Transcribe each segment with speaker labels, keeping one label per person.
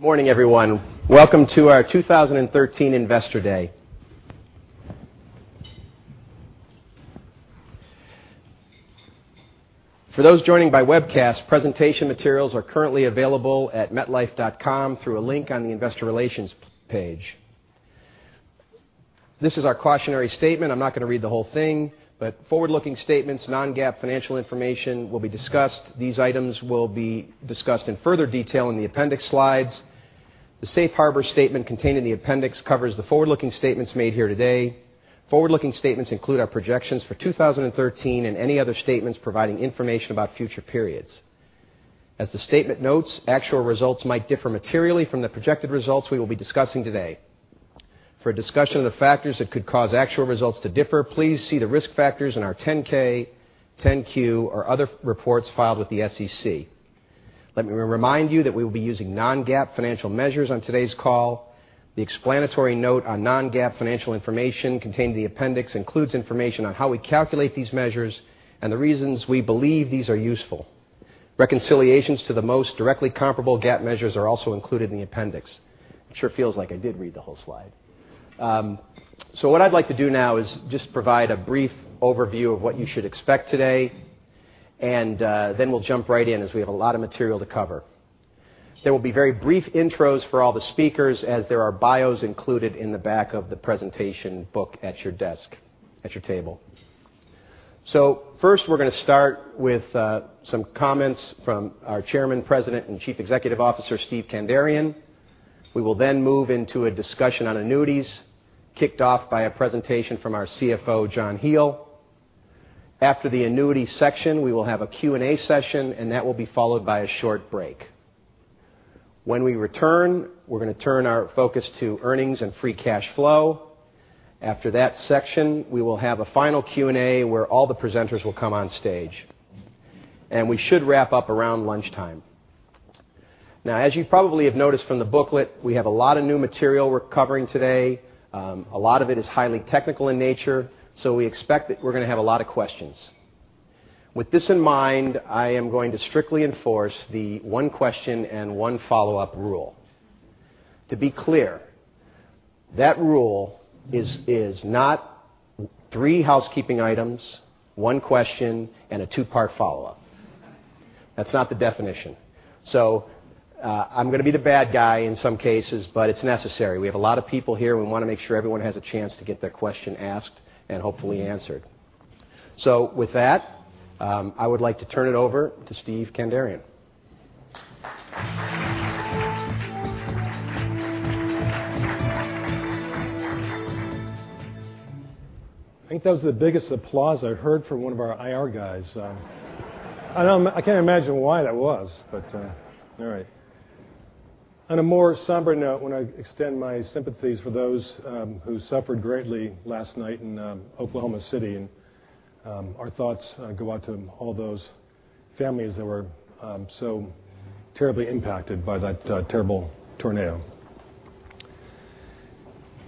Speaker 1: Good morning, everyone. Welcome to our 2013 Investor Day. For those joining by webcast, presentation materials are currently available at metlife.com through a link on the investor relations page. This is our cautionary statement. I'm not going to read the whole thing. Forward-looking statements, non-GAAP financial information will be discussed. These items will be discussed in further detail in the appendix slides. The safe harbor statement contained in the appendix covers the forward-looking statements made here today. Forward-looking statements include our projections for 2013 and any other statements providing information about future periods. As the statement notes, actual results might differ materially from the projected results we will be discussing today. For a discussion of the factors that could cause actual results to differ, please see the risk factors in our 10-K, 10-Q, or other reports filed with the SEC. Let me remind you that we will be using non-GAAP financial measures on today's call. The explanatory note on non-GAAP financial information contained in the appendix includes information on how we calculate these measures and the reasons we believe these are useful. Reconciliations to the most directly comparable GAAP measures are also included in the appendix. It sure feels like I did read the whole slide. What I'd like to do now is just provide a brief overview of what you should expect today. We'll jump right in as we have a lot of material to cover. There will be very brief intros for all the speakers, as there are bios included in the back of the presentation book at your desk, at your table. First, we're going to start with some comments from our Chairman, President, and Chief Executive Officer, Steve Kandarian. We will then move into a discussion on annuities, kicked off by a presentation from our CFO, John Hele. After the annuity section, we will have a Q&A session. That will be followed by a short break. When we return, we're going to turn our focus to earnings and free cash flow. After that section, we will have a final Q&A where all the presenters will come on stage. We should wrap up around lunchtime. Now, as you probably have noticed from the booklet, we have a lot of new material we're covering today. A lot of it is highly technical in nature. We expect that we're going to have a lot of questions. With this in mind, I am going to strictly enforce the one question and one follow-up rule. To be clear, that rule is not three housekeeping items, one question, and a two-part follow-up. That's not the definition. I'm going to be the bad guy in some cases. It's necessary. We have a lot of people here. We want to make sure everyone has a chance to get their question asked and hopefully answered. With that, I would like to turn it over to Steve Kandarian.
Speaker 2: I think that was the biggest applause I've heard from one of our IR guys. I can't imagine why that was, but all right. On a more somber note, want to extend my sympathies for those who suffered greatly last night in Oklahoma City, and our thoughts go out to all those families that were so terribly impacted by that terrible tornado.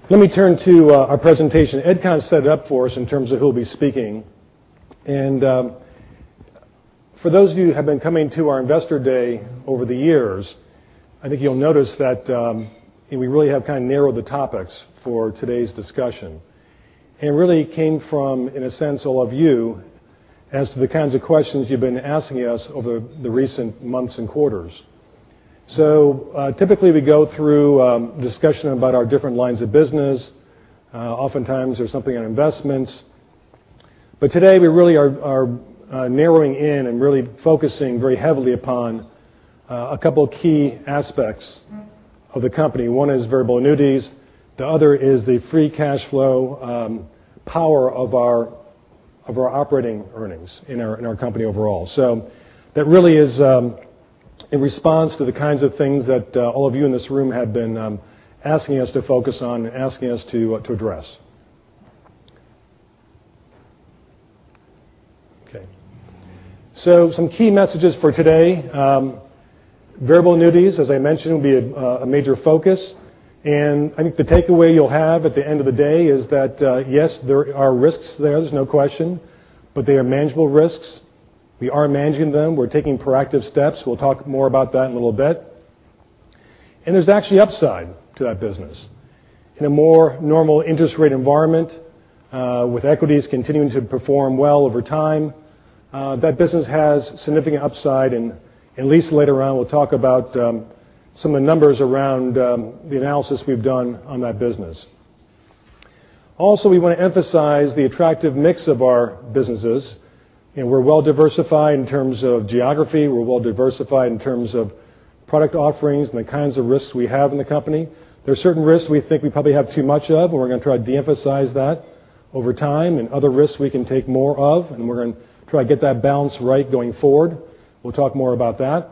Speaker 2: Let me turn to our presentation. Ed kind of set it up for us in terms of who'll be speaking. For those of you who have been coming to our Investor Day over the years, I think you'll notice that we really have kind of narrowed the topics for today's discussion. It really came from, in a sense, all of you as to the kinds of questions you've been asking us over the recent months and quarters. Typically, we go through discussion about our different lines of business. Oftentimes, there's something on investments. Today, we really are narrowing in and really focusing very heavily upon a couple key aspects of the company. One is variable annuities. The other is the free cash flow power of our operating earnings in our company overall. That really is in response to the kinds of things that all of you in this room have been asking us to focus on and asking us to address. Okay. Some key messages for today. Variable annuities, as I mentioned, will be a major focus. I think the takeaway you'll have at the end of the day is that, yes, there are risks there. There's no question, but they are manageable risks. We are managing them. We're taking proactive steps. We'll talk more about that in a little bit. There's actually upside to that business. In a more normal interest rate environment, with equities continuing to perform well over time, that business has significant upside. Lisa, later on, will talk about some of the numbers around the analysis we've done on that business. Also, we want to emphasize the attractive mix of our businesses. We're well-diversified in terms of geography. We're well-diversified in terms of product offerings and the kinds of risks we have in the company. There are certain risks we think we probably have too much of. We're going to try to de-emphasize that over time. Other risks we can take more of. We're going to try to get that balance right going forward. We'll talk more about that.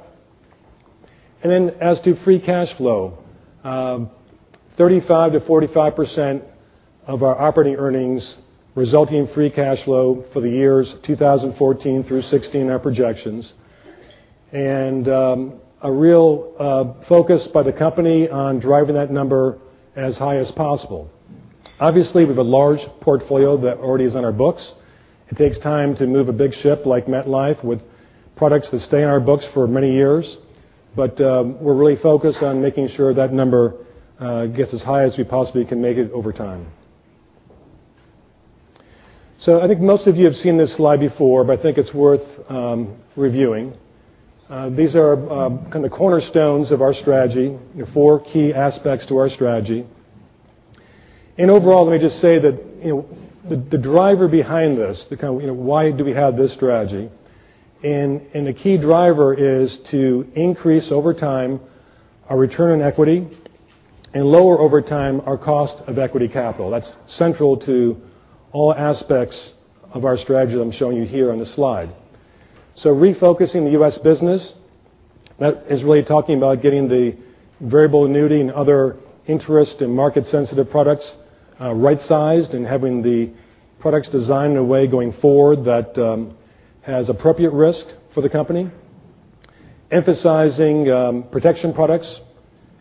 Speaker 2: As to free cash flow, 35%-45% of our operating earnings resulting in free cash flow for the years 2014 through 2016 are projections. A real focus by the company on driving that number as high as possible. Obviously, we have a large portfolio that already is on our books. It takes time to move a big ship like MetLife with products that stay on our books for many years. We're really focused on making sure that number gets as high as we possibly can make it over time. I think most of you have seen this slide before, but I think it's worth reviewing. These are kind of cornerstones of our strategy, four key aspects to our strategy. Let me just say that the driver behind this, the kind of why do we have this strategy, the key driver is to increase, over time, our return on equity and lower, over time, our cost of equity capital. That's central to all aspects of our strategy that I'm showing you here on this slide. Refocusing the U.S. business, that is really talking about getting the variable annuity and other interest and market sensitive products right-sized and having the products designed in a way going forward that has appropriate risk for the company. Emphasizing protection products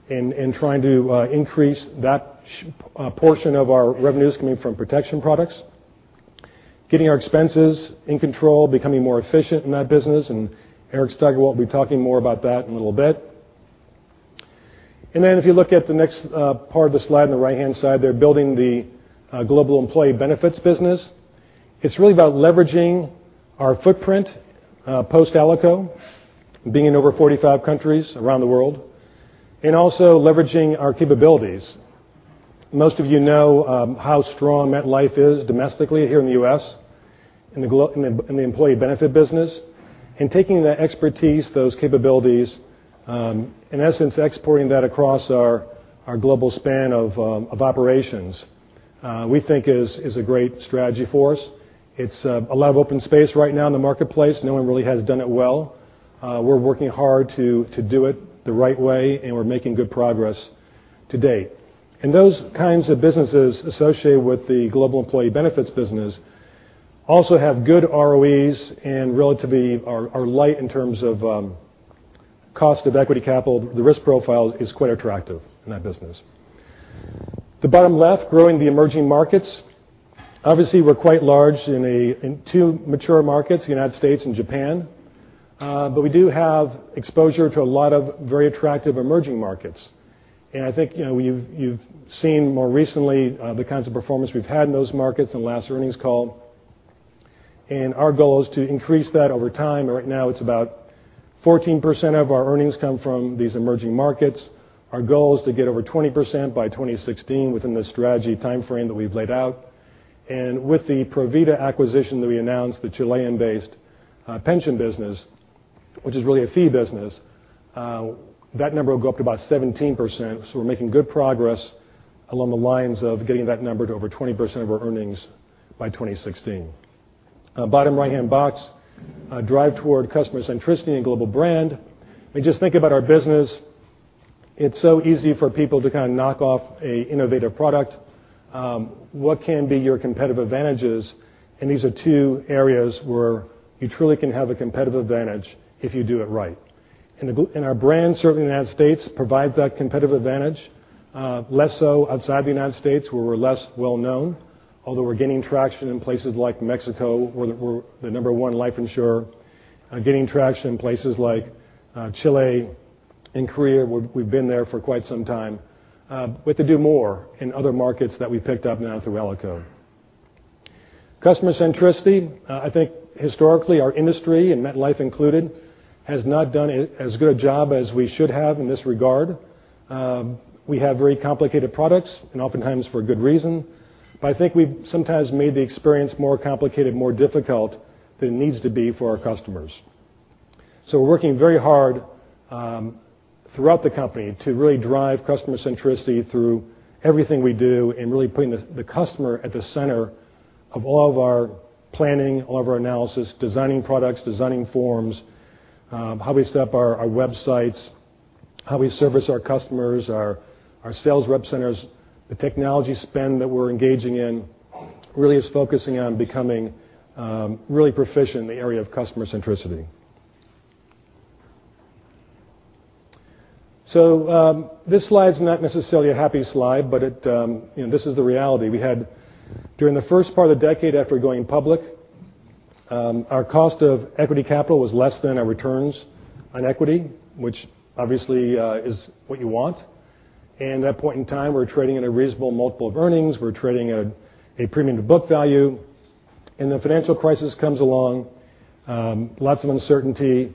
Speaker 2: and trying to increase that portion of our revenues coming from protection products. Getting our expenses in control, becoming more efficient in that business, Eric Steigerwalt will be talking more about that in a little bit. If you look at the next part of the slide on the right-hand side there, building the global employee benefits business. It's really about leveraging our footprint post-Alico, being in over 45 countries around the world, also leveraging our capabilities. Most of you know how strong MetLife is domestically here in the U.S. in the employee benefit business, taking that expertise, those capabilities, in essence, exporting that across our global span of operations we think is a great strategy for us. It's a lot of open space right now in the marketplace. No one really has done it well. We're working hard to do it the right way, we're making good progress to date. Those kinds of businesses associated with the global employee benefits business also have good ROEs and relatively are light in terms of cost of equity capital. The risk profile is quite attractive in that business. The bottom left, growing the emerging markets. Obviously, we're quite large in two mature markets, the United States and Japan, but we do have exposure to a lot of very attractive emerging markets. I think you've seen more recently the kinds of performance we've had in those markets in the last earnings call. Our goal is to increase that over time. Right now, it's about 14% of our earnings come from these emerging markets. Our goal is to get over 20% by 2016 within the strategy timeframe that we've laid out. With the Provida acquisition that we announced, the Chilean-based pension business, which is really a fee business, that number will go up to about 17%. We're making good progress along the lines of getting that number to over 20% of our earnings by 2016. Bottom right-hand box, drive toward customer centricity and global brand. I mean, just think about our business. It's so easy for people to kind of knock off an innovative product. What can be your competitive advantages? These are two areas where you truly can have a competitive advantage if you do it right. Our brand, certainly in the United States, provides that competitive advantage. Less so outside the United States, where we're less well-known, although we're gaining traction in places like Mexico, where we're the number one life insurer. Gaining traction in places like Chile and Korea, where we've been there for quite some time. We have to do more in other markets that we picked up now through Alico. Customer centricity, I think historically our industry, and MetLife included, has not done as good a job as we should have in this regard. We have very complicated products, and oftentimes for a good reason, but I think we've sometimes made the experience more complicated, more difficult than it needs to be for our customers. We're working very hard throughout the company to really drive customer centricity through everything we do and really putting the customer at the center of all of our planning, all of our analysis, designing products, designing forms, how we set up our websites, how we service our customers, our sales rep centers, the technology spend that we're engaging in really is focusing on becoming really proficient in the area of customer centricity. This slide's not necessarily a happy slide, but this is the reality we had. During the first part of the decade after going public, our cost of equity capital was less than our returns on equity, which obviously is what you want. At that point in time, we were trading at a reasonable multiple of earnings. We were trading at a premium to book value. The financial crisis comes along, lots of uncertainty,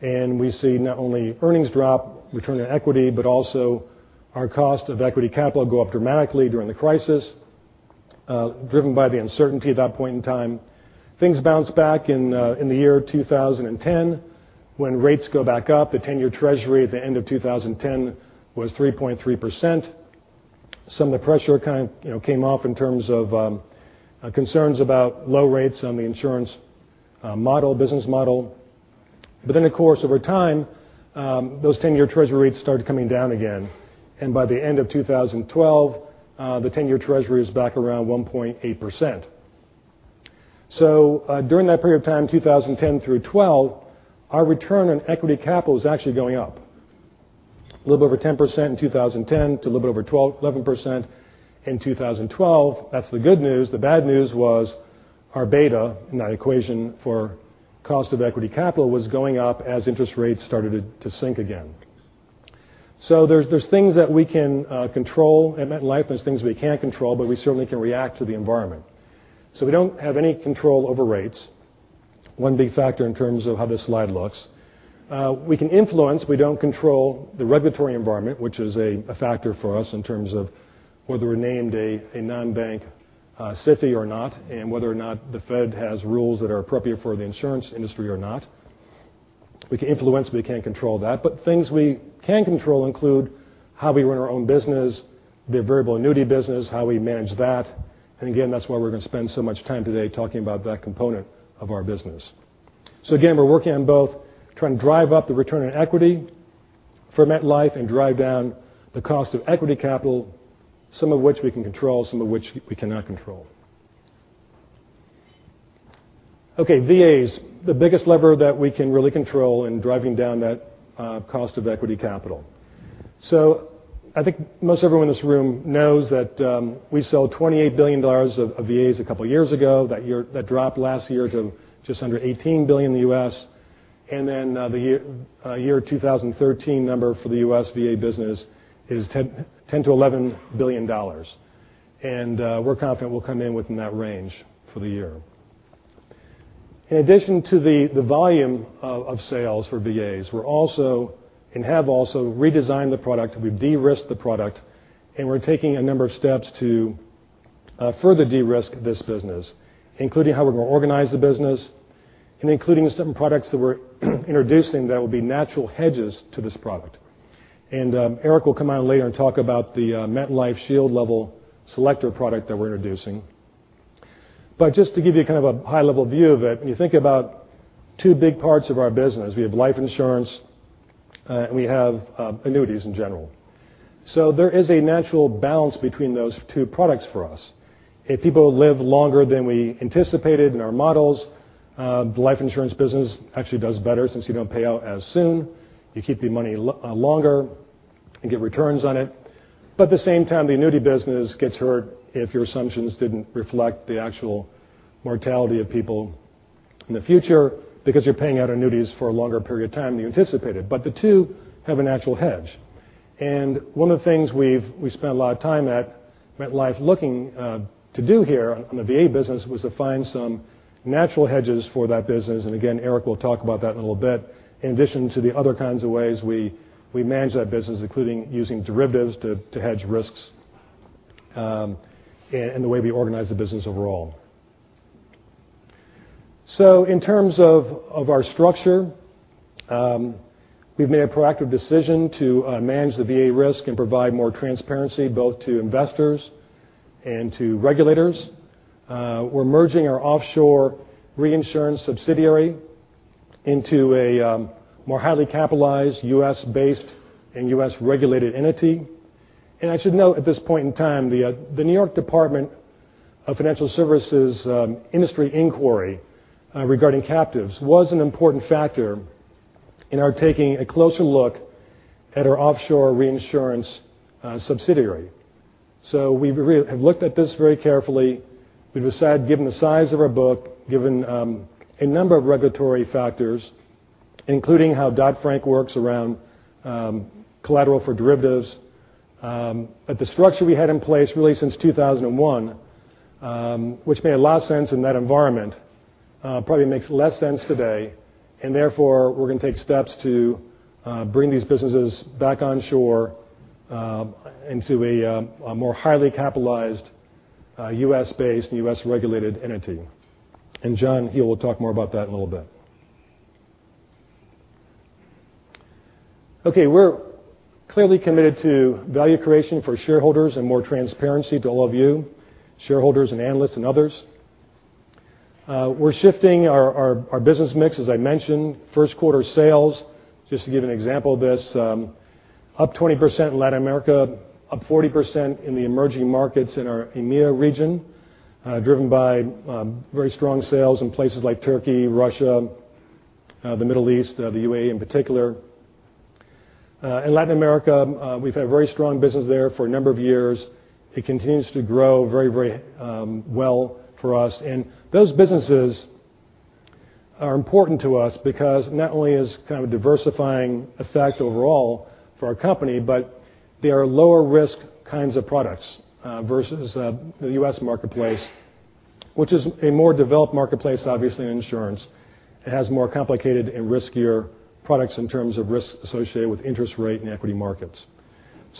Speaker 2: and we see not only earnings drop, return on equity, but also our cost of equity capital go up dramatically during the crisis, driven by the uncertainty at that point in time. Things bounce back in the year 2010 when rates go back up. The 10-year treasury at the end of 2010 was 3.3%. Some of the pressure came off in terms of concerns about low rates on the insurance business model. Over time, those 10-year treasury rates started coming down again, and by the end of 2012, the 10-year treasury is back around 1.8%. During that period of time, 2010 through 2012, our return on equity capital was actually going up. A little bit over 10% in 2010 to a little bit over 11% in 2012. That's the good news. The bad news was our beta in that equation for cost of equity capital was going up as interest rates started to sink again. There's things that we can control at MetLife and there's things we can't control, but we certainly can react to the environment. We don't have any control over rates. One big factor in terms of how this slide looks. We can influence, we don't control the regulatory environment, which is a factor for us in terms of whether we're named a non-bank SIFI or not, and whether or not the Fed has rules that are appropriate for the insurance industry or not. We can influence, but we can't control that. Things we can control include how we run our own business, the variable annuity business, how we manage that, and again, that's why we're going to spend so much time today talking about that component of our business. Again, we're working on both trying to drive up the return on equity for MetLife and drive down the cost of equity capital, some of which we can control, some of which we cannot control. Okay, VAs. The biggest lever that we can really control in driving down that cost of equity capital. I think most everyone in this room knows that we sold $28 billion of VAs a couple years ago. That dropped last year to just under $18 billion in the U.S., and the year 2013 number for the U.S. VA business is $10 billion-$11 billion. We're confident we'll come in within that range for the year. In addition to the volume of sales for VAs, we're also, and have also redesigned the product. We've de-risked the product, and we're taking a number of steps to further de-risk this business, including how we're going to organize the business, and including some products that we're introducing that will be natural hedges to this product. Eric will come out later and talk about the MetLife Shield Level Selector product that we're introducing. Just to give you a high level view of it, when you think about two big parts of our business, we have life insurance, and we have annuities in general. There is a natural balance between those two products for us. If people live longer than we anticipated in our models, the life insurance business actually does better since you don't pay out as soon. You keep the money longer and get returns on it. At the same time, the annuity business gets hurt if your assumptions didn't reflect the actual mortality of people in the future because you're paying out annuities for a longer period of time than you anticipated. The two have a natural hedge. One of the things we've spent a lot of time at MetLife looking to do here on the VA business was to find some natural hedges for that business, and again, Eric will talk about that in a little bit, in addition to the other kinds of ways we manage that business, including using derivatives to hedge risks and the way we organize the business overall. In terms of our structure, we've made a proactive decision to manage the VA risk and provide more transparency both to investors and to regulators. We're merging our offshore reinsurance subsidiary into a more highly capitalized U.S.-based and U.S.-regulated entity. I should note at this point in time, the New York Department of Financial Services industry inquiry regarding captives was an important factor in our taking a closer look at our offshore reinsurance subsidiary. We have looked at this very carefully. We've decided, given the size of our book, given a number of regulatory factors, including how Dodd-Frank works around collateral for derivatives. The structure we had in place really since 2001, which made a lot of sense in that environment, probably makes less sense today, and therefore, we're going to take steps to bring these businesses back onshore into a more highly capitalized U.S.-based and U.S.-regulated entity. John Hele will talk more about that in a little bit. Okay, we're clearly committed to value creation for shareholders and more transparency to all of you, shareholders and analysts and others. We're shifting our business mix, as I mentioned. First quarter sales, just to give an example of this, up 20% in Latin America, up 40% in the emerging markets in our EMEA region, driven by very strong sales in places like Turkey, Russia, the Middle East, the UAE in particular. In Latin America, we've had very strong business there for a number of years. It continues to grow very well for us. Those businesses are important to us because not only is kind of a diversifying effect overall for our company, but they are lower risk kinds of products versus the U.S. marketplace, which is a more developed marketplace, obviously, in insurance. It has more complicated and riskier products in terms of risk associated with interest rate and equity markets.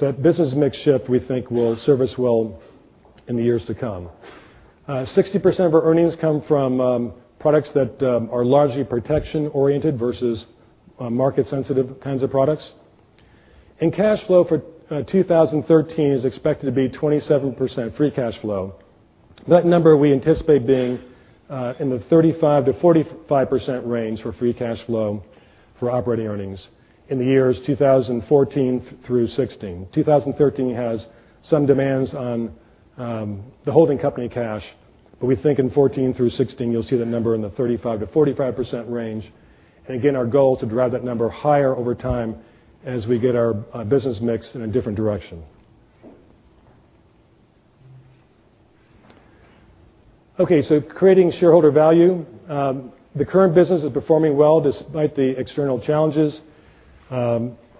Speaker 2: That business mix shift, we think, will serve us well in the years to come. 60% of our earnings come from products that are largely protection oriented versus market sensitive kinds of products. Cash flow for 2013 is expected to be 27% free cash flow. That number we anticipate being in the 35%-45% range for free cash flow. For operating earnings in the years 2014 through 2016. 2013 has some demands on the holding company cash, we think in 2014 through 2016, you'll see the number in the 35%-45% range. Again, our goal to drive that number higher over time as we get our business mix in a different direction. Creating shareholder value. The current business is performing well despite the external challenges.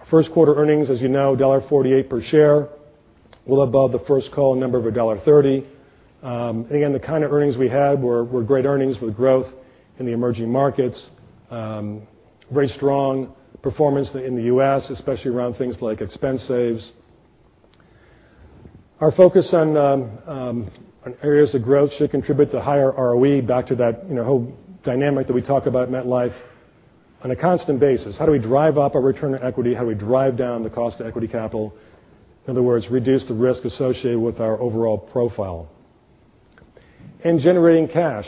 Speaker 2: First quarter earnings, as you know, $1.48 per share, well above the first call number of $1.30. Again, the kind of earnings we had were great earnings with growth in the emerging markets, very strong performance in the U.S., especially around things like expense saves. Our focus on areas of growth should contribute to higher ROE back to that whole dynamic that we talk about MetLife on a constant basis. How do we drive up our return on equity? How do we drive down the cost of equity capital? In other words, reduce the risk associated with our overall profile. Generating cash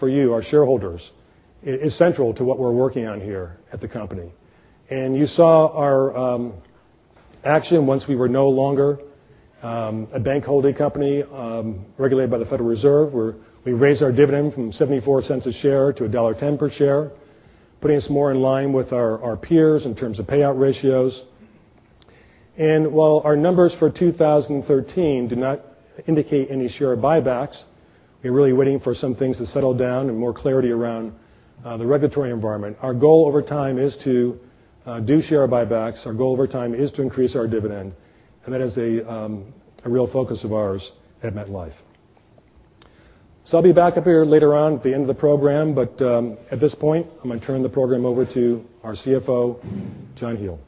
Speaker 2: for you, our shareholders, is central to what we're working on here at the company. You saw our action once we were no longer a bank holding company regulated by the Federal Reserve, where we raised our dividend from $0.74 a share to $1.10 per share, putting us more in line with our peers in terms of payout ratios. While our numbers for 2013 do not indicate any share buybacks, we're really waiting for some things to settle down and more clarity around the regulatory environment. Our goal over time is to do share buybacks. Our goal over time is to increase our dividend, and that is a real focus of ours at MetLife. I'll be back up here later on at the end of the program, at this point, I'm going to turn the program over to our CFO, John Hele.
Speaker 3: Good morning.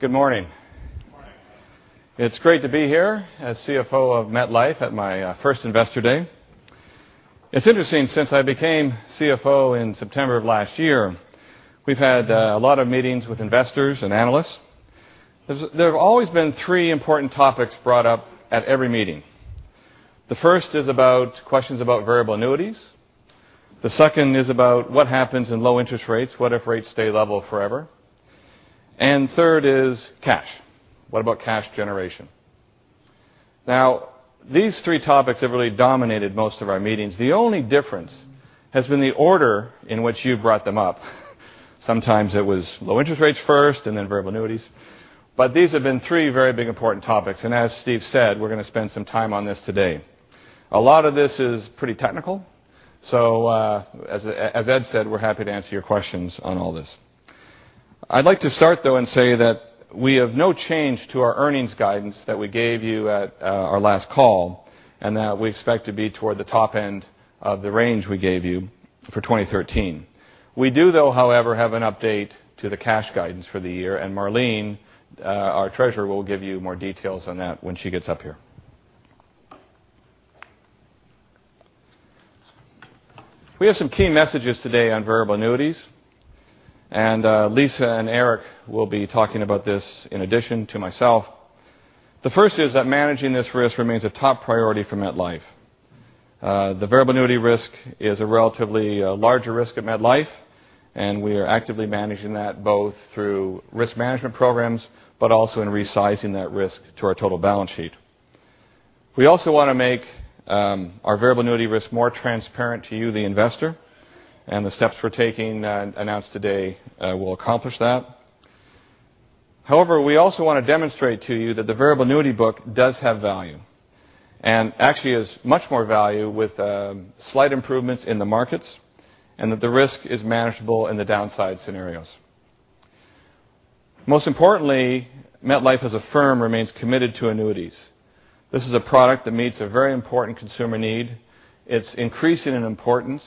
Speaker 4: Good morning.
Speaker 3: It's great to be here as CFO of MetLife at my first Investor Day. It's interesting, since I became CFO in September of last year, we've had a lot of meetings with investors and analysts. There have always been three important topics brought up at every meeting. The first is about questions about variable annuities. The second is about what happens in low interest rates, what if rates stay level forever? Third is cash. What about cash generation? These three topics have really dominated most of our meetings. The only difference has been the order in which you've brought them up. Sometimes it was low interest rates first and then variable annuities. These have been three very big, important topics, and as Steve said, we're going to spend some time on this today. A lot of this is pretty technical, as Ed said, we're happy to answer your questions on all this. I'd like to start, though, and say that we have no change to our earnings guidance that we gave you at our last call, and that we expect to be toward the top end of the range we gave you for 2013. We do, though, however, have an update to the cash guidance for the year, and Marlene, our treasurer, will give you more details on that when she gets up here. We have some key messages today on variable annuities, and Lisa and Eric will be talking about this in addition to myself. The first is that managing this risk remains a top priority for MetLife. The variable annuity risk is a relatively larger risk at MetLife, and we are actively managing that both through risk management programs, but also in resizing that risk to our total balance sheet. We also want to make our variable annuity risk more transparent to you, the investor, and the steps we are taking announced today will accomplish that. However, we also want to demonstrate to you that the variable annuity book does have value, and actually has much more value with slight improvements in the markets, and that the risk is manageable in the downside scenarios. Most importantly, MetLife as a firm remains committed to annuities. This is a product that meets a very important consumer need. It is increasing in importance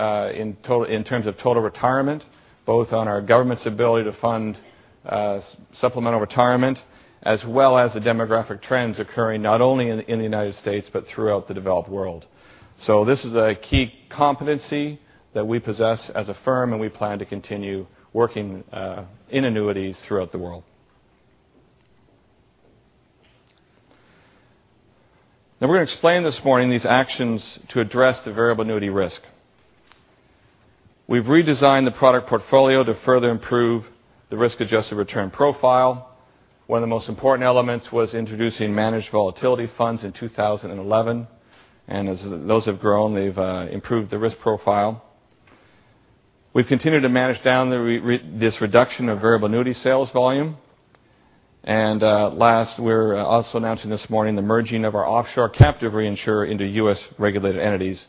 Speaker 3: in terms of total retirement, both on our government's ability to fund supplemental retirement, as well as the demographic trends occurring, not only in the U.S., but throughout the developed world. This is a key competency that we possess as a firm, and we plan to continue working in annuities throughout the world. We are going to explain this morning these actions to address the variable annuity risk. We have redesigned the product portfolio to further improve the risk-adjusted return profile. One of the most important elements was introducing managed volatility funds in 2011, and as those have grown, they have improved the risk profile. We have continued to manage down this reduction of variable annuity sales volume. And last, we are also announcing this morning the merging of our offshore captive reinsurer into U.S.-regulated entities,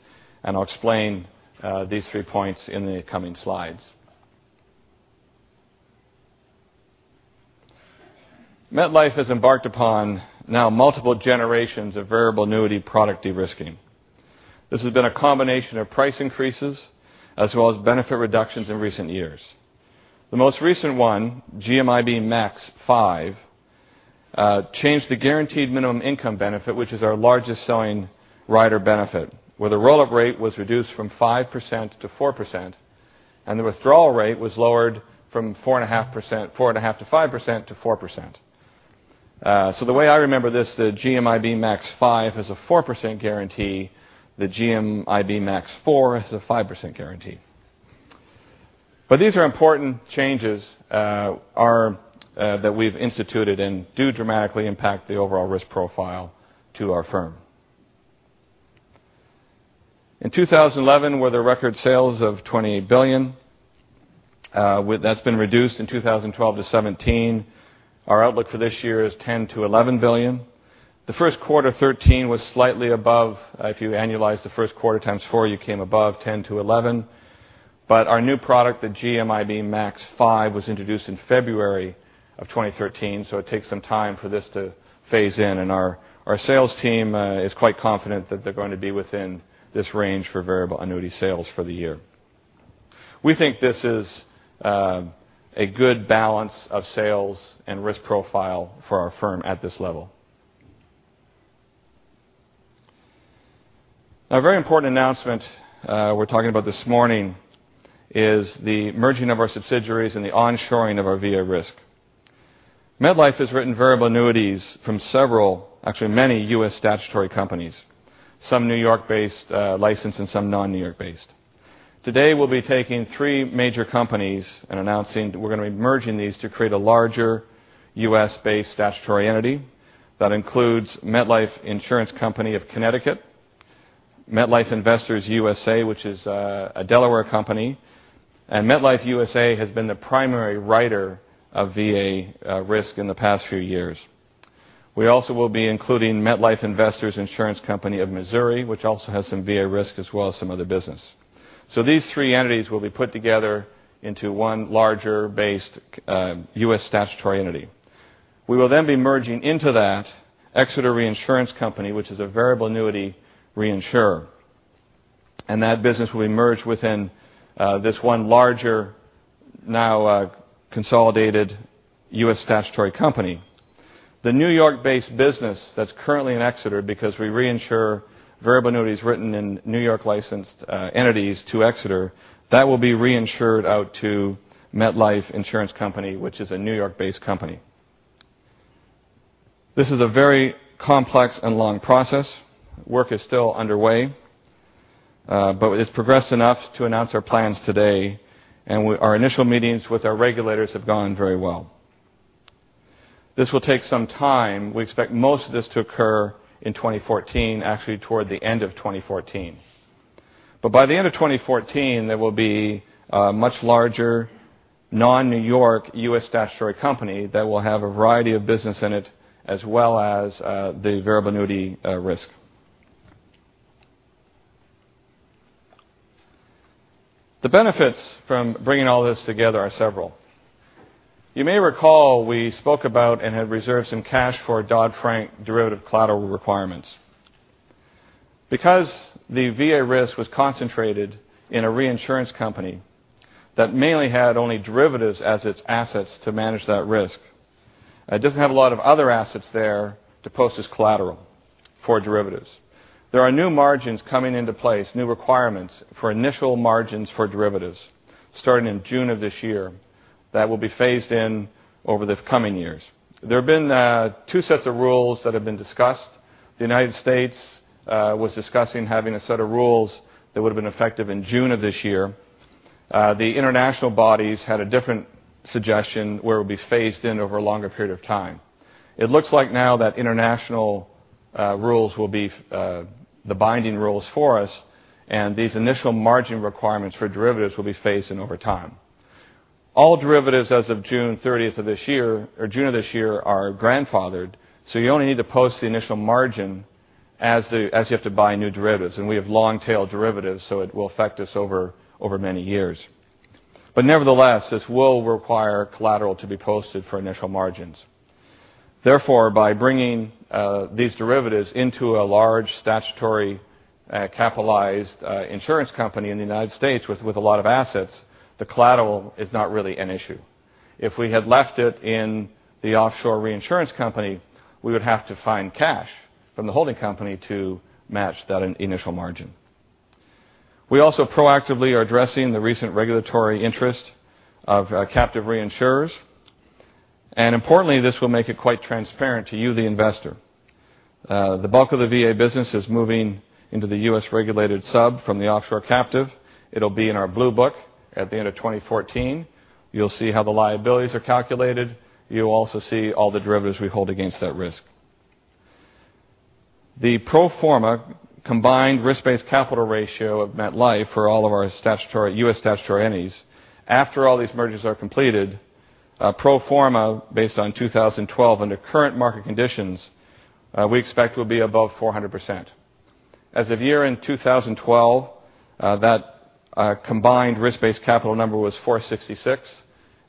Speaker 3: and I will explain these three points in the coming slides. MetLife has embarked upon now multiple generations of variable annuity product de-risking. This has been a combination of price increases as well as benefit reductions in recent years. The most recent one, GMIB Max 5- Change the guaranteed minimum income benefit, which is our largest selling rider benefit, where the roll-up rate was reduced from 5% to 4%, and the withdrawal rate was lowered from 5% to 4%. So the way I remember this, the GMIB Max 5 has a 4% guarantee, the GMIB Max 4 has a 5% guarantee. But these are important changes that we have instituted and do dramatically impact the overall risk profile to our firm. In 2011, with the record sales of $28 billion, that has been reduced in 2012 to $17 billion. Our outlook for this year is $10 billion to $11 billion. The first quarter of 2013 was slightly above. If you annualize the first quarter times four, you came above 10 to 11. Our new product, the GMIB Max 5, was introduced in February of 2013, so it takes some time for this to phase in. And our sales team is quite confident that they are going to be within this range for variable annuity sales for the year. We think this is a good balance of sales and risk profile for our firm at this level. A very important announcement we are talking about this morning is the merging of our subsidiaries and the onshoring of our VA risk. MetLife has written variable annuities from several, actually many, U.S. statutory companies, some N.Y.-based licensed and some non-N.Y.-based. Today, we will be taking three major companies and announcing we are going to be merging these to create a larger U.S.-based statutory entity. That includes MetLife Insurance Company of Connecticut, MetLife Investors USA, which is a Delaware company, and MetLife USA has been the primary writer of VA risk in the past few years. We also will be including MetLife Investors Insurance Company of Missouri, which also has some VA risk as well as some other business. These three entities will be put together into one larger U.S. statutory entity. We will then be merging into that Exeter Reassurance Company, which is a variable annuity reinsurer, and that business will be merged within this one larger, now consolidated U.S. statutory company. The New York-based business that is currently in Exeter, because we reinsure variable annuities written in New York licensed entities to Exeter, that will be reinsured out to MetLife Insurance Company, which is a New York-based company. This is a very complex and long process. Work is still underway, but it has progressed enough to announce our plans today, and our initial meetings with our regulators have gone very well. This will take some time. We expect most of this to occur in 2014, actually toward the end of 2014. But by the end of 2014, there will be a much larger non-New York, U.S. statutory company that will have a variety of business in it, as well as the VA risk. The benefits from bringing all this together are several. You may recall we spoke about and had reserved some cash for Dodd-Frank derivative collateral requirements. Because the VA risk was concentrated in a reinsurance company that mainly had only derivatives as its assets to manage that risk, it does not have a lot of other assets there to post as collateral for derivatives. There are new margins coming into place, new requirements for initial margins for derivatives starting in June of this year that will be phased in over the coming years. There have been two sets of rules that have been discussed. The United States was discussing having a set of rules that would have been effective in June of this year. The international bodies had a different suggestion, where it would be phased in over a longer period of time. It looks like now that international rules will be the binding rules for us, and these initial margin requirements for derivatives will be phased in over time. All derivatives as of June of this year are grandfathered, so you only need to post the initial margin as you have to buy new derivatives. And we have long-tail derivatives, so it will affect us over many years. But nevertheless, this will require collateral to be posted for initial margins. Therefore, by bringing these derivatives into a large statutory capitalized insurance company in the United States with a lot of assets, the collateral is not really an issue. If we had left it in the offshore reinsurance company, we would have to find cash from the holding company to match that initial margin. We also proactively are addressing the recent regulatory interest of captive reinsurers. And importantly, this will make it quite transparent to you, the investor. The bulk of the VA business is moving into the U.S. regulated sub from the offshore captive. It will be in our Blue Book at the end of 2014. You will see how the liabilities are calculated. You will also see all the derivatives we hold against that risk. The pro forma combined risk-based capital ratio of MetLife for all of our U.S. statutory entities, after all these mergers are completed, pro forma based on 2012 under current market conditions, we expect will be above 400%. As of year-end 2012, that combined risk-based capital number was 466,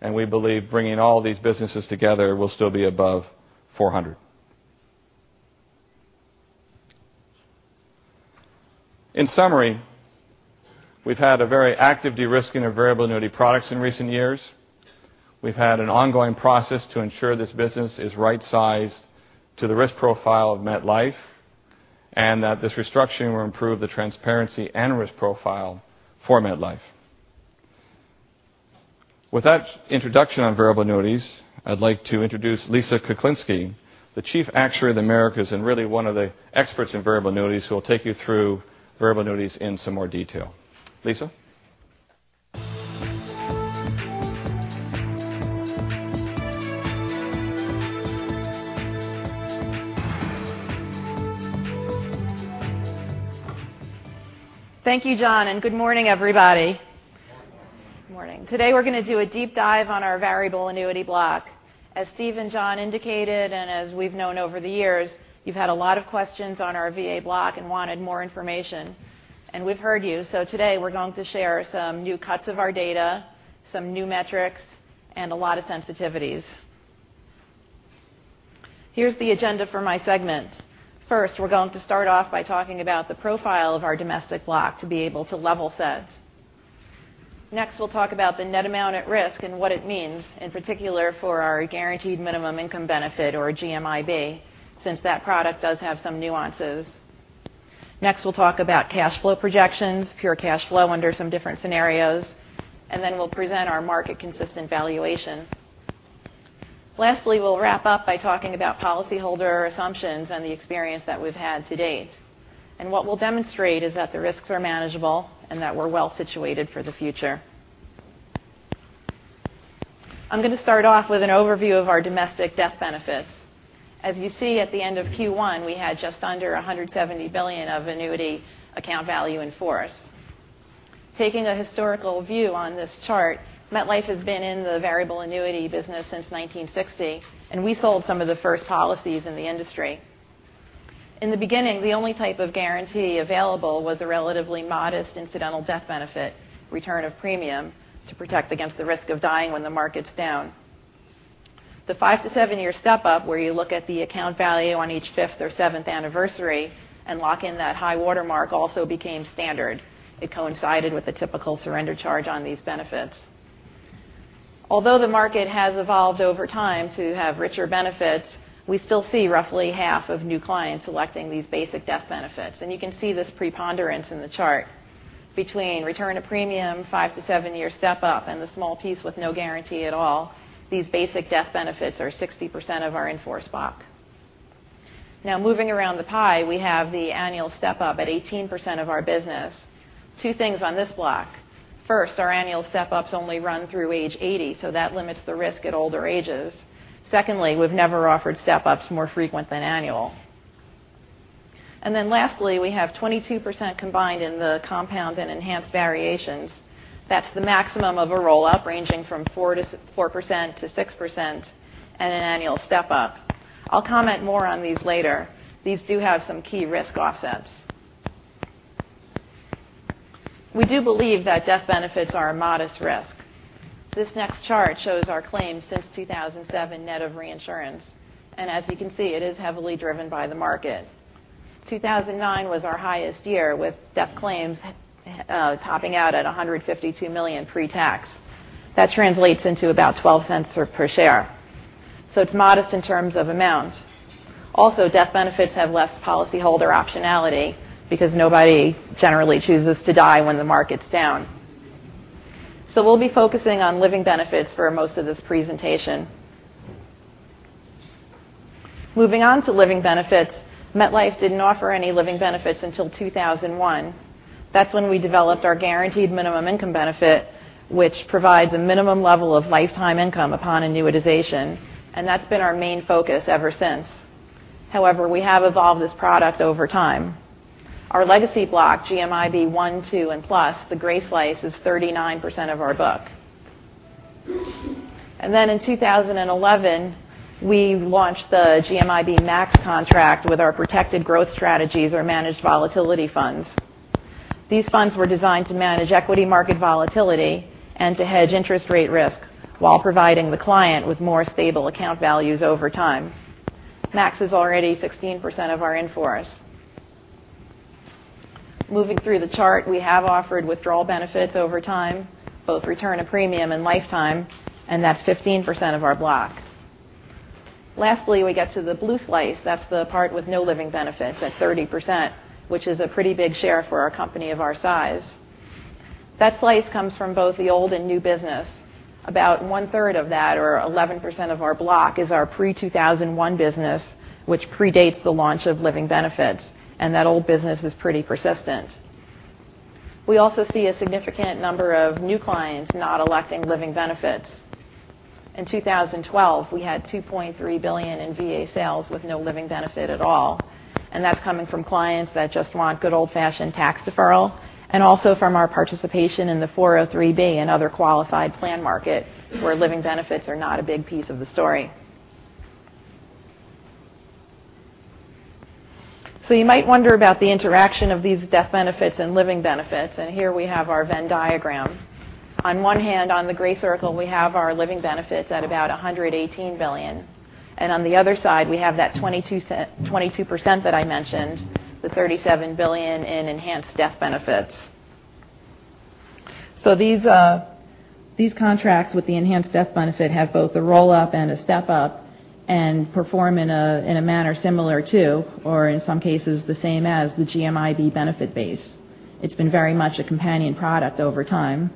Speaker 3: and we believe bringing all these businesses together will still be above 400. In summary, we've had a very active de-risking of variable annuity products in recent years. We've had an ongoing process to ensure this business is right-sized to the risk profile of MetLife, and that this restructuring will improve the transparency and risk profile for MetLife. With that introduction on variable annuities, I'd like to introduce Lisa Kuklinski, the Chief Actuary of the Americas, and really one of the experts in variable annuities, who will take you through variable annuities in some more detail. Lisa?
Speaker 5: Thank you, John. Good morning, everybody.
Speaker 4: Morning.
Speaker 5: Morning. Today, we're going to do a deep dive on our variable annuity block. As Steve and John indicated, as we've known over the years, you've had a lot of questions on our VA block and wanted more information. We've heard you, so today we're going to share some new cuts of our data, some new metrics, and a lot of sensitivities. Here's the agenda for my segment. First, we're going to start off by talking about the profile of our domestic block to be able to level set. Next, we'll talk about the net amount at risk and what it means, in particular for our guaranteed minimum income benefit, or GMIB, since that product does have some nuances. Next, we'll talk about cash flow projections, pure cash flow under some different scenarios. Then we'll present our market consistent valuation. Lastly, we'll wrap up by talking about policy holder assumptions and the experience that we've had to date. What we'll demonstrate is that the risks are manageable and that we're well-situated for the future. I'm going to start off with an overview of our domestic death benefits. As you see at the end of Q1, we had just under $170 billion of annuity account value in force. Taking a historical view on this chart, MetLife has been in the variable annuity business since 1960. We sold some of the first policies in the industry. In the beginning, the only type of guarantee available was a relatively modest incidental death benefit, return of premium, to protect against the risk of dying when the market's down. The five to seven-year step-up, where you look at the account value on each fifth or seventh anniversary and lock in that high water mark, also became standard. It coincided with the typical surrender charge on these benefits. Although the market has evolved over time to have richer benefits, we still see roughly half of new clients selecting these basic death benefits. You can see this preponderance in the chart between return of premium, five to seven-year step-up, and the small piece with no guarantee at all. These basic death benefits are 60% of our in-force block. Moving around the pie, we have the annual step-up at 18% of our business. Two things on this block. First, our annual step-ups only run through age 80, so that limits the risk at older ages. Secondly, we've never offered step-ups more frequent than annual. Lastly, we have 22% combined in the compound and enhanced variations. That's the maximum of a roll-up, ranging from 4%-6%, and an annual step-up. I'll comment more on these later. These do have some key risk offsets. We do believe that death benefits are a modest risk. This next chart shows our claims since 2007, net of reinsurance. As you can see, it is heavily driven by the market. 2009 was our highest year, with death claims topping out at $152 million pre-tax. That translates into about $0.12 per share. It's modest in terms of amount. Also, death benefits have less policyholder optionality because nobody generally chooses to die when the market's down. We'll be focusing on living benefits for most of this presentation. Moving on to living benefits, MetLife didn't offer any living benefits until 2001. That's when we developed our Guaranteed Minimum Income Benefit, which provides a minimum level of lifetime income upon annuitization, and that's been our main focus ever since. However, we have evolved this product over time. Our legacy block, GMIB I, II, and Plus, the gray slice, is 39% of our book. In 2011, we launched the GMIB Max contract with our Protected Growth Strategies, or managed volatility funds. These funds were designed to manage equity market volatility and to hedge interest rate risk while providing the client with more stable account values over time. Max is already 16% of our in-force. Moving through the chart, we have offered withdrawal benefits over time, both return of premium and lifetime, and that's 15% of our block. Lastly, we get to the blue slice. That's the part with no living benefits at 30%, which is a pretty big share for a company of our size. That slice comes from both the old and new business. About one-third of that, or 11% of our block, is our pre-2001 business, which predates the launch of living benefits, and that old business is pretty persistent. We also see a significant number of new clients not electing living benefits. In 2012, we had $2.3 billion in VA sales with no living benefit at all, and that's coming from clients that just want good old-fashioned tax deferral, and also from our participation in the 403 and other qualified plan market where living benefits are not a big piece of the story. You might wonder about the interaction of these death benefits and living benefits, here we have our Venn diagram. On one hand, on the gray circle, we have our living benefits at about $118 billion. On the other side, we have that 22% that I mentioned, the $37 billion in enhanced death benefits. These contracts with the enhanced death benefit have both a roll-up and a step-up and perform in a manner similar to, or in some cases, the same as the GMIB benefit base. It's been very much a companion product over time.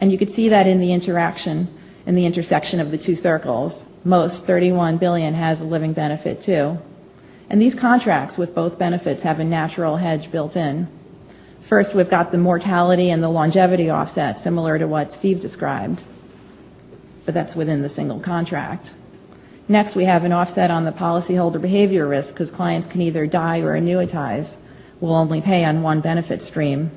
Speaker 5: You could see that in the interaction, in the intersection of the two circles. Most, $31 billion, has a living benefit too. These contracts with both benefits have a natural hedge built in. First, we've got the mortality and the longevity offset, similar to what Steve described, but that's within the single contract. Next, we have an offset on the policyholder behavior risk because clients can either die or annuitize. We'll only pay on one benefit stream.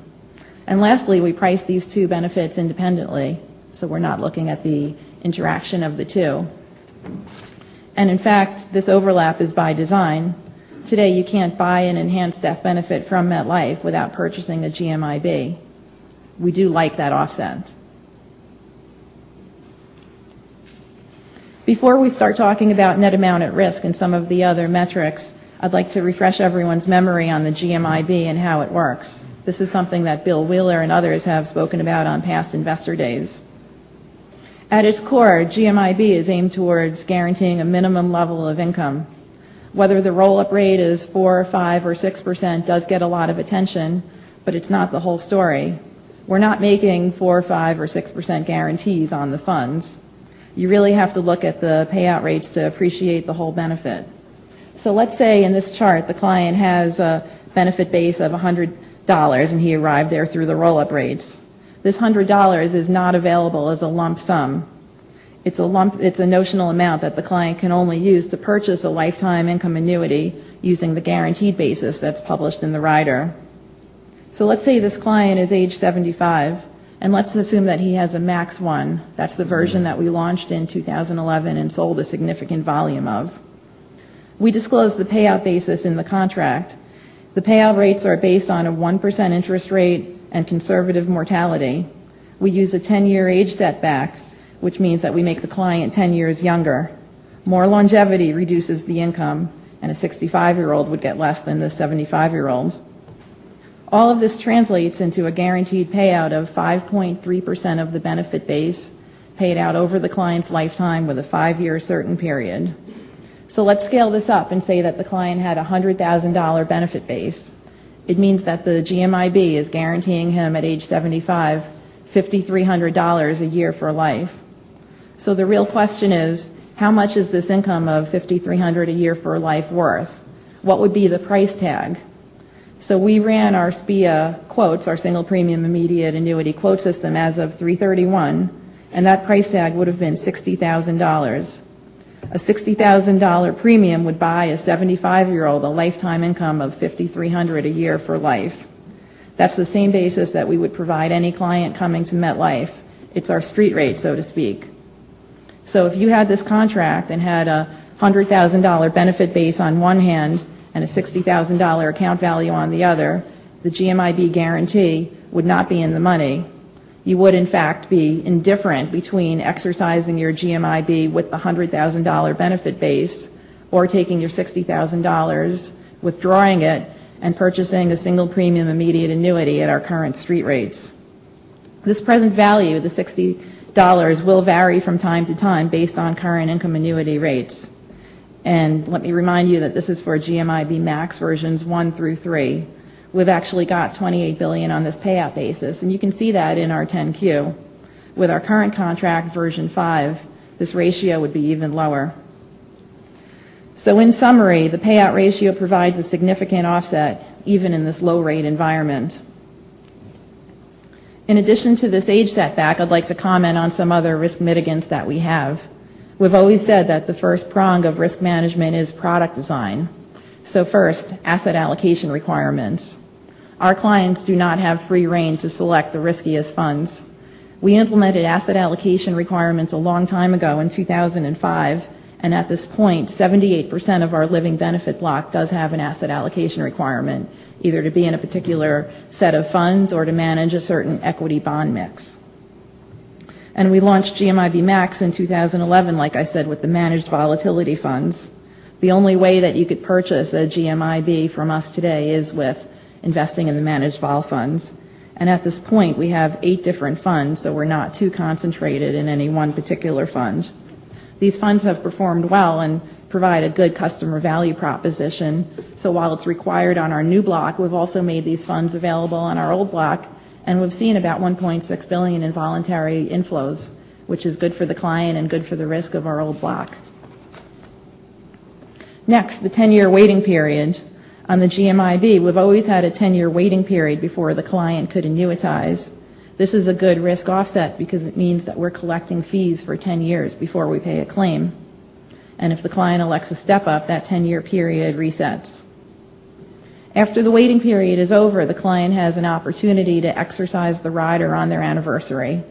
Speaker 5: Lastly, we price these two benefits independently, so we're not looking at the interaction of the two. In fact, this overlap is by design. Today, you can't buy an enhanced death benefit from MetLife without purchasing a GMIB. We do like that offset. Before we start talking about net amount at risk and some of the other metrics, I'd like to refresh everyone's memory on the GMIB and how it works. This is something that Bill Wheeler and others have spoken about on past investor days. At its core, GMIB is aimed towards guaranteeing a minimum level of income. Whether the roll-up rate is 4%, 5%, or 6% does get a lot of attention, but it's not the whole story. We're not making 4%, 5%, or 6% guarantees on the funds. You really have to look at the payout rates to appreciate the whole benefit. Let's say in this chart, the client has a benefit base of $100, and he arrived there through the roll-up rates. This $100 is not available as a lump sum. It's a notional amount that the client can only use to purchase a lifetime income annuity using the guaranteed basis that's published in the rider. Let's say this client is age 75, and let's assume that he has a Max 1. That's the version that we launched in 2011 and sold a significant volume of. We disclose the payout basis in the contract. The payout rates are based on a 1% interest rate and conservative mortality. We use a 10-year age setback, which means that we make the client 10 years younger. More longevity reduces the income, and a 65-year-old would get less than the 75-year-old. All of this translates into a guaranteed payout of 5.3% of the benefit base paid out over the client's lifetime with a five-year certain period. Let's scale this up and say that the client had $100,000 benefit base. It means that the GMIB is guaranteeing him at age 75, $5,300 a year for life. The real question is, how much is this income of $5,300 a year for life worth? What would be the price tag? We ran our SPIA quotes, our Single Premium Immediate Annuity quote system as of 3/31, and that price tag would have been $60,000. A $60,000 premium would buy a 75-year-old a lifetime income of $5,300 a year for life. That's the same basis that we would provide any client coming to MetLife. It's our street rate, so to speak. If you had this contract and had a $100,000 benefit base on one hand and a $60,000 account value on the other, the GMIB guarantee would not be in the money. You would, in fact, be indifferent between exercising your GMIB with the $100,000 benefit base or taking your $60,000, withdrawing it, and purchasing a single premium immediate annuity at our current street rates. This present value of the $60,000 will vary from time to time based on current income annuity rates. Let me remind you that this is for GMIB Max versions 1 through 3. We've actually got $28 billion on this payout basis, and you can see that in our 10-Q. With our current contract version 5, this ratio would be even lower. In summary, the payout ratio provides a significant offset even in this low rate environment. In addition to this age setback, I'd like to comment on some other risk mitigants that we have. We've always said that the first prong of risk management is product design. First, asset allocation requirements. Our clients do not have free rein to select the riskiest funds. We implemented asset allocation requirements a long time ago in 2005, and at this point, 78% of our living benefit block does have an asset allocation requirement, either to be in a particular set of funds or to manage a certain equity bond mix. We launched GMIB Max in 2011, like I said, with the managed volatility funds. The only way that you could purchase a GMIB from us today is with investing in the managed vol funds. At this point, we have eight different funds, so we're not too concentrated in any one particular fund. These funds have performed well and provide a good customer value proposition. While it's required on our new block, we've also made these funds available on our old block, and we've seen about $1.6 billion in voluntary inflows, which is good for the client and good for the risk of our old block. Next, the 10-year waiting period on the GMIB. We've always had a 10-year waiting period before the client could annuitize. This is a good risk offset because it means that we're collecting fees for 10 years before we pay a claim. If the client elects a step up, that 10-year period resets. After the waiting period is over, the client has an opportunity to exercise the rider on their anniversary.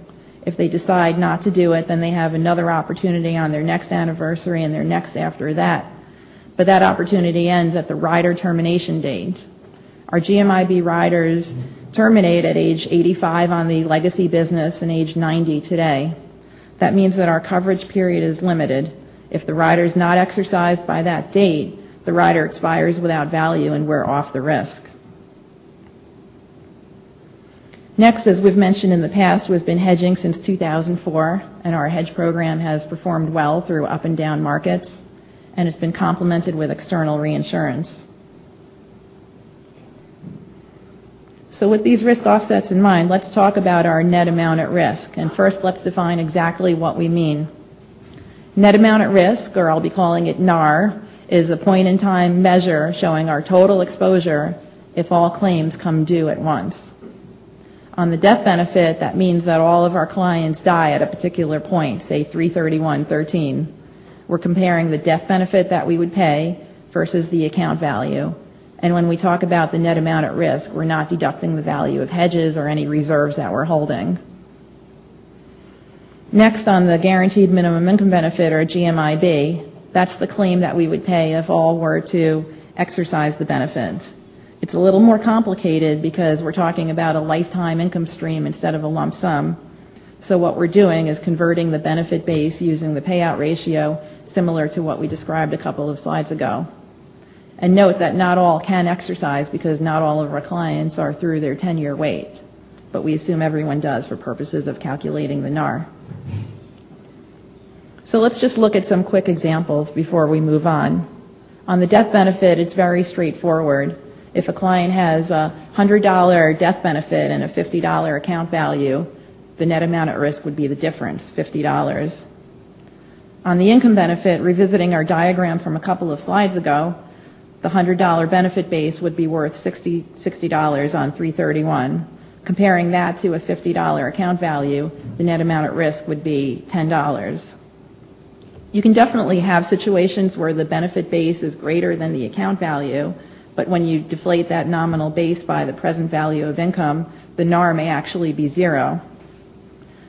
Speaker 5: If they decide not to do it, they have another opportunity on their next anniversary and their next after that. That opportunity ends at the rider termination date. Our GMIB riders terminate at age 85 on the legacy business and age 90 today. That means that our coverage period is limited. If the rider is not exercised by that date, the rider expires without value and we're off the risk. Next, as we've mentioned in the past, we've been hedging since 2004, and our hedge program has performed well through up and down markets, and it's been complemented with external reinsurance. With these risk offsets in mind, let's talk about our net amount at risk. First, let's define exactly what we mean. Net amount at risk, or I'll be calling it NAR, is a point in time measure showing our total exposure if all claims come due at once. On the death benefit, that means that all of our clients die at a particular point, say 3/31/2013. We're comparing the death benefit that we would pay versus the account value. When we talk about the net amount at risk, we're not deducting the value of hedges or any reserves that we're holding. Next, on the Guaranteed Minimum Income Benefit or GMIB, that's the claim that we would pay if all were to exercise the benefit. It's a little more complicated because we're talking about a lifetime income stream instead of a lump sum. What we're doing is converting the benefit base using the payout ratio, similar to what we described a couple of slides ago. Note that not all can exercise because not all of our clients are through their 10-year wait. We assume everyone does for purposes of calculating the NAR. Let's just look at some quick examples before we move on. On the death benefit, it's very straightforward. If a client has a $100 death benefit and a $50 account value, the net amount at risk would be the difference, $50. On the income benefit, revisiting our diagram from a couple of slides ago, the $100 benefit base would be worth $60 on 3/31. Comparing that to a $50 account value, the net amount at risk would be $10. You can definitely have situations where the benefit base is greater than the account value, but when you deflate that nominal base by the present value of income, the NAR may actually be zero.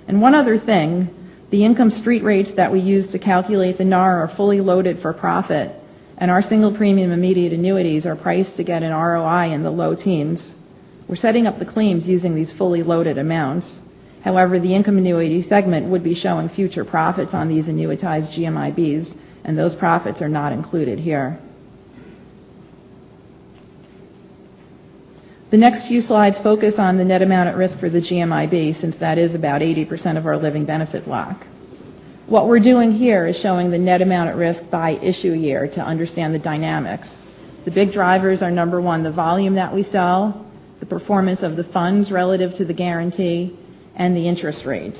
Speaker 5: One other thing, the income street rates that we use to calculate the NAR are fully loaded for profit, and our Single Premium Immediate Annuities are priced to get an ROI in the low teens. We're setting up the claims using these fully loaded amounts. However, the income annuity segment would be showing future profits on these annuitized GMIBs, and those profits are not included here. The next few slides focus on the net amount at risk for the GMIB, since that is about 80% of our living benefit block. What we're doing here is showing the net amount at risk by issue year to understand the dynamics. The big drivers are, number 1, the volume that we sell, the performance of the funds relative to the guarantee, and the interest rates.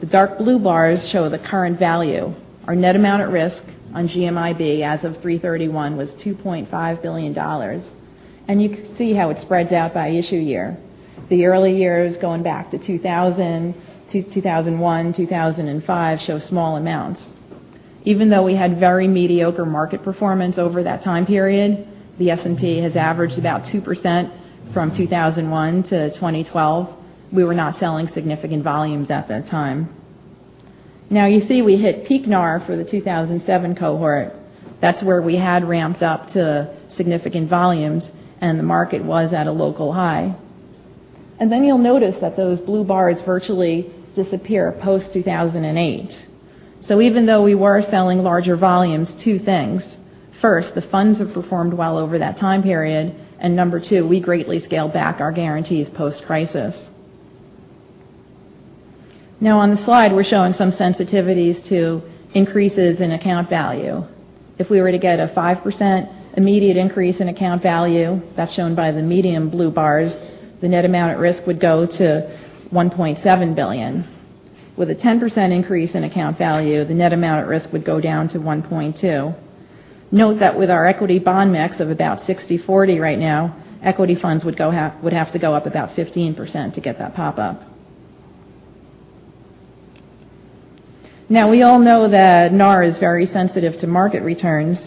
Speaker 5: The dark blue bars show the current value. Our net amount at risk on GMIB as of 3/31 was $2.5 billion. You can see how it spreads out by issue year. The early years, going back to 2000 to 2001, 2005, show small amounts. Even though we had very mediocre market performance over that time period, the S&P has averaged about 2% from 2001 to 2012. We were not selling significant volumes at that time. You see we hit peak NAR for the 2007 cohort. That's where we had ramped up to significant volumes, and the market was at a local high. Then you'll notice that those blue bars virtually disappear post-2008. Even though we were selling larger volumes, two things. First, the funds have performed well over that time period, and number 2, we greatly scaled back our guarantees post-crisis. On the slide, we're showing some sensitivities to increases in account value. If we were to get a 5% immediate increase in account value, that's shown by the medium blue bars, the net amount at risk would go to $1.7 billion. With a 10% increase in account value, the net amount at risk would go down to $1.2. We all know that NAR is very sensitive to market returns,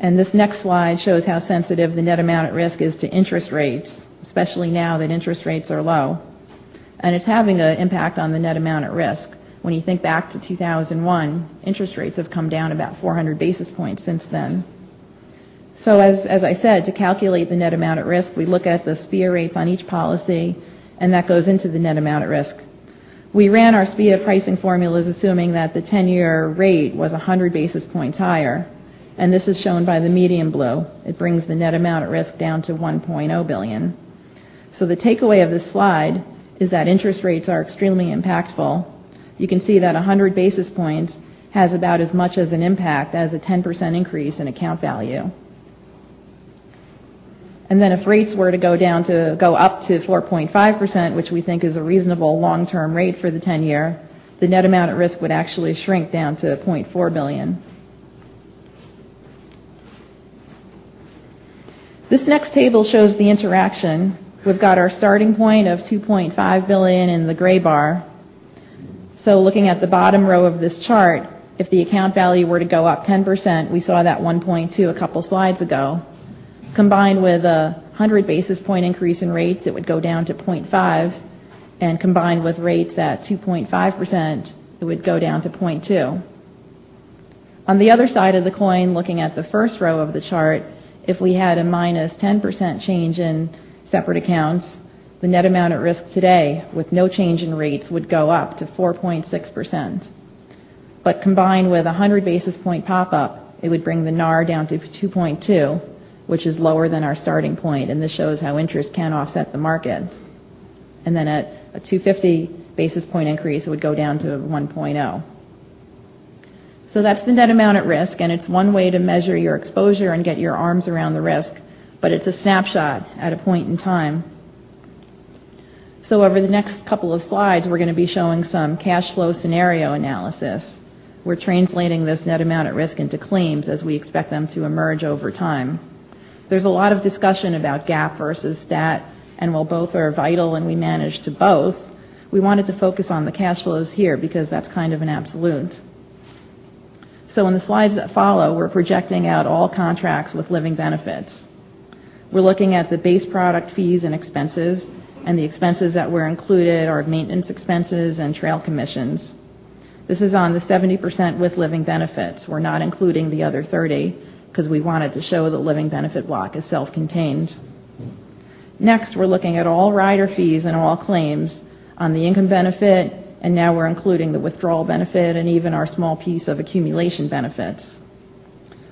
Speaker 5: and this next slide shows how sensitive the net amount at risk is to interest rates, especially now that interest rates are low. It's having an impact on the net amount at risk. When you think back to 2001, interest rates have come down about 400 basis points since then. As I said, to calculate the net amount at risk, we look at the SPIA rates on each policy, and that goes into the net amount at risk. We ran our SPIA pricing formulas assuming that the 10-year rate was 100 basis points higher, and this is shown by the medium blue. It brings the net amount at risk down to $1.0 billion. The takeaway of this slide is that interest rates are extremely impactful. You can see that 100 basis points has about as much of an impact as a 10% increase in account value. If rates were to go up to 4.5%, which we think is a reasonable long-term rate for the 10-year, the net amount at risk would actually shrink down to $0.4 billion. This next table shows the interaction. We've got our starting point of $2.5 billion in the gray bar. Looking at the bottom row of this chart, if the account value were to go up 10%, we saw that $1.2 a couple slides ago. Combined with 100 basis point increase in rates, it would go down to $0.5, combined with rates at 2.5%, it would go down to $0.2. On the other side of the coin, looking at the first row of the chart, if we had a minus 10% change in separate accounts, the net amount at risk today with no change in rates would go up to 4.6%. Combined with 100 basis point pop-up, it would bring the NAR down to $2.2, which is lower than our starting point, and this shows how interest can offset the market. At a 250 basis point increase, it would go down to $1.0. That's the net amount at risk, and it's one way to measure your exposure and get your arms around the risk, but it's a snapshot at a point in time. Over the next couple of slides, we're going to be showing some cash flow scenario analysis. We're translating this net amount at risk into claims as we expect them to emerge over time. There's a lot of discussion about GAAP versus stat, and while both are vital and we manage to both, we wanted to focus on the cash flows here because that's kind of an absolute. In the slides that follow, we're projecting out all contracts with living benefits. We're looking at the base product fees and expenses, and the expenses that were included are maintenance expenses and trail commissions. This is on the 70% with living benefits. We're not including the other 30 because we wanted to show the living benefit block is self-contained. We're looking at all rider fees and all claims on the income benefit, now we're including the withdrawal benefit and even our small piece of accumulation benefits.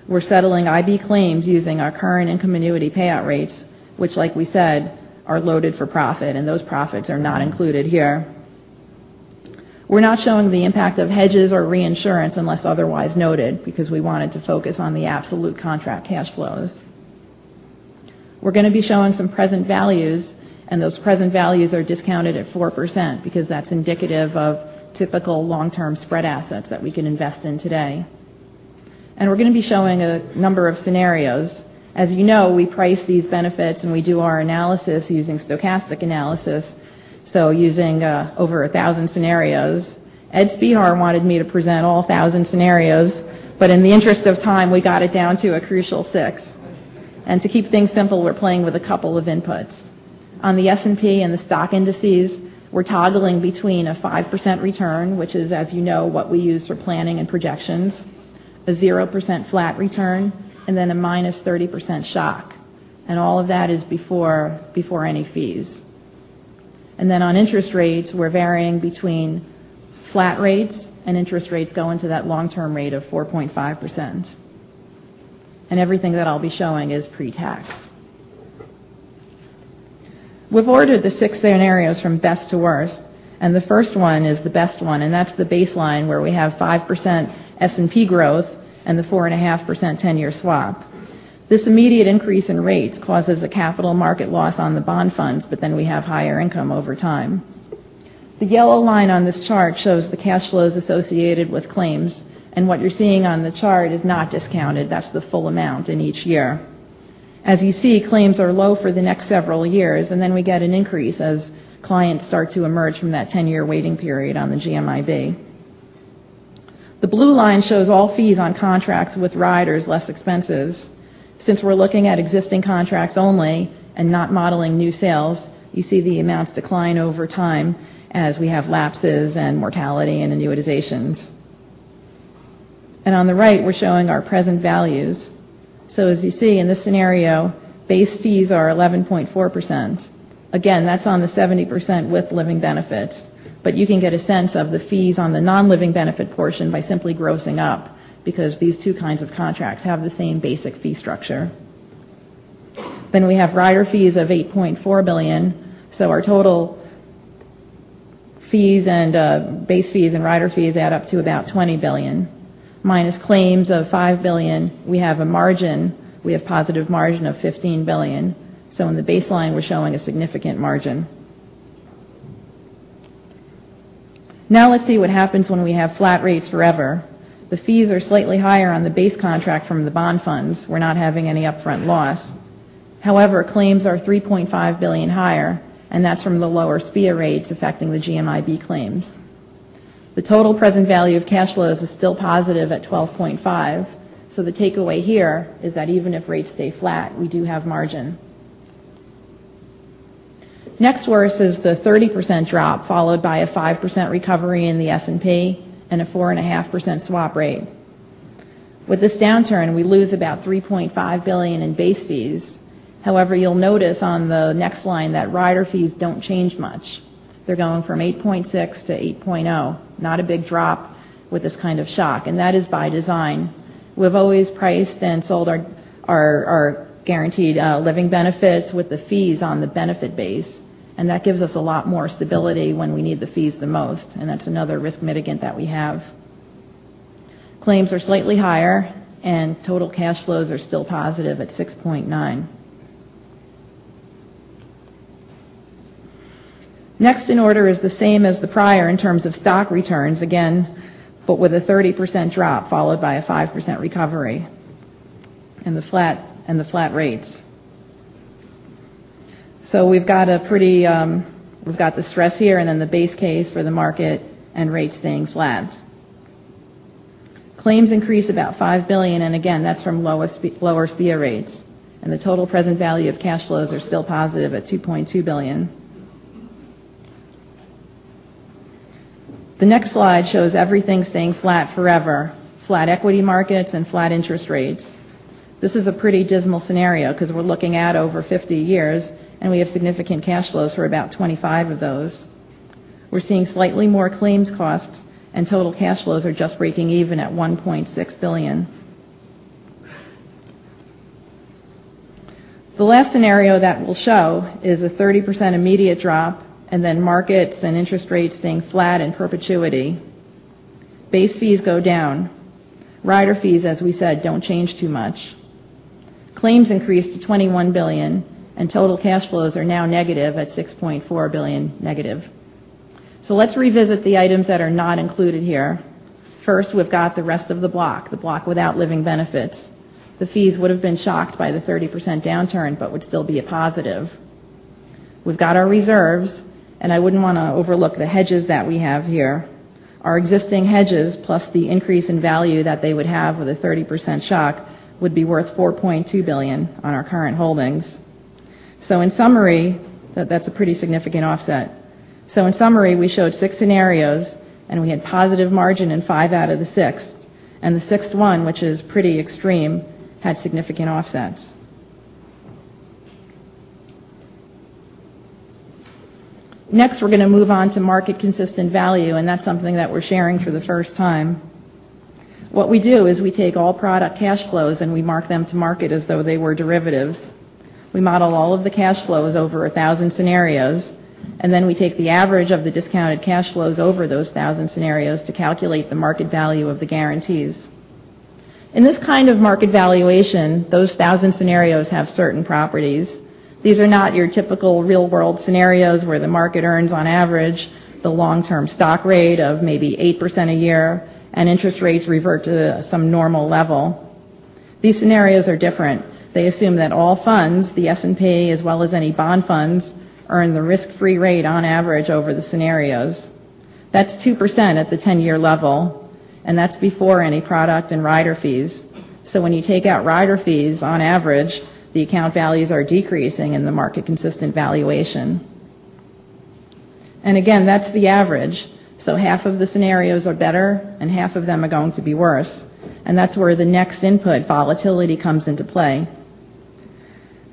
Speaker 5: We're settling IB claims using our current income annuity payout rates, which like we said, are loaded for profit, those profits are not included here. We're not showing the impact of hedges or reinsurance unless otherwise noted, we wanted to focus on the absolute contract cash flows. We're going to be showing some present values, those present values are discounted at 4% because that's indicative of typical long-term spread assets that we can invest in today. We're going to be showing a number of scenarios. As you know, we price these benefits and we do our analysis using stochastic analysis, so using over 1,000 scenarios. Ed Spehar wanted me to present all 1,000 scenarios, in the interest of time, we got it down to a crucial six. To keep things simple, we're playing with a couple of inputs. On the S&P and the stock indices, we're toggling between a 5% return, which is, as you know, what we use for planning and projections, a 0% flat return, then a -30% shock. All of that is before any fees. Then on interest rates, we're varying between flat rates and interest rates go into that long-term rate of 4.5%. Everything that I'll be showing is pre-tax. We've ordered the six scenarios from best to worst, the first one is the best one, that's the baseline where we have 5% S&P growth and the 4.5% 10-year swap. This immediate increase in rates causes a capital market loss on the bond funds, then we have higher income over time. The yellow line on this chart shows the cash flows associated with claims, what you're seeing on the chart is not discounted. That's the full amount in each year. As you see, claims are low for the next several years, then we get an increase as clients start to emerge from that 10-year waiting period on the GMIB. The blue line shows all fees on contracts with riders less expenses. Since we're looking at existing contracts only and not modeling new sales, you see the amounts decline over time as we have lapses and mortality and annuitizations. On the right, we're showing our present values. As you see in this scenario, base fees are 11.4%. Again, that's on the 70% with living benefits. You can get a sense of the fees on the non-living benefit portion by simply grossing up, these two kinds of contracts have the same basic fee structure. We have rider fees of $8.4 billion, our total base fees and rider fees add up to about $20 billion. Minus claims of $5 billion, we have a margin. We have positive margin of $15 billion. In the baseline, we're showing a significant margin. Let's see what happens when we have flat rates forever. The fees are slightly higher on the base contract from the bond funds. We're not having any upfront loss. Claims are $3.5 billion higher, that's from the lower SPIA rates affecting the GMIB claims. The total present value of cash flows is still positive at $12.5. The takeaway here is that even if rates stay flat, we do have margin. Next worst is the 30% drop, followed by a 5% recovery in the S&P and a 4.5% swap rate. With this downturn, we lose about $3.5 billion in base fees. However, you'll notice on the next line that rider fees don't change much. They're going from $8.6 to $8.0. Not a big drop with this kind of shock, and that is by design. We've always priced and sold our guaranteed living benefits with the fees on the benefit base, and that gives us a lot more stability when we need the fees the most, and that's another risk mitigant that we have. Claims are slightly higher and total cash flows are still positive at $6.9. Next in order is the same as the prior in terms of stock returns, again, but with a 30% drop followed by a 5% recovery and the flat rates. We've got the stress here and then the base case for the market and rates staying flat. Claims increase about $5 billion, and again, that's from lower SPIA rates. The total present value of cash flows are still positive at $2.2 billion. The next slide shows everything staying flat forever, flat equity markets and flat interest rates. This is a pretty dismal scenario because we're looking at over 50 years, and we have significant cash flows for about 25 of those. We're seeing slightly more claims costs and total cash flows are just breaking even at $1.6 billion. The last scenario that we'll show is a 30% immediate drop and then markets and interest rates staying flat in perpetuity. Base fees go down. Rider fees, as we said, don't change too much. Claims increase to $21 billion, and total cash flows are now negative at $6.4 billion negative. Let's revisit the items that are not included here. First, we've got the rest of the block, the block without living benefits. The fees would've been shocked by the 30% downturn, but would still be a positive. We've got our reserves, and I wouldn't want to overlook the hedges that we have here. Our existing hedges, plus the increase in value that they would have with a 30% shock, would be worth $4.2 billion on our current holdings. In summary, that's a pretty significant offset. In summary, we showed six scenarios, and we had positive margin in five out of the six. The sixth one, which is pretty extreme, had significant offsets. Next, we're going to move on to market-consistent value, and that's something that we're sharing for the first time. What we do is we take all product cash flows, and we mark them to market as though they were derivatives. We model all of the cash flows over 1,000 scenarios, and then we take the average of the discounted cash flows over those 1,000 scenarios to calculate the market value of the guarantees. In this kind of market valuation, those 1,000 scenarios have certain properties. These are not your typical real-world scenarios where the market earns, on average, the long-term stock rate of maybe 8% a year and interest rates revert to some normal level. These scenarios are different. They assume that all funds, the S&P as well as any bond funds, earn the risk-free rate on average over the scenarios. That's 2% at the ten-year level, and that's before any product and rider fees. When you take out rider fees, on average, the account values are decreasing in the market consistent valuation. Again, that's the average. Half of the scenarios are better and half of them are going to be worse. That's where the next input, volatility, comes into play.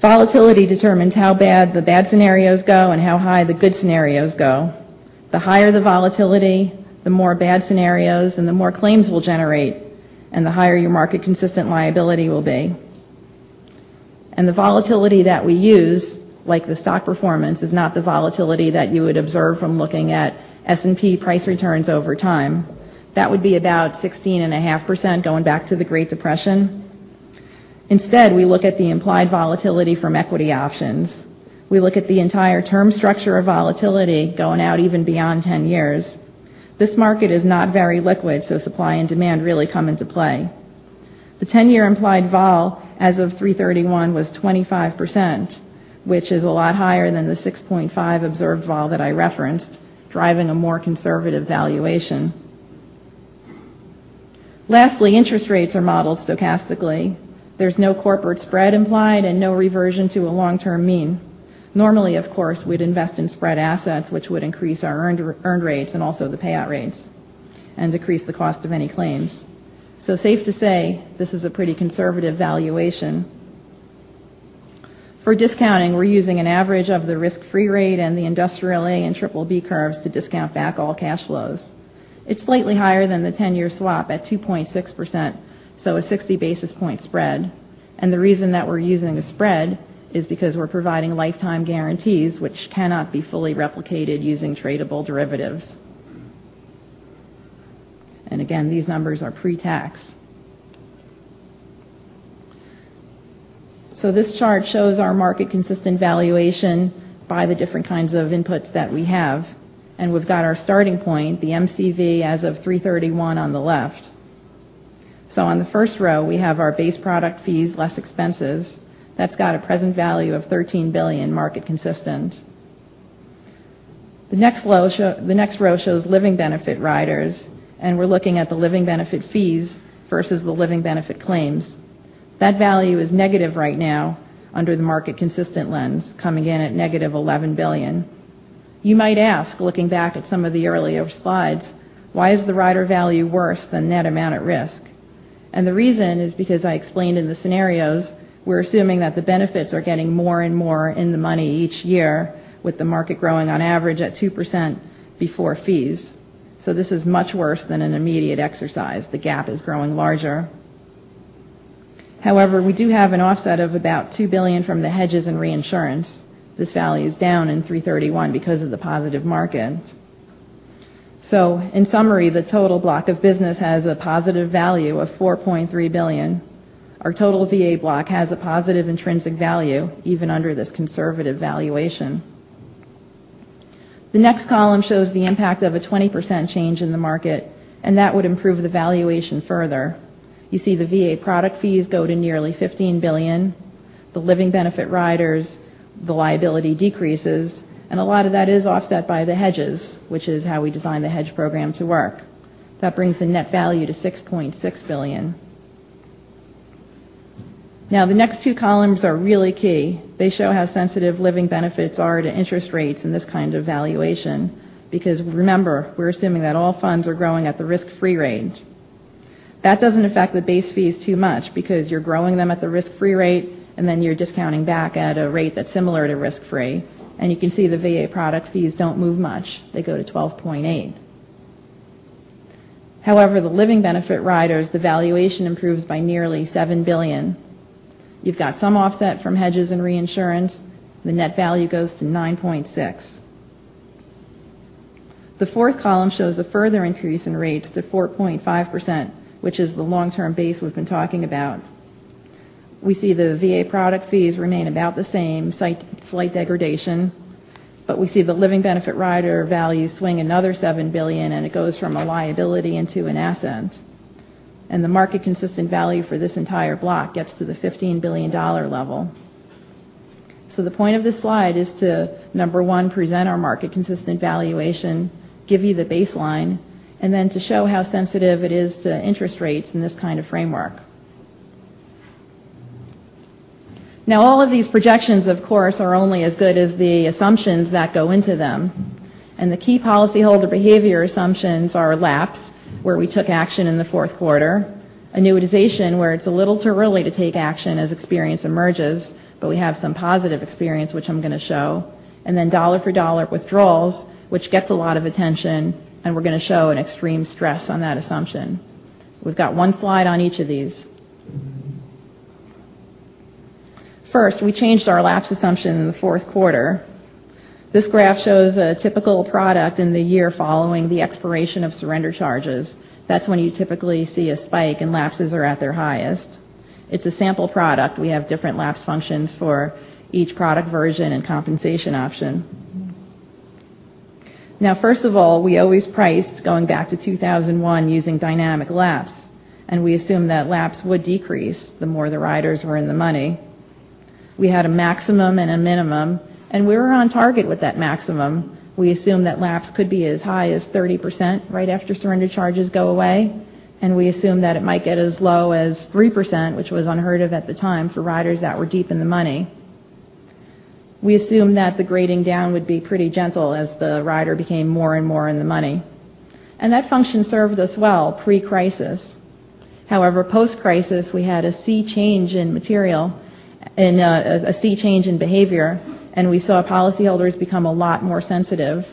Speaker 5: Volatility determines how bad the bad scenarios go and how high the good scenarios go. The higher the volatility, the more bad scenarios and the more claims we'll generate, and the higher your market consistent liability will be. The volatility that we use, like the stock performance, is not the volatility that you would observe from looking at S&P price returns over time. That would be about 16.5% going back to the Great Depression. Instead, we look at the implied volatility from equity options. We look at the entire term structure of volatility going out even beyond ten years. This market is not very liquid, so supply and demand really come into play. The ten-year implied vol as of 331 was 25%, which is a lot higher than the 6.5 observed vol that I referenced, driving a more conservative valuation. Lastly, interest rates are modeled stochastically. There's no corporate spread implied and no reversion to a long-term mean. Normally, of course, we'd invest in spread assets, which would increase our earned rates and also the payout rates and decrease the cost of any claims. Safe to say, this is a pretty conservative valuation. For discounting, we're using an average of the risk-free rate and the Industrial A and BBB curves to discount back all cash flows. It's slightly higher than the ten-year swap at 2.6%, so a 60 basis point spread. The reason that we're using a spread is because we're providing lifetime guarantees, which cannot be fully replicated using tradable derivatives. Again, these numbers are pre-tax. This chart shows our market consistent valuation by the different kinds of inputs that we have, and we've got our starting point, the MCV as of 331 on the left. On the first row, we have our base product fees less expenses. That's got a present value of $13 billion market consistent. The next row shows living benefit riders, and we're looking at the living benefit fees versus the living benefit claims. That value is negative right now under the market consistent lens, coming in at negative $11 billion. You might ask, looking back at some of the earlier slides, why is the rider value worse than net amount at risk? The reason is because I explained in the scenarios, we're assuming that the benefits are getting more and more in the money each year with the market growing on average at 2% before fees. This is much worse than an immediate exercise. The gap is growing larger. However, we do have an offset of about $2 billion from the hedges and reinsurance. This value is down in 331 because of the positive markets. In summary, the total block of business has a positive value of $4.3 billion. Our total VA block has a positive intrinsic value even under this conservative valuation. The next column shows the impact of a 20% change in the market, and that would improve the valuation further. You see the VA product fees go to nearly $15 billion. The living benefit riders, the liability decreases, and a lot of that is offset by the hedges, which is how we design the hedge program to work. That brings the net value to $6.6 billion. The next two columns are really key. They show how sensitive living benefits are to interest rates in this kind of valuation, because remember, we're assuming that all funds are growing at the risk-free rate. That doesn't affect the base fees too much, because you're growing them at the risk-free rate, and then you're discounting back at a rate that's similar to risk-free. You can see the VA product fees don't move much. They go to $12.8 billion. However, the living benefit riders, the valuation improves by nearly $7 billion. You've got some offset from hedges and reinsurance. The net value goes to $9.6 billion. Annuitization, where it's a little too early to take action as experience emerges, but we have some positive experience, which I'm going to show. Then dollar-for-dollar withdrawals, which gets a lot of attention, and we're going to show an extreme stress on that assumption. We've got one slide on each of these. First, we changed our lapse assumption in the fourth quarter. This graph shows a typical product in the year following the expiration of surrender charges. That's when you typically see a spike and lapses are at their highest. It's a sample product. We have different lapse functions for each product version and compensation option. First of all, we always priced going back to 2001 using dynamic lapse, and we assumed that lapse would decrease the more the riders were in the money. The fourth column shows a further increase in rates to 4.5%, which is the long-term a sea change in behavior, and we saw policyholders become a lot more sensitive.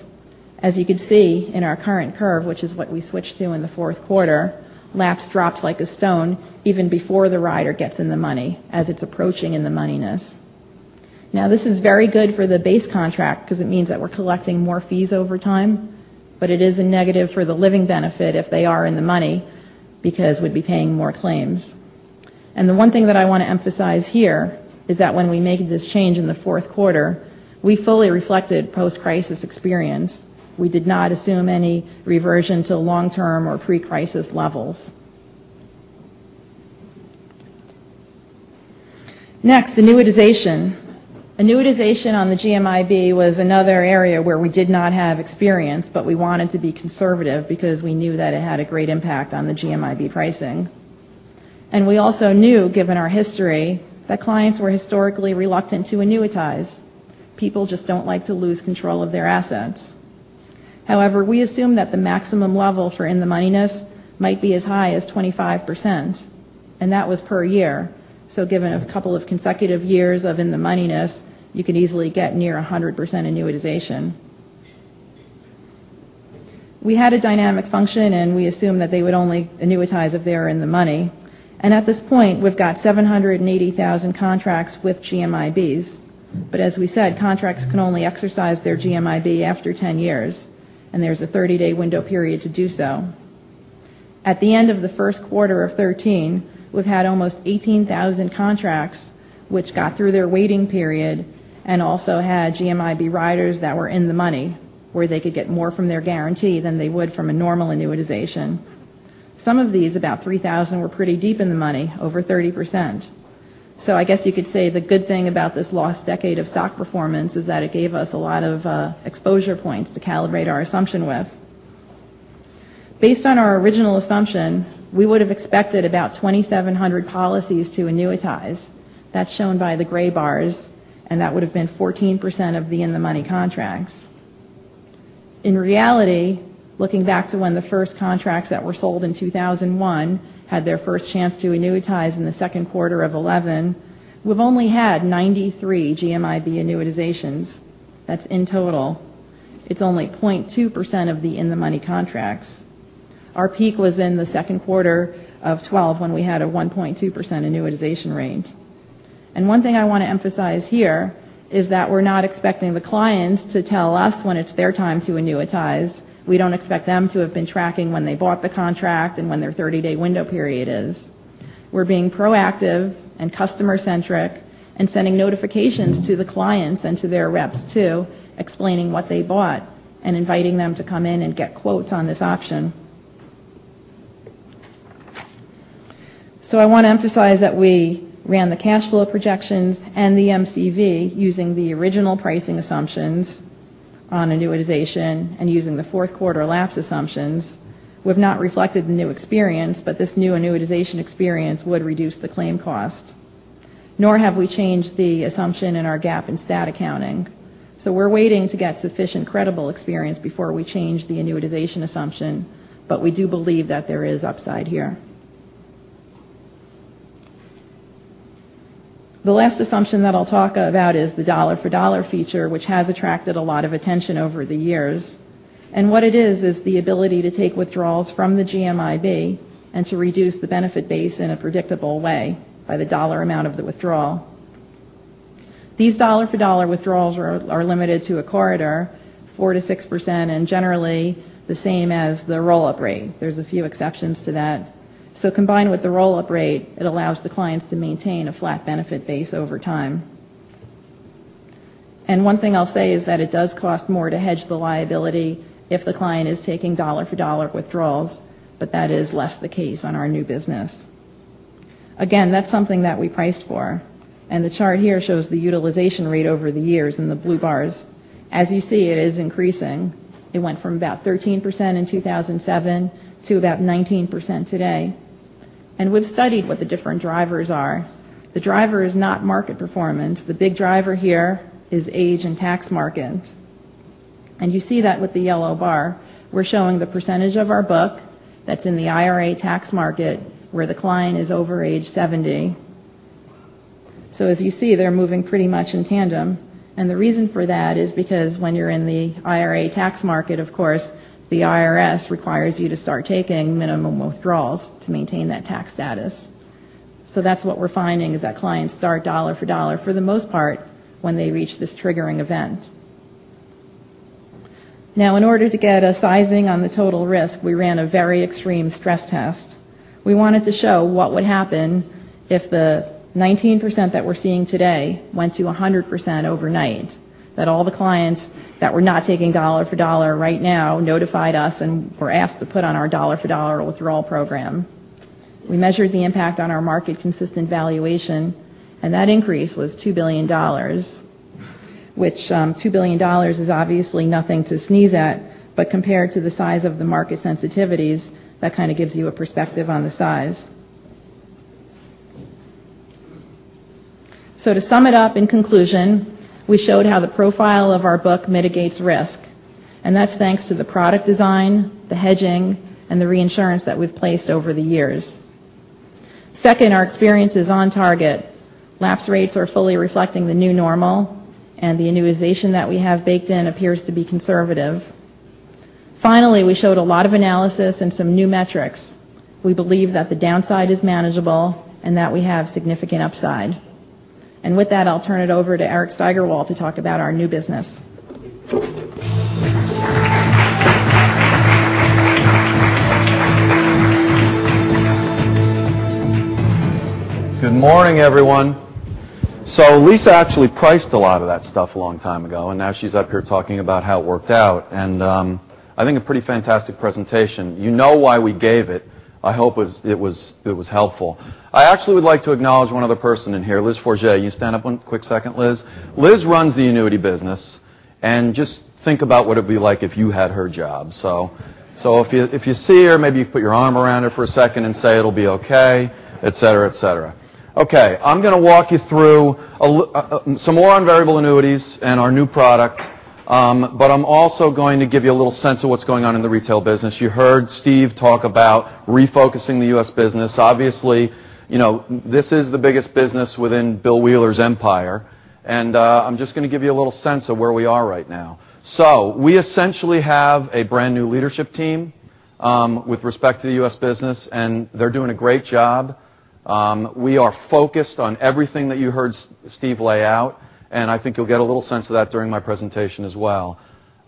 Speaker 5: As you could see in our current curve, which is what we switched to in the fourth quarter, lapse dropped like a stone even before the rider gets in the money, as it's approaching in-the-moneyness. This is very good for the base contract because it means that we're collecting more fees over time, but it is a negative for the living benefit if they are in the money, because we'd be paying more claims. The one thing that I want to emphasize here is that when we made this change in the fourth quarter, we fully reflected post-crisis experience. We did not assume any reversion to long-term or pre-crisis levels. Next, annuitization. Annuitization on the GMIB was another area where we did not have experience, but we wanted to be conservative because we knew that it had a great impact on the GMIB pricing. We also knew, given our history, that clients were historically reluctant to annuitize. People just don't like to lose control of their assets. However, we assumed that the maximum level for in-the-moneyness might be as high as 25%, and that was per year. Given a couple of consecutive years of in-the-moneyness, you could easily get near 100% annuitization. We had a dynamic function, and we assumed that they would only annuitize if they are in the money. At this point, we've got 780,000 contracts with GMIBs. As we said, contracts can only exercise their GMIB after ten years, and there's a 30-day window period to do so. At the end of the first quarter of 2013, we've had almost 18,000 contracts which got through their waiting period and also had GMIB riders that were in the money, where they could get more from their guarantee than they would from a normal annuitization. Some of these, about 3,000, were pretty deep in the money, over 30%. I guess you could say the good thing about this lost decade of stock performance is that it gave us a lot of exposure points to calibrate our assumption with. Based on our original assumption, we would have expected about 2,700 policies to annuitize. That's shown by the gray bars, and that would have been 14% of the in-the-money contracts. In reality, looking back to when the first contracts that were sold in 2001 had their first chance to annuitize in the second quarter of 2011, we've only had 93 GMIB annuitizations. That's in total. It's only 0.2% of the in-the-money contracts. Our peak was in the second quarter of 2012 when we had a 1.2% annuitization rate. One thing I want to emphasize here is that we're not expecting the clients to tell us when it's their time to annuitize. We don't expect them to have been tracking when they bought the contract and when their 30-day window period is. We're being proactive and customer centric and sending notifications to the clients and to their reps too, explaining what they bought and inviting them to come in and get quotes on this option. I want to emphasize that we ran the cash flow projections and the MCV using the original pricing assumptions. On annuitization and using the fourth quarter lapse assumptions, we've not reflected the new experience, but this new annuitization experience would reduce the claim cost. Nor have we changed the assumption in our GAAP and stat accounting. We're waiting to get sufficient, credible experience before we change the annuitization assumption, but we do believe that there is upside here. The last assumption that I'll talk about is the dollar-for-dollar feature, which has attracted a lot of attention over the years. What it is is the ability to take withdrawals from the GMIB and to reduce the benefit base in a predictable way by the dollar amount of the withdrawal. These dollar-for-dollar withdrawals are limited to a corridor, 4%-6%, and generally the same as the rollup rate. There's a few exceptions to that. Combined with the rollup rate, it allows the clients to maintain a flat benefit base over time. One thing I'll say is that it does cost more to hedge the liability if the client is taking dollar-for-dollar withdrawals, but that is less the case on our new business. Again, that's something that we priced for, and the chart here shows the utilization rate over the years in the blue bars. As you see, it is increasing. It went from about 13% in 2007 to about 19% today. We've studied what the different drivers are. The driver is not market performance. The big driver here is age and tax markets. You see that with the yellow bar. We're showing the percentage of our book that's in the IRA tax market where the client is over age 70. As you see, they're moving pretty much in tandem, and the reason for that is because when you're in the IRA tax market, of course, the IRS requires you to start taking minimum withdrawals to maintain that tax status. That's what we're finding is that clients start dollar for dollar, for the most part, when they reach this triggering event. Now, in order to get a sizing on the total risk, we ran a very extreme stress test. We wanted to show what would happen if the 19% that we're seeing today went to 100% overnight, that all the clients that were not taking dollar for dollar right now notified us and were asked to put on our dollar-for-dollar withdrawal program. We measured the impact on our market consistent valuation, and that increase was $2 billion, which $2 billion is obviously nothing to sneeze at, but compared to the size of the market sensitivities, that kind of gives you a perspective on the size. To sum it up, in conclusion, we showed how the profile of our book mitigates risk, and that's thanks to the product design, the hedging, and the reinsurance that we've placed over the years. Second, our experience is on target. Lapse rates are fully reflecting the new normal, and the annuitization that we have baked in appears to be conservative. Finally, we showed a lot of analysis and some new metrics. We believe that the downside is manageable and that we have significant upside. With that, I'll turn it over to Eric Steigerwalt to talk about our new business.
Speaker 6: Good morning, everyone. Lisa actually priced a lot of that stuff a long time ago, and now she's up here talking about how it worked out, and I think a pretty fantastic presentation. You know why we gave it. I hope it was helpful. I actually would like to acknowledge one other person in here, Liz Forget. You stand up one quick second, Liz. Liz runs the annuity business, and just think about what it'd be like if you had her job. If you see her, maybe you put your arm around her for a second and say it'll be okay, et cetera. I'm going to walk you through some more on variable annuities and our new product, but I'm also going to give you a little sense of what's going on in the retail business. You heard Steve Kandarian talk about refocusing the U.S. business. This is the biggest business within Bill Wheeler's empire, and I'm just going to give you a little sense of where we are right now. We essentially have a brand new leadership team with respect to the U.S. business, and they're doing a great job. We are focused on everything that you heard Steve Kandarian lay out, and I think you'll get a little sense of that during my presentation as well.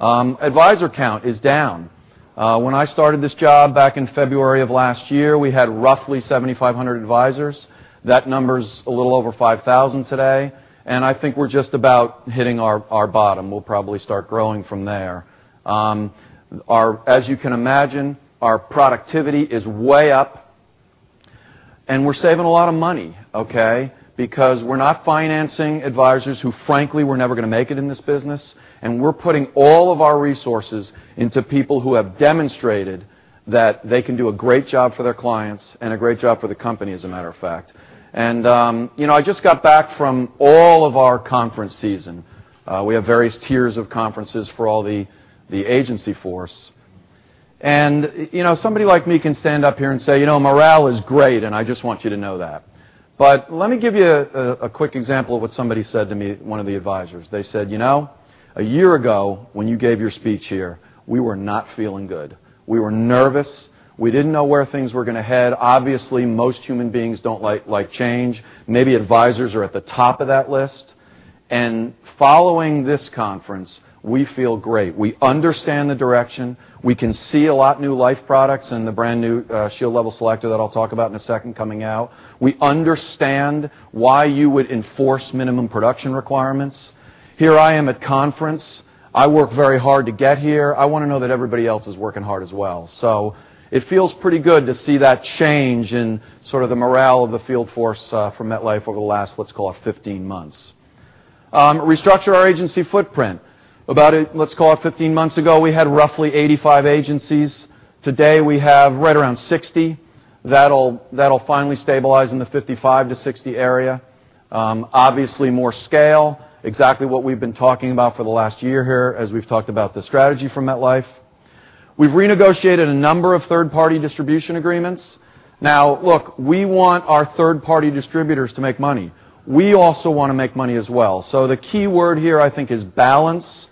Speaker 6: Advisor count is down. When I started this job back in February of last year, we had roughly 7,500 advisors. That number's a little over 5,000 today, and I think we're just about hitting our bottom. We'll probably start growing from there. Our productivity is way up and we're saving a lot of money. We're not financing advisors who frankly were never going to make it in this business, and we're putting all of our resources into people who have demonstrated that they can do a great job for their clients and a great job for the company, as a matter of fact. I just got back from all of our conference season. We have various tiers of conferences for all the agency force. Somebody like me can stand up here and say, "Morale is great, and I just want you to know that." Let me give you a quick example of what somebody said to me, one of the advisors. They said, "You know, a year ago, when you gave your speech here, we were not feeling good. We were nervous. We didn't know where things were going to head." Most human beings don't like change. Maybe advisors are at the top of that list. Following this conference, we feel great. We understand the direction. We can see a lot of new life products and the brand new Shield Level Selector that I'll talk about in a second coming out. We understand why you would enforce minimum production requirements. Here I am at conference. I worked very hard to get here. I want to know that everybody else is working hard as well. It feels pretty good to see that change in sort of the morale of the field force for MetLife over the last, let's call it 15 months. Restructure our agency footprint. About, let's call it 15 months ago, we had roughly 85 agencies. Today, we have right around 60. That'll finally stabilize in the 55 to 60 area. Obviously, more scale, exactly what we've been talking about for the last year here, as we've talked about the strategy for MetLife. We've renegotiated a number of third-party distribution agreements. Look, we want our third-party distributors to make money. We also want to make money as well. The key word here, I think, is balance.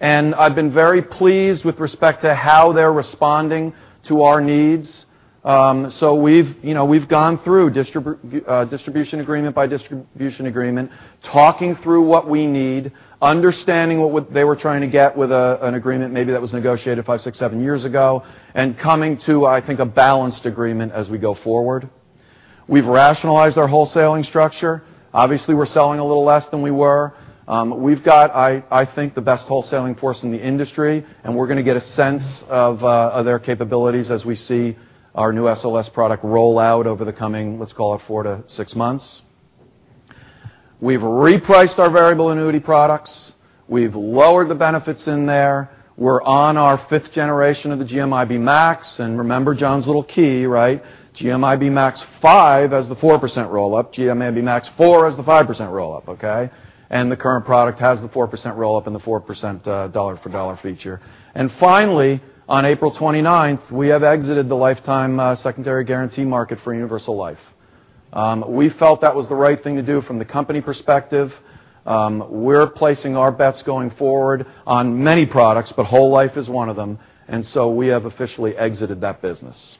Speaker 6: I've been very pleased with respect to how they're responding to our needs. We've gone through distribution agreement by distribution agreement, talking through what we need, understanding what they were trying to get with an agreement, maybe that was negotiated five, six, seven years ago, and coming to, I think, a balanced agreement as we go forward. We've rationalized our wholesaling structure. Obviously, we're selling a little less than we were. We've got, I think, the best wholesaling force in the industry, and we're going to get a sense of their capabilities as we see our new SLS product roll out over the coming, let's call it four to six months. We've repriced our variable annuity products. We've lowered the benefits in there. We're on our 5th generation of the GMIB Max. Remember John's little key, right? GMIB Max 5 has the 4% rollup. GMIB Max 4 has the 5% rollup. The current product has the 4% rollup and the 4% dollar-for-dollar feature. Finally, on April 29th, we have exited the lifetime secondary guarantee market for universal life. We felt that was the right thing to do from the company perspective. We're placing our bets going forward on many products, but whole life is one of them. We have officially exited that business.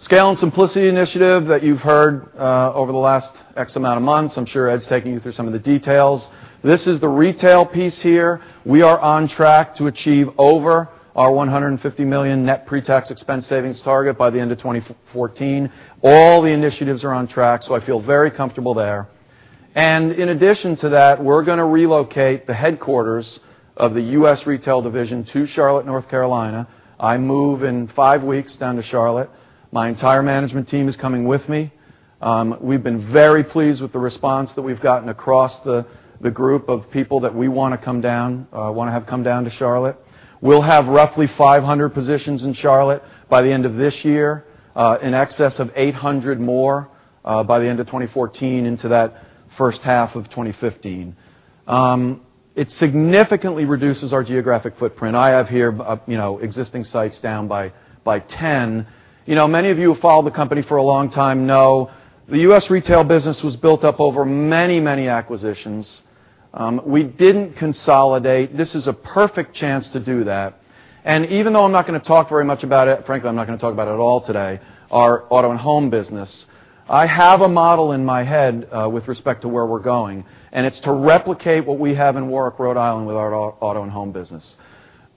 Speaker 6: Scale and Simplicity Initiative that you've heard over the last X amount of months. I'm sure Ed's taking you through some of the details. This is the retail piece here. We are on track to achieve over our $150 million net pre-tax expense savings target by the end of 2014. All the initiatives are on track. I feel very comfortable there. In addition to that, we're going to relocate the headquarters of the U.S. Retail Division to Charlotte, North Carolina. I move in five weeks down to Charlotte. My entire management team is coming with me. We've been very pleased with the response that we've gotten across the group of people that we want to have come down to Charlotte. We'll have roughly 500 positions in Charlotte by the end of this year, in excess of 800 more by the end of 2014 into that first half of 2015. It significantly reduces our geographic footprint. I have here existing sites down by 10. Many of you who followed the company for a long time know the U.S. retail business was built up over many, many acquisitions. We didn't consolidate. This is a perfect chance to do that. Even though I'm not going to talk very much about it, frankly, I'm not going to talk about it at all today, our auto and home business. I have a model in my head with respect to where we're going, and it's to replicate what we have in Warwick, Rhode Island with our auto and home business.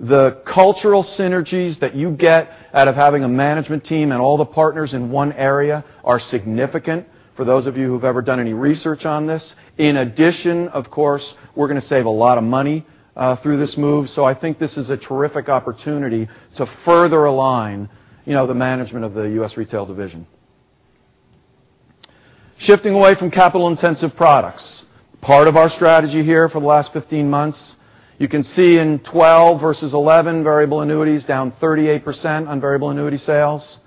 Speaker 6: The cultural synergies that you get out of having a management team and all the partners in one area are significant, for those of you who've ever done any research on this. In addition, of course, we're going to save a lot of money through this move. I think this is a terrific opportunity to further align the management of the U.S. Retail Division. Shifting away from capital intensive products. Part of our strategy here for the last 15 months, you can see in 2012 versus 2011, variable annuities down 38% on variable annuity sales.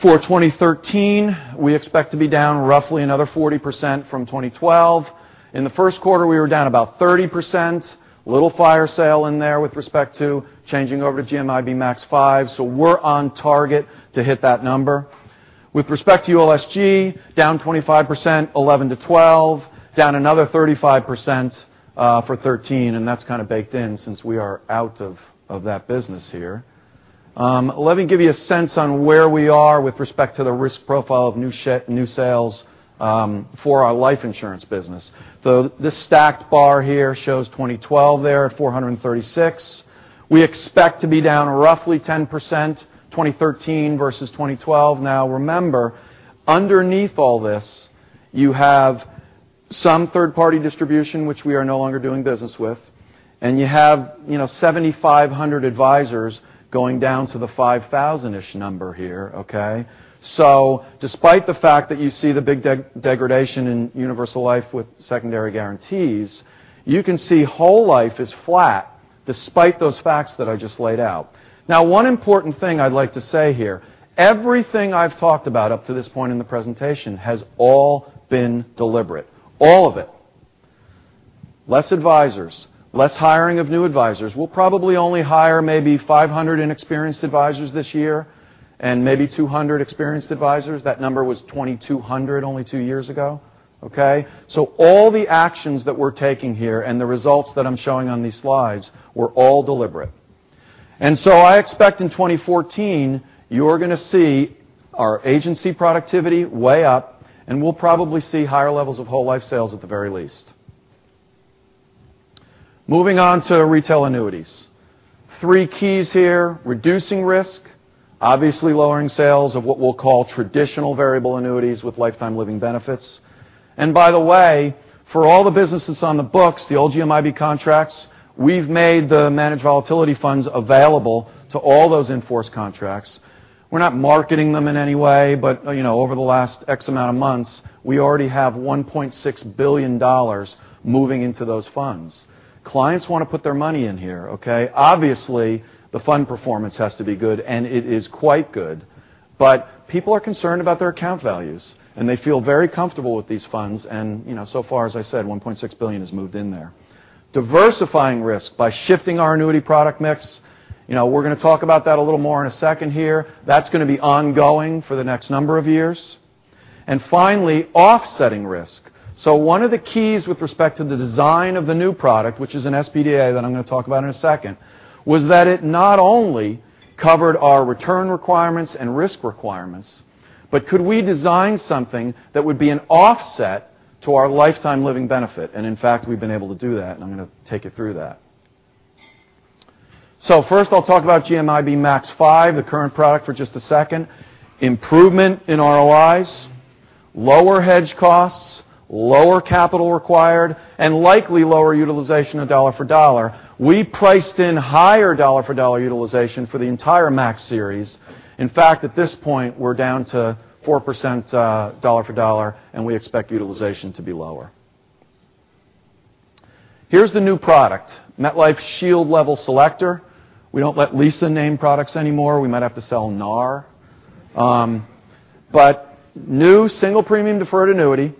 Speaker 6: For 2013, we expect to be down roughly another 40% from 2012. In the first quarter, we were down about 30%. Little fire sale in there with respect to changing over to GMIB Max 5. We're on target to hit that number. With respect to ULSG, down 25%, 2011 to 2012. Down another 35% for 2013, that's kind of baked in since we are out of that business here. Let me give you a sense on where we are with respect to the risk profile of new sales for our life insurance business. This stacked bar here shows 2012 there at $436. We expect to be down roughly 10%, 2013 versus 2012. Remember, underneath all this, you have some third party distribution which we are no longer doing business with, and you have 7,500 advisors going down to the 5,000-ish number here, okay? Despite the fact that you see the big degradation in Universal Life with Secondary Guarantees, you can see whole life is flat despite those facts that I just laid out. One important thing I'd like to say here, everything I've talked about up to this point in the presentation has all been deliberate. All of it. Less advisors, less hiring of new advisors. We'll probably only hire maybe 500 inexperienced advisors this year and maybe 200 experienced advisors. That number was 2,200 only two years ago, okay? All the actions that we're taking here and the results that I'm showing on these slides were all deliberate. I expect in 2014, you're going to see our agency productivity way up, and we'll probably see higher levels of whole life sales at the very least. Moving on to retail annuities. Three keys here, reducing risk, obviously lowering sales of what we'll call traditional variable annuities with lifetime living benefits. By the way, for all the businesses on the books, the old GMIB contracts, we've made the managed volatility funds available to all those in-force contracts. We're not marketing them in any way, over the last X amount of months, we already have $1.6 billion moving into those funds. Clients want to put their money in here, okay? Obviously, the fund performance has to be good, and it is quite good. People are concerned about their account values, and they feel very comfortable with these funds. So far, as I said, $1.6 billion has moved in there. Diversifying risk by shifting our annuity product mix. We're going to talk about that a little more in a second here. That's going to be ongoing for the next number of years. Finally, offsetting risk. One of the keys with respect to the design of the new product, which is an SPDA that I'm going to talk about in a second, was that it not only covered our return requirements and risk requirements, but could we design something that would be an offset to our lifetime living benefit? In fact, we've been able to do that, and I'm going to take you through that. First, I'll talk about GMIB Max 5, the current product, for just a second. Improvement in ROIs, lower hedge costs, lower capital required, and likely lower utilization of dollar-for-dollar. We priced in higher dollar-for-dollar utilization for the entire MAX series. In fact, at this point, we're down to 4% dollar-for-dollar, and we expect utilization to be lower. Here's the new product, MetLife Shield Level Selector. We don't let Lisa name products anymore. We might have to sell NAR. New Single Premium Deferred Annuity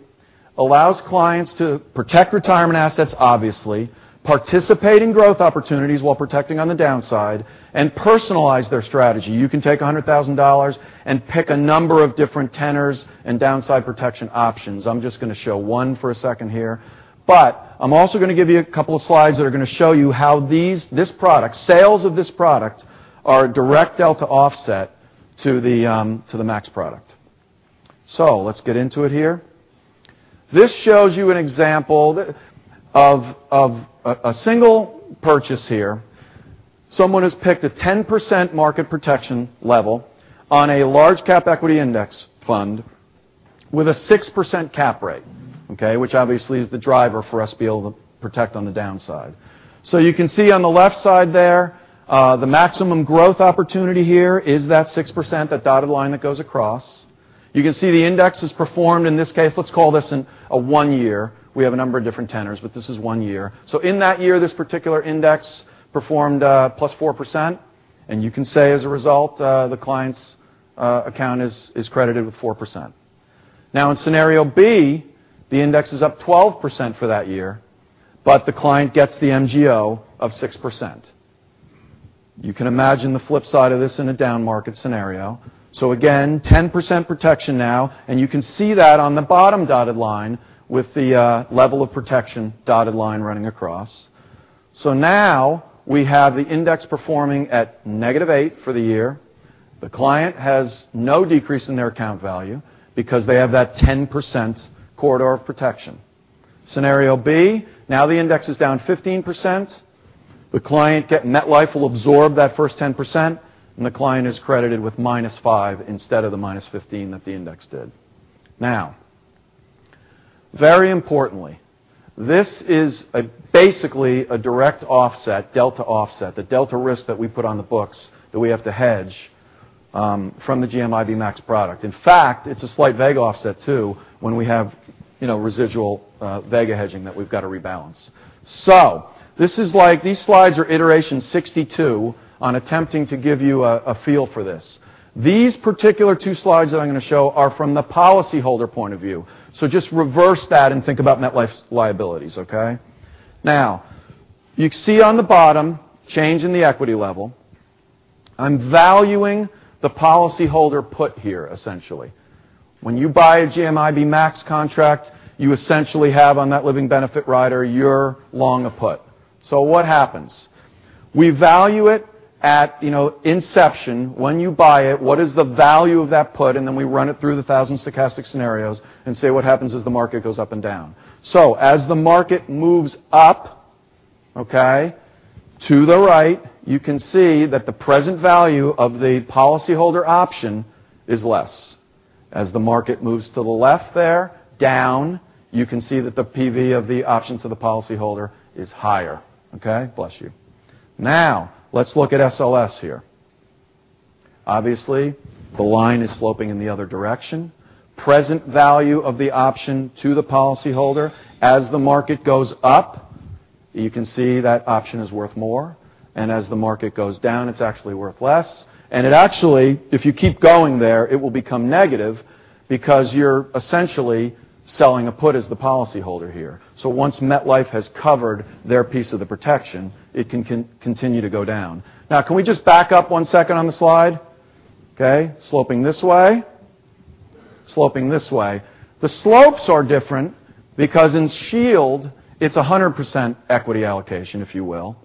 Speaker 6: allows clients to protect retirement assets, obviously, participate in growth opportunities while protecting on the downside, and personalize their strategy. You can take $100,000 and pick a number of different tenors and downside protection options. I'm just going to show one for a second here, but I'm also going to give you a couple of slides that are going to show you how this product, sales of this product, are a direct delta offset to the MAX product. Let's get into it here. This shows you an example of a single purchase here. Someone has picked a 10% market protection level on a large cap equity index fund with a 6% cap rate, okay? Which obviously is the driver for us to be able to protect on the downside. You can see on the left side there, the maximum growth opportunity here is that 6%, that dotted line that goes across. You can see the index is performed, in this case, let's call this a one year. We have a number of different tenors, but this is one year. In that year, this particular index performed +4%, and you can say as a result, the client's account is credited with 4%. In scenario B, the index is up 12% for that year, but the client gets the MGO of 6%. You can imagine the flip side of this in a down market scenario. Again, 10% protection now, and you can see that on the bottom dotted line with the level of protection dotted line running across. Now we have the index performing at -8 for the year. The client has no decrease in their account value because they have that 10% corridor of protection. Scenario B, the index is down 15%. MetLife will absorb that first 10%, and the client is credited with -5 instead of the -15 that the index did. Very importantly, this is basically a direct offset, delta offset, the delta risk that we put on the books that we have to hedge from the GMIB Max product. In fact, it's a slight vega offset too when we have residual vega hedging that we've got to rebalance. These slides are iteration 62 on attempting to give you a feel for this. These particular two slides that I'm going to show are from the policyholder point of view. Just reverse that and think about MetLife's liabilities, okay? You see on the bottom change in the equity level. I'm valuing the policyholder put here, essentially. When you buy a GMIB Max contract, you essentially have on that living benefit rider, you're long a put. What happens? We value it at inception when you buy it, what is the value of that put, and then we run it through the 1,000 stochastic scenarios and see what happens as the market goes up and down. As the market moves up to the right, you can see that the present value of the policyholder option is less. As the market moves to the left there, down, you can see that the PV of the option to the policyholder is higher, okay? Bless you. Let's look at SLS here. Obviously, the line is sloping in the other direction. Present value of the option to the policyholder as the market goes up, you can see that option is worth more. As the market goes down, it's actually worth less. It actually, if you keep going there, it will become negative because you're essentially selling a put as the policyholder here. Once MetLife has covered their piece of the protection, it can continue to go down. Can we just back up one second on the slide? Okay. Sloping this way. Sloping this way. The slopes are different because in Shield, it's 100% equity allocation, if you will.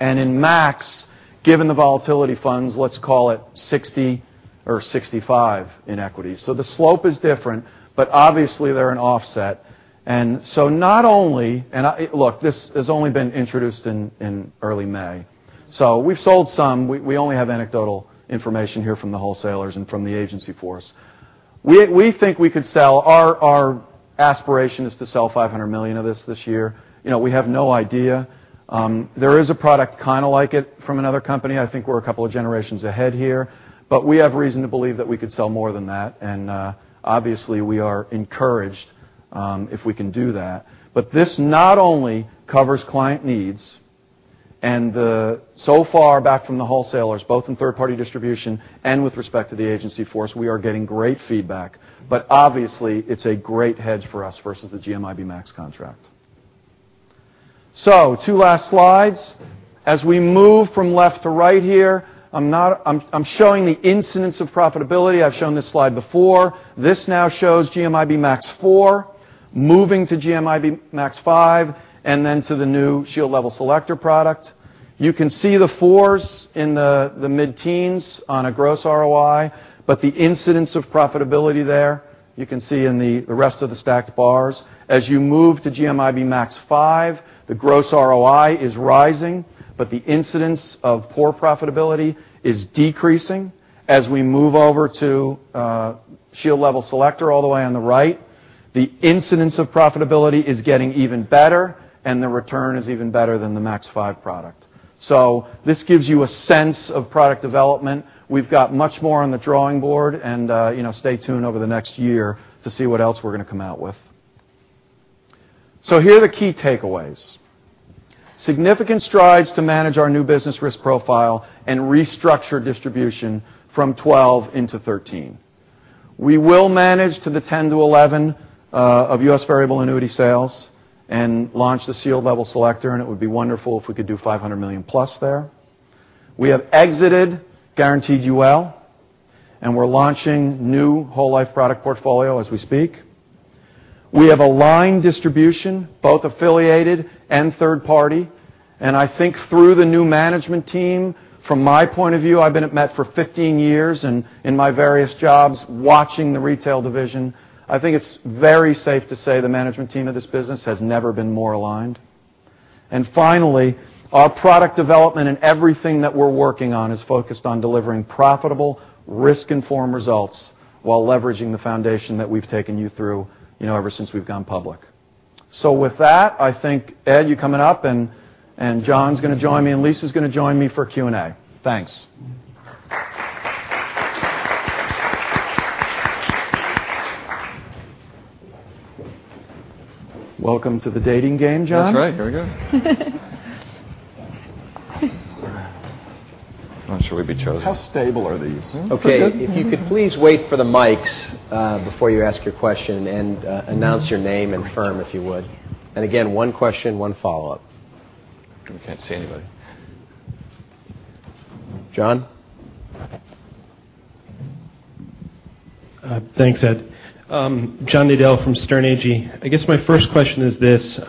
Speaker 6: In Max, given the volatility funds, let's call it 60 or 65 in equity. The slope is different, but obviously, they're an offset. This has only been introduced in early May. We've sold some. We only have anecdotal information here from the wholesalers and from the agency force. We think we could sell-- Our aspiration is to sell $500 million of this year. We have no idea. There is a product kind of like it from another company. I think we're a couple of generations ahead here. We have reason to believe that we could sell more than that. Obviously, we are encouraged if we can do that. This not only covers client needs and so far back from the wholesalers, both in third-party distribution and with respect to the agency force, we are getting great feedback. Obviously, it's a great hedge for us versus the GMIB Max contract. Two last slides. As we move from left to right here, I'm showing the incidence of profitability. I've shown this slide before. This now shows GMIB Max 4 moving to GMIB Max 5, and then to the new Shield Level Selector product. You can see the 4s in the mid-teens on a gross ROI, the incidence of profitability there, you can see in the rest of the stacked bars. As you move to GMIB Max 5, the gross ROI is rising, the incidence of poor profitability is decreasing. As we move over to Shield Level Selector all the way on the right, the incidence of profitability is getting even better, and the return is even better than the Max 5 product. This gives you a sense of product development. We've got much more on the drawing board and stay tuned over the next year to see what else we're going to come out with. Here are the key takeaways. Significant strides to manage our new business risk profile and restructure distribution from 2012 into 2013. We will manage to the 10-11 of U.S. variable annuity sales and launch the Shield Level Selector, and it would be wonderful if we could do $500 million+ there. We have exited guaranteed UL, and we're launching new whole life product portfolio as we speak. We have aligned distribution, both affiliated and third party, and I think through the new management team, from my point of view, I've been at Met for 15 years and in my various jobs watching the retail division, I think it's very safe to say the management team of this business has never been more aligned. Finally, our product development and everything that we're working on is focused on delivering profitable risk-informed results while leveraging the foundation that we've taken you through ever since we've gone public. With that, I think, Ed, you coming up, and John's going to join me, and Lisa's going to join me for Q&A. Thanks. Welcome to the dating game, John. That's right. Here we go. When shall we be chosen? How stable are these?
Speaker 1: Okay. If you could please wait for the mics, before you ask your question and announce your name and firm, if you would. Again, one question, one follow-up.
Speaker 6: I can't see anybody.
Speaker 1: John?
Speaker 7: Thanks, Ed. John Nadel from Sterne Agee. I guess my first question is this.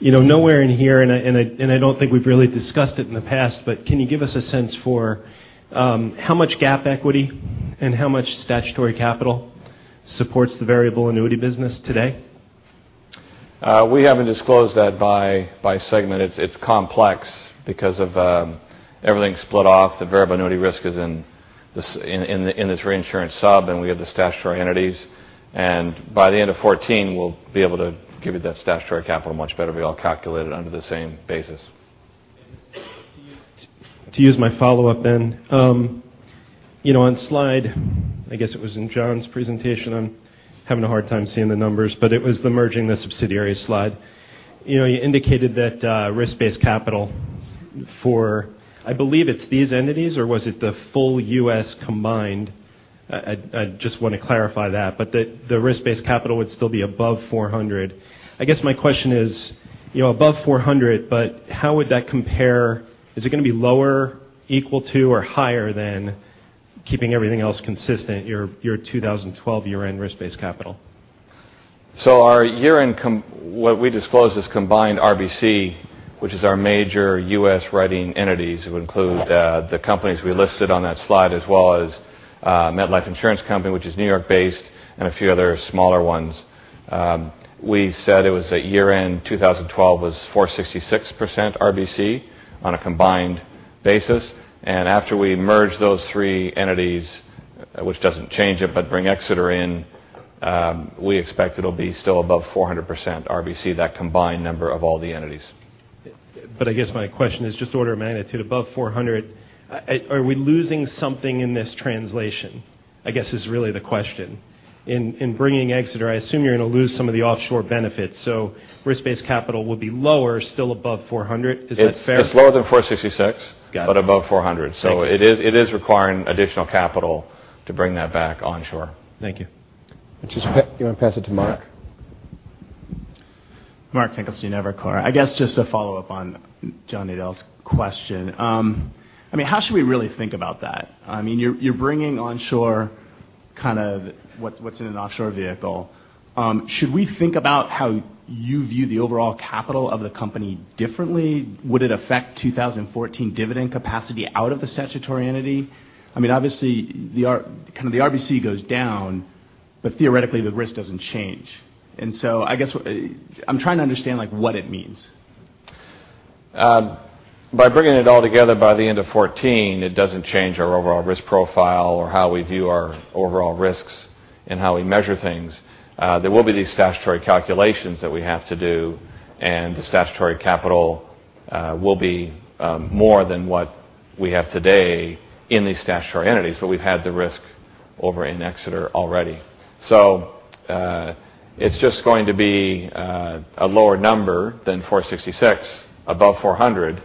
Speaker 7: Nowhere in here, and I don't think we've really discussed it in the past, but can you give us a sense for how much GAAP equity and how much statutory capital supports the variable annuity business today?
Speaker 3: We haven't disclosed that by segment. It's complex because of everything's split off. The variable annuity risk is in this reinsurance sub, and we have the statutory entities. By the end of 2014, we'll be able to give you that statutory capital much better. We all calculate it under the same basis.
Speaker 7: To use my follow-up. On slide, I guess it was in John's presentation, I'm having a hard time seeing the numbers, but it was the merging the subsidiary slide. You indicated that risk-based capital for, I believe it's these entities or was it the full U.S. combined? I just want to clarify that, but the risk-based capital would still be above 400. I guess my question is, above 400, but how would that compare? Is it going to be lower, equal to, or higher than keeping everything else consistent, your 2012 year-end risk-based capital?
Speaker 3: What we disclose as combined RBC, which is our major U.S. writing entities, would include the companies we listed on that slide, as well as MetLife Insurance Company, which is New York-based, and a few other smaller ones. We said it was at year-end 2012 was 466% RBC on a combined basis. After we merge those three entities, which doesn't change it but bring Exeter in, we expect it'll be still above 400% RBC, that combined number of all the entities.
Speaker 7: I guess my question is just order of magnitude above 400, are we losing something in this translation? I guess is really the question. In bringing Exeter, I assume you're going to lose some of the offshore benefits. Risk-based capital would be lower, still above 400. Is that fair?
Speaker 3: It's lower than 466-
Speaker 7: Got it.
Speaker 3: -but above 400.
Speaker 7: Thank you.
Speaker 3: It is requiring additional capital to bring that back onshore.
Speaker 7: Thank you.
Speaker 1: You want to pass it to Mark?
Speaker 8: Mark Finkelstein of Evercore. I guess just to follow up on John Nadel's question. How should we really think about that? You're bringing onshore kind of what's in an offshore vehicle. Should we think about how you view the overall capital of the company differently? Would it affect 2014 dividend capacity out of the statutory entity? Obviously, the RBC goes down, but theoretically, the risk doesn't change. I guess I'm trying to understand what it means.
Speaker 3: By bringing it all together by the end of 2014, it doesn't change our overall risk profile or how we view our overall risks and how we measure things. There will be these statutory calculations that we have to do, and the statutory capital will be more than what we have today in these statutory entities, but we've had the risk over in Exeter already. It's just going to be a lower number than 466 above 400,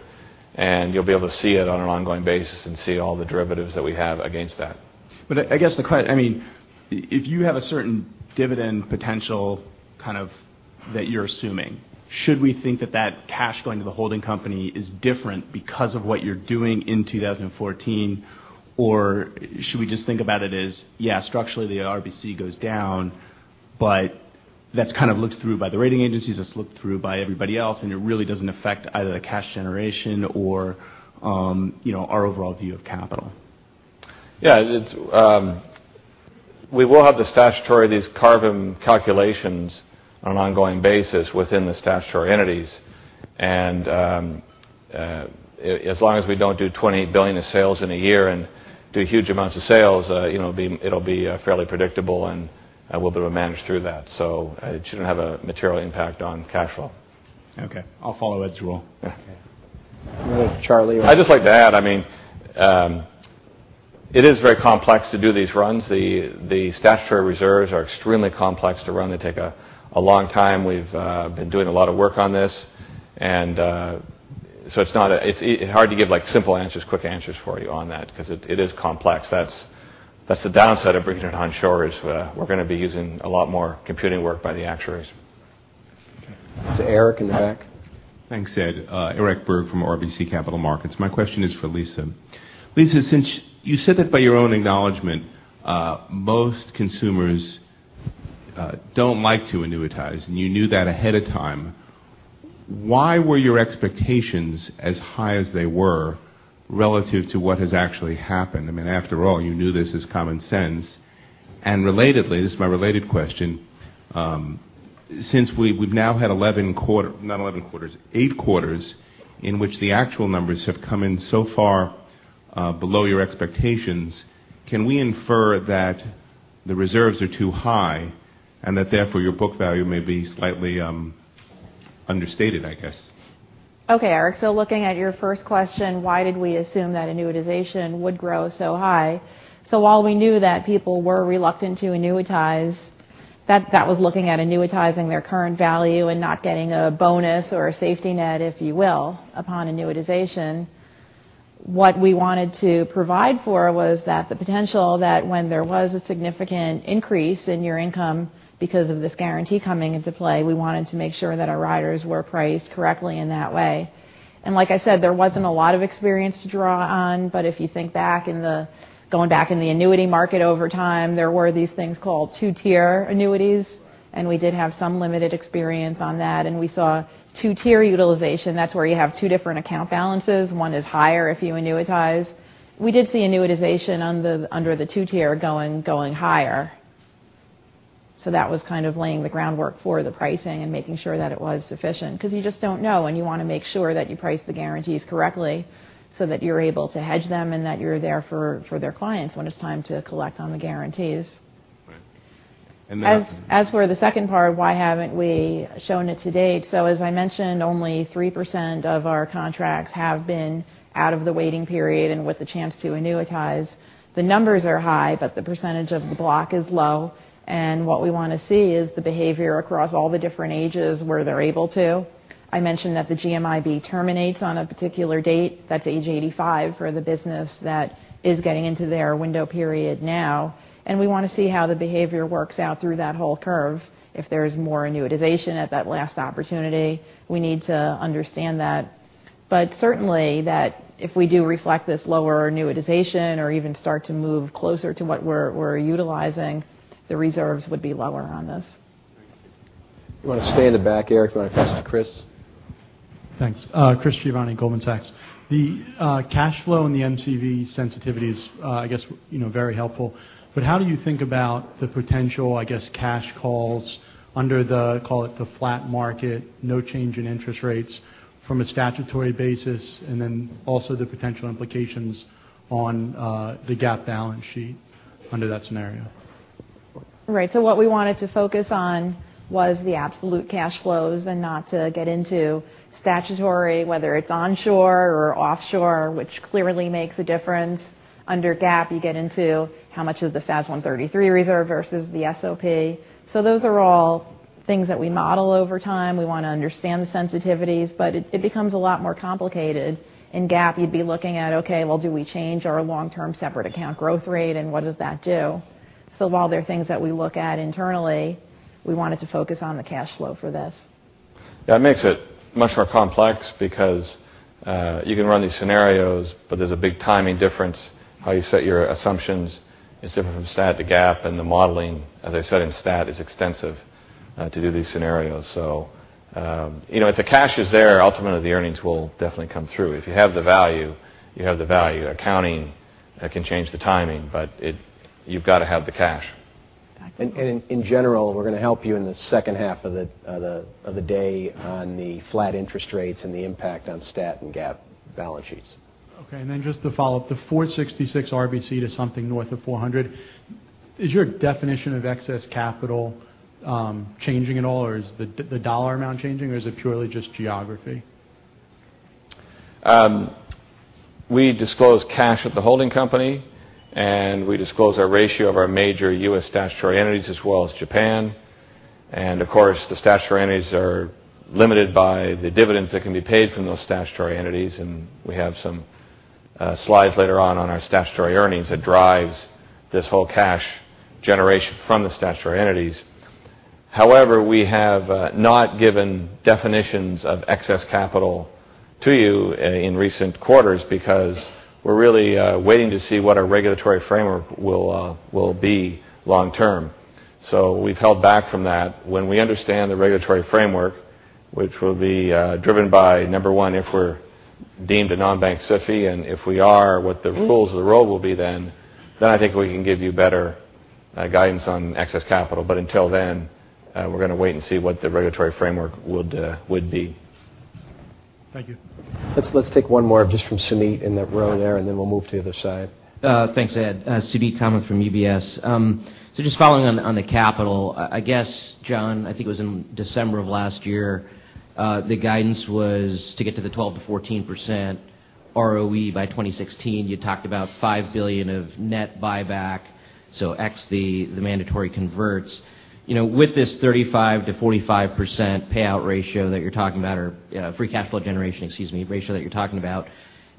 Speaker 3: and you'll be able to see it on an ongoing basis and see all the derivatives that we have against that.
Speaker 8: I guess the question, if you have a certain dividend potential that you're assuming, should we think that that cash going to the holding company is different because of what you're doing in 2014? Should we just think about it as, yeah, structurally, the RBC goes down, but that's looked through by the rating agencies, that's looked through by everybody else, and it really doesn't affect either the cash generation or our overall view of capital.
Speaker 3: Yeah. We will have the statutory, these CARVM calculations on an ongoing basis within the statutory entities. As long as we don't do $20 billion of sales in a year and do huge amounts of sales, it'll be fairly predictable, and we'll be able to manage through that. It shouldn't have a material impact on cash flow.
Speaker 8: Okay. I'll follow Ed's rule.
Speaker 3: Yeah.
Speaker 1: Okay. We'll go to Charlie.
Speaker 3: I'd just like to add, it is very complex to do these runs. The statutory reserves are extremely complex to run. They take a long time. We've been doing a lot of work on this. It's hard to give simple answers, quick answers for you on that because it is complex. That's the downside of bringing it on shore, is we're going to be using a lot more computing work by the actuaries.
Speaker 1: Okay. It's Eric in the back.
Speaker 9: Thanks, Ed. Eric Berg from RBC Capital Markets. My question is for Lisa. Lisa, since you said that by your own acknowledgment, most consumers don't like to annuitize, and you knew that ahead of time, why were your expectations as high as they were relative to what has actually happened? I mean, after all, you knew this as common sense. Relatedly, this is my related question, since we've now had eight quarters in which the actual numbers have come in so far below your expectations, can we infer that the reserves are too high and that therefore your book value may be slightly understated, I guess?
Speaker 5: Okay, Eric. Looking at your first question, why did we assume that annuitization would grow so high? While we knew that people were reluctant to annuitize, that was looking at annuitizing their current value and not getting a bonus or a safety net, if you will, upon annuitization. What we wanted to provide for was that the potential that when there was a significant increase in your income because of this guarantee coming into play, we wanted to make sure that our riders were priced correctly in that way. Like I said, there wasn't a lot of experience to draw on. If you think back, going back in the annuity market over time, there were these things called two-tier annuities, and we did have some limited experience on that, and we saw two-tier utilization. That's where you have two different account balances. One is higher if you annuitize. We did see annuitization under the two-tier going higher. That was kind of laying the groundwork for the pricing and making sure that it was sufficient because you just don't know, and you want to make sure that you price the guarantees correctly so that you're able to hedge them and that you're there for their clients when it's time to collect on the guarantees.
Speaker 9: Right.
Speaker 5: As for the second part, why haven't we shown it to date? As I mentioned, only 3% of our contracts have been out of the waiting period and with the chance to annuitize. The numbers are high, but the percentage of the block is low. What we want to see is the behavior across all the different ages where they're able to. I mentioned that the GMIB terminates on a particular date. That's age 85 for the business that is getting into their window period now. We want to see how the behavior works out through that whole curve. If there is more annuitization at that last opportunity, we need to understand that. Certainly, that if we do reflect this lower annuitization or even start to move closer to what we're utilizing, the reserves would be lower on this.
Speaker 9: Thank you.
Speaker 1: You want to stay in the back, Eric? Do you want a question to Chris?
Speaker 10: Thanks. Chris Giovanni, Goldman Sachs. The cash flow and the MCV sensitivities, I guess very helpful. How do you think about the potential, I guess, cash calls under the, call it, the flat market, no change in interest rates from a statutory basis, and then also the potential implications on the GAAP balance sheet under that scenario?
Speaker 5: What we wanted to focus on was the absolute cash flows and not to get into statutory, whether it's onshore or offshore, which clearly makes a difference. Under GAAP, you get into how much of the FAS 133 reserve versus the SOP. Those are all things that we model over time. We want to understand the sensitivities, but it becomes a lot more complicated. In GAAP, you'd be looking at, do we change our long-term separate account growth rate, and what does that do? While there are things that we look at internally, we wanted to focus on the cash flow for this.
Speaker 3: Yeah, it makes it much more complex because you can run these scenarios, but there's a big timing difference how you set your assumptions. It's different from stat to GAAP, and the modeling, as I said, in stat, is extensive to do these scenarios. If the cash is there, ultimately the earnings will definitely come through. If you have the value, you have the value. Accounting can change the timing, but you've got to have the cash.
Speaker 1: In general, we're going to help you in the second half of the day on the flat interest rates and the impact on stat and GAAP balance sheets.
Speaker 10: Okay. Then just to follow up, the 466 RBC to something north of 400. Is your definition of excess capital changing at all, or is the dollar amount changing, or is it purely just geography?
Speaker 3: We disclose cash at the holding company. Of course, the statutory entities are limited by the dividends that can be paid from those statutory entities, and we have some slides later on on our statutory earnings that drives this whole cash generation from the statutory entities. However, we have not given definitions of excess capital to you in recent quarters because we're really waiting to see what our regulatory framework will be long term. We've held back from that. When we understand the regulatory framework, which will be driven by, number one, if we're deemed a non-bank SIFI, and if we are, what the rules of the road will be then. I think we can give you better guidance on excess capital. Until then, we're going to wait and see what the regulatory framework would be.
Speaker 10: Thank you.
Speaker 1: Let's take one more just from Suneet in that row there, and then we'll move to the other side.
Speaker 11: Thanks, Ed. Suneet Kamath from UBS. Just following on the capital, I guess, John, I think it was in December of last year, the guidance was to get to the 12%-14% ROE by 2016. You talked about $5 billion of net buyback, so x the mandatory converts. With this 35%-45% payout ratio that you're talking about, or free cash flow generation, excuse me, ratio that you're talking about,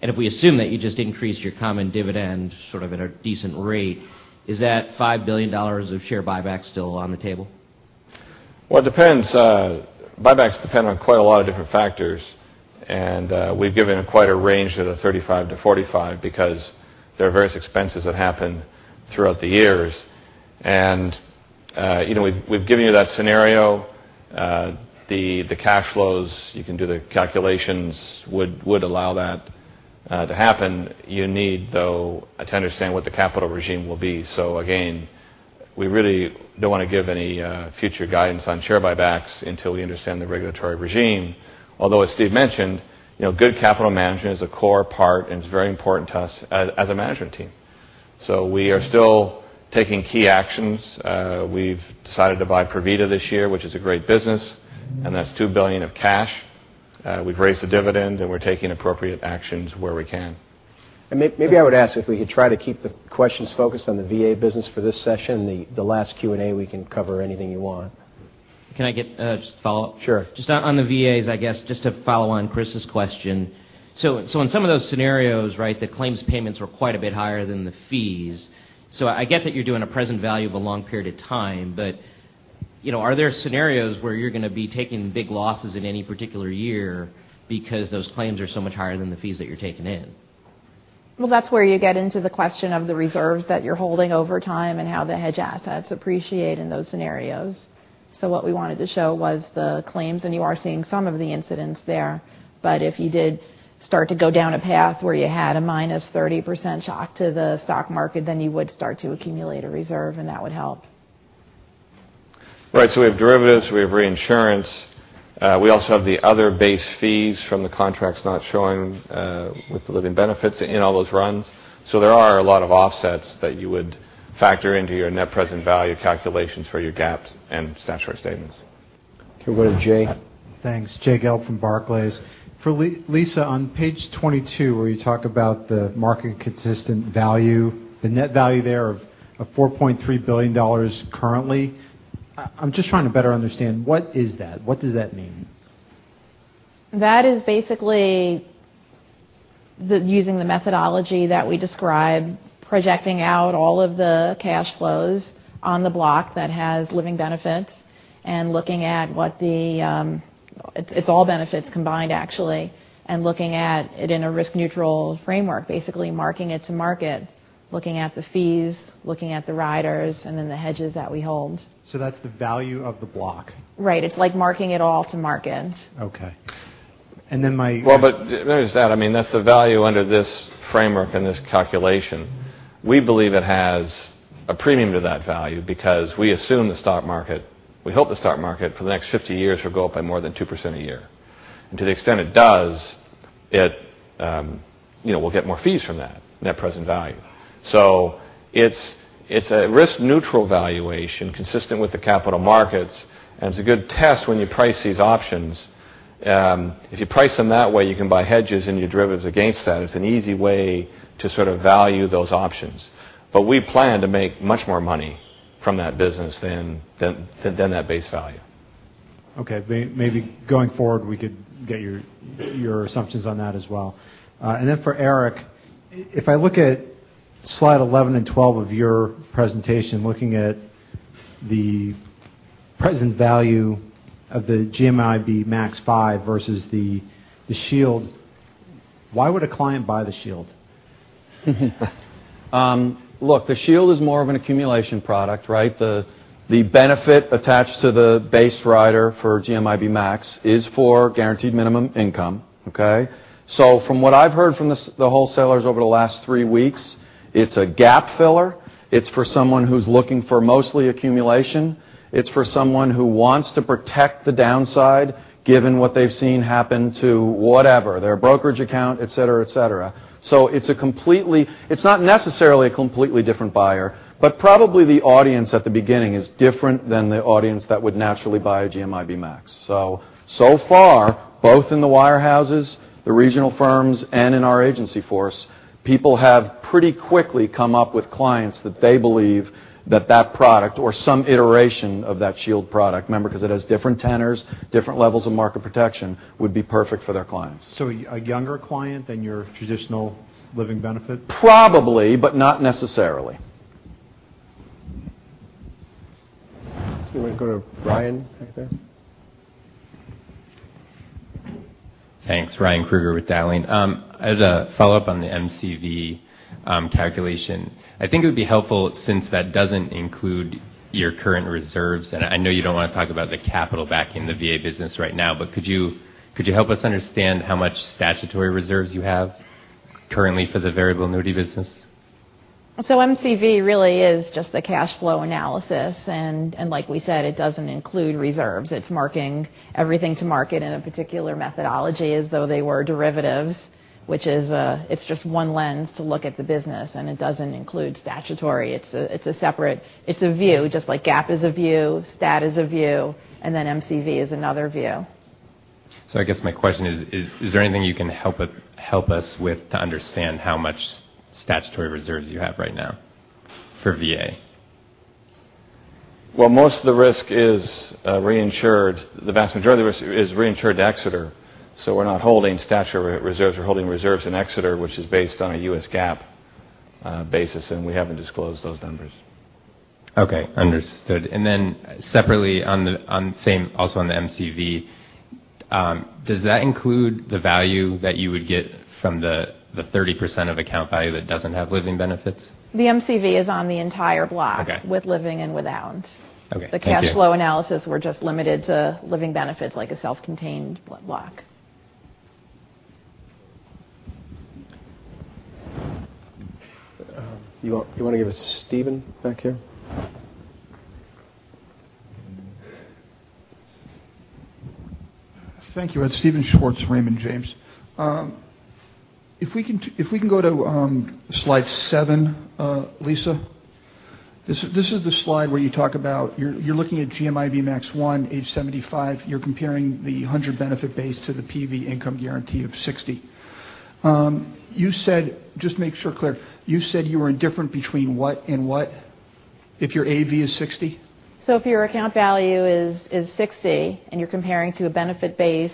Speaker 11: and if we assume that you just increased your common dividend sort of at a decent rate, is that $5 billion of share buyback still on the table?
Speaker 3: Well, it depends. Buybacks depend on quite a lot of different factors. We've given quite a range of the 35%-45% because there are various expenses that happen throughout the years. We've given you that scenario. The cash flows, you can do the calculations, would allow that to happen. You need, though, to understand what the capital regime will be. Again, we really don't want to give any future guidance on share buybacks until we understand the regulatory regime. Although, as Steve mentioned, good capital management is a core part and it's very important to us as a management team. We are still taking key actions. We've decided to buy Provida this year, which is a great business, and that's $2 billion of cash. We've raised the dividend, and we're taking appropriate actions where we can.
Speaker 1: Maybe I would ask if we could try to keep the questions focused on the VA business for this session. The last Q&A, we can cover anything you want.
Speaker 11: Can I get just a follow-up?
Speaker 1: Sure.
Speaker 11: Just on the VAs, I guess, just to follow on Chris's question. In some of those scenarios, the claims payments were quite a bit higher than the fees. I get that you're doing a present value of a long period of time, but are there scenarios where you're going to be taking big losses in any particular year because those claims are so much higher than the fees that you're taking in?
Speaker 5: Well, that's where you get into the question of the reserves that you're holding over time and how the hedge assets appreciate in those scenarios. What we wanted to show was the claims, and you are seeing some of the incidents there. If you did start to go down a path where you had a -30% shock to the stock market, then you would start to accumulate a reserve, and that would help.
Speaker 3: Right. We have derivatives, we have reinsurance. We also have the other base fees from the contracts not showing with the living benefits in all those runs. There are a lot of offsets that you would factor into your net present value calculations for your GAAP and statutory statements.
Speaker 1: Okay, we'll go to Jay.
Speaker 12: Thanks. Jay Gould from Barclays. For Lisa, on page 22, where you talk about the market consistent value, the net value there of $4.3 billion currently, I'm just trying to better understand, what is that? What does that mean?
Speaker 5: That is basically using the methodology that we describe, projecting out all of the cash flows on the block that has living benefits and looking at what it's all benefits combined, actually, and looking at it in a risk-neutral framework, basically marking it to market, looking at the fees, looking at the riders, and then the hedges that we hold.
Speaker 12: That's the value of the block.
Speaker 5: Right. It's like marking it all to market.
Speaker 12: Okay. Then
Speaker 3: Well, but there's that. I mean, that's the value under this framework and this calculation. We believe it has a premium to that value because we assume the stock market, we hope the stock market for the next 50 years will go up by more than 2% a year. To the extent it does, we'll get more fees from that net present value. It's a risk-neutral valuation consistent with the capital markets, and it's a good test when you price these options. If you price them that way, you can buy hedges and your derivatives against that. It's an easy way to sort of value those options. We plan to make much more money from that business than that base value.
Speaker 12: Okay. Maybe going forward, we could get your assumptions on that as well. Then for Eric, if I look at slide 11 and 12 of your presentation, looking at the present value of the GMIB Max 5 versus the Shield, why would a client buy the Shield?
Speaker 3: Look, the Shield is more of an accumulation product, right? The benefit attached to the base rider for GMIB Max is for guaranteed minimum income, okay? From what I've heard from the wholesalers over the last three weeks, it's a gap filler.
Speaker 6: It's for someone who's looking for mostly accumulation. It's for someone who wants to protect the downside, given what they've seen happen to whatever, their brokerage account, et cetera. It's not necessarily a completely different buyer, but probably the audience at the beginning is different than the audience that would naturally buy a GMIB Max. Far, both in the wirehouses, the regional firms, and in our agency force, people have pretty quickly come up with clients that they believe that that product or some iteration of that Shield product, remember, because it has different tenors, different levels of market protection, would be perfect for their clients.
Speaker 12: A younger client than your traditional living benefit?
Speaker 6: Probably, but not necessarily.
Speaker 1: We're going to go to Ryan back there.
Speaker 13: Thanks. Ryan Krueger with Daleen. As a follow-up on the MCV calculation, I think it would be helpful since that doesn't include your current reserves, and I know you don't want to talk about the capital backing the VA business right now, but could you help us understand how much statutory reserves you have currently for the variable annuity business?
Speaker 5: MCV really is just a cash flow analysis, and like we said, it doesn't include reserves. It's marking everything to market in a particular methodology as though they were derivatives, which is just one lens to look at the business, and it doesn't include statutory. It's a separate view, just like GAAP is a view, STAT is a view, MCV is another view.
Speaker 13: I guess my question is there anything you can help us with to understand how much statutory reserves you have right now for VA?
Speaker 3: Well, most of the risk is reinsured. The vast majority of it is reinsured to Exeter, so we're not holding statutory reserves. We're holding reserves in Exeter, which is based on a U.S. GAAP basis, and we haven't disclosed those numbers.
Speaker 13: Okay. Understood. Separately, also on the MCV, does that include the value that you would get from the 30% of account value that doesn't have living benefits?
Speaker 5: The MCV is on the entire block-
Speaker 13: Okay
Speaker 5: with living and without.
Speaker 13: Okay. Thank you.
Speaker 5: The cash flow analysis, we're just limited to living benefits like a self-contained block.
Speaker 1: You want to give it to Steven back here?
Speaker 14: Thank you. It's Steven Schwartz, Raymond James. If we can go to slide seven, Lisa. This is the slide where you're looking at GMIB Max One, age 75. You're comparing the 100 benefit base to the PV income guarantee of 60. Just to make sure clear, you said you were indifferent between what and what if your AV is 60?
Speaker 5: If your account value is 60 and you're comparing to a benefit base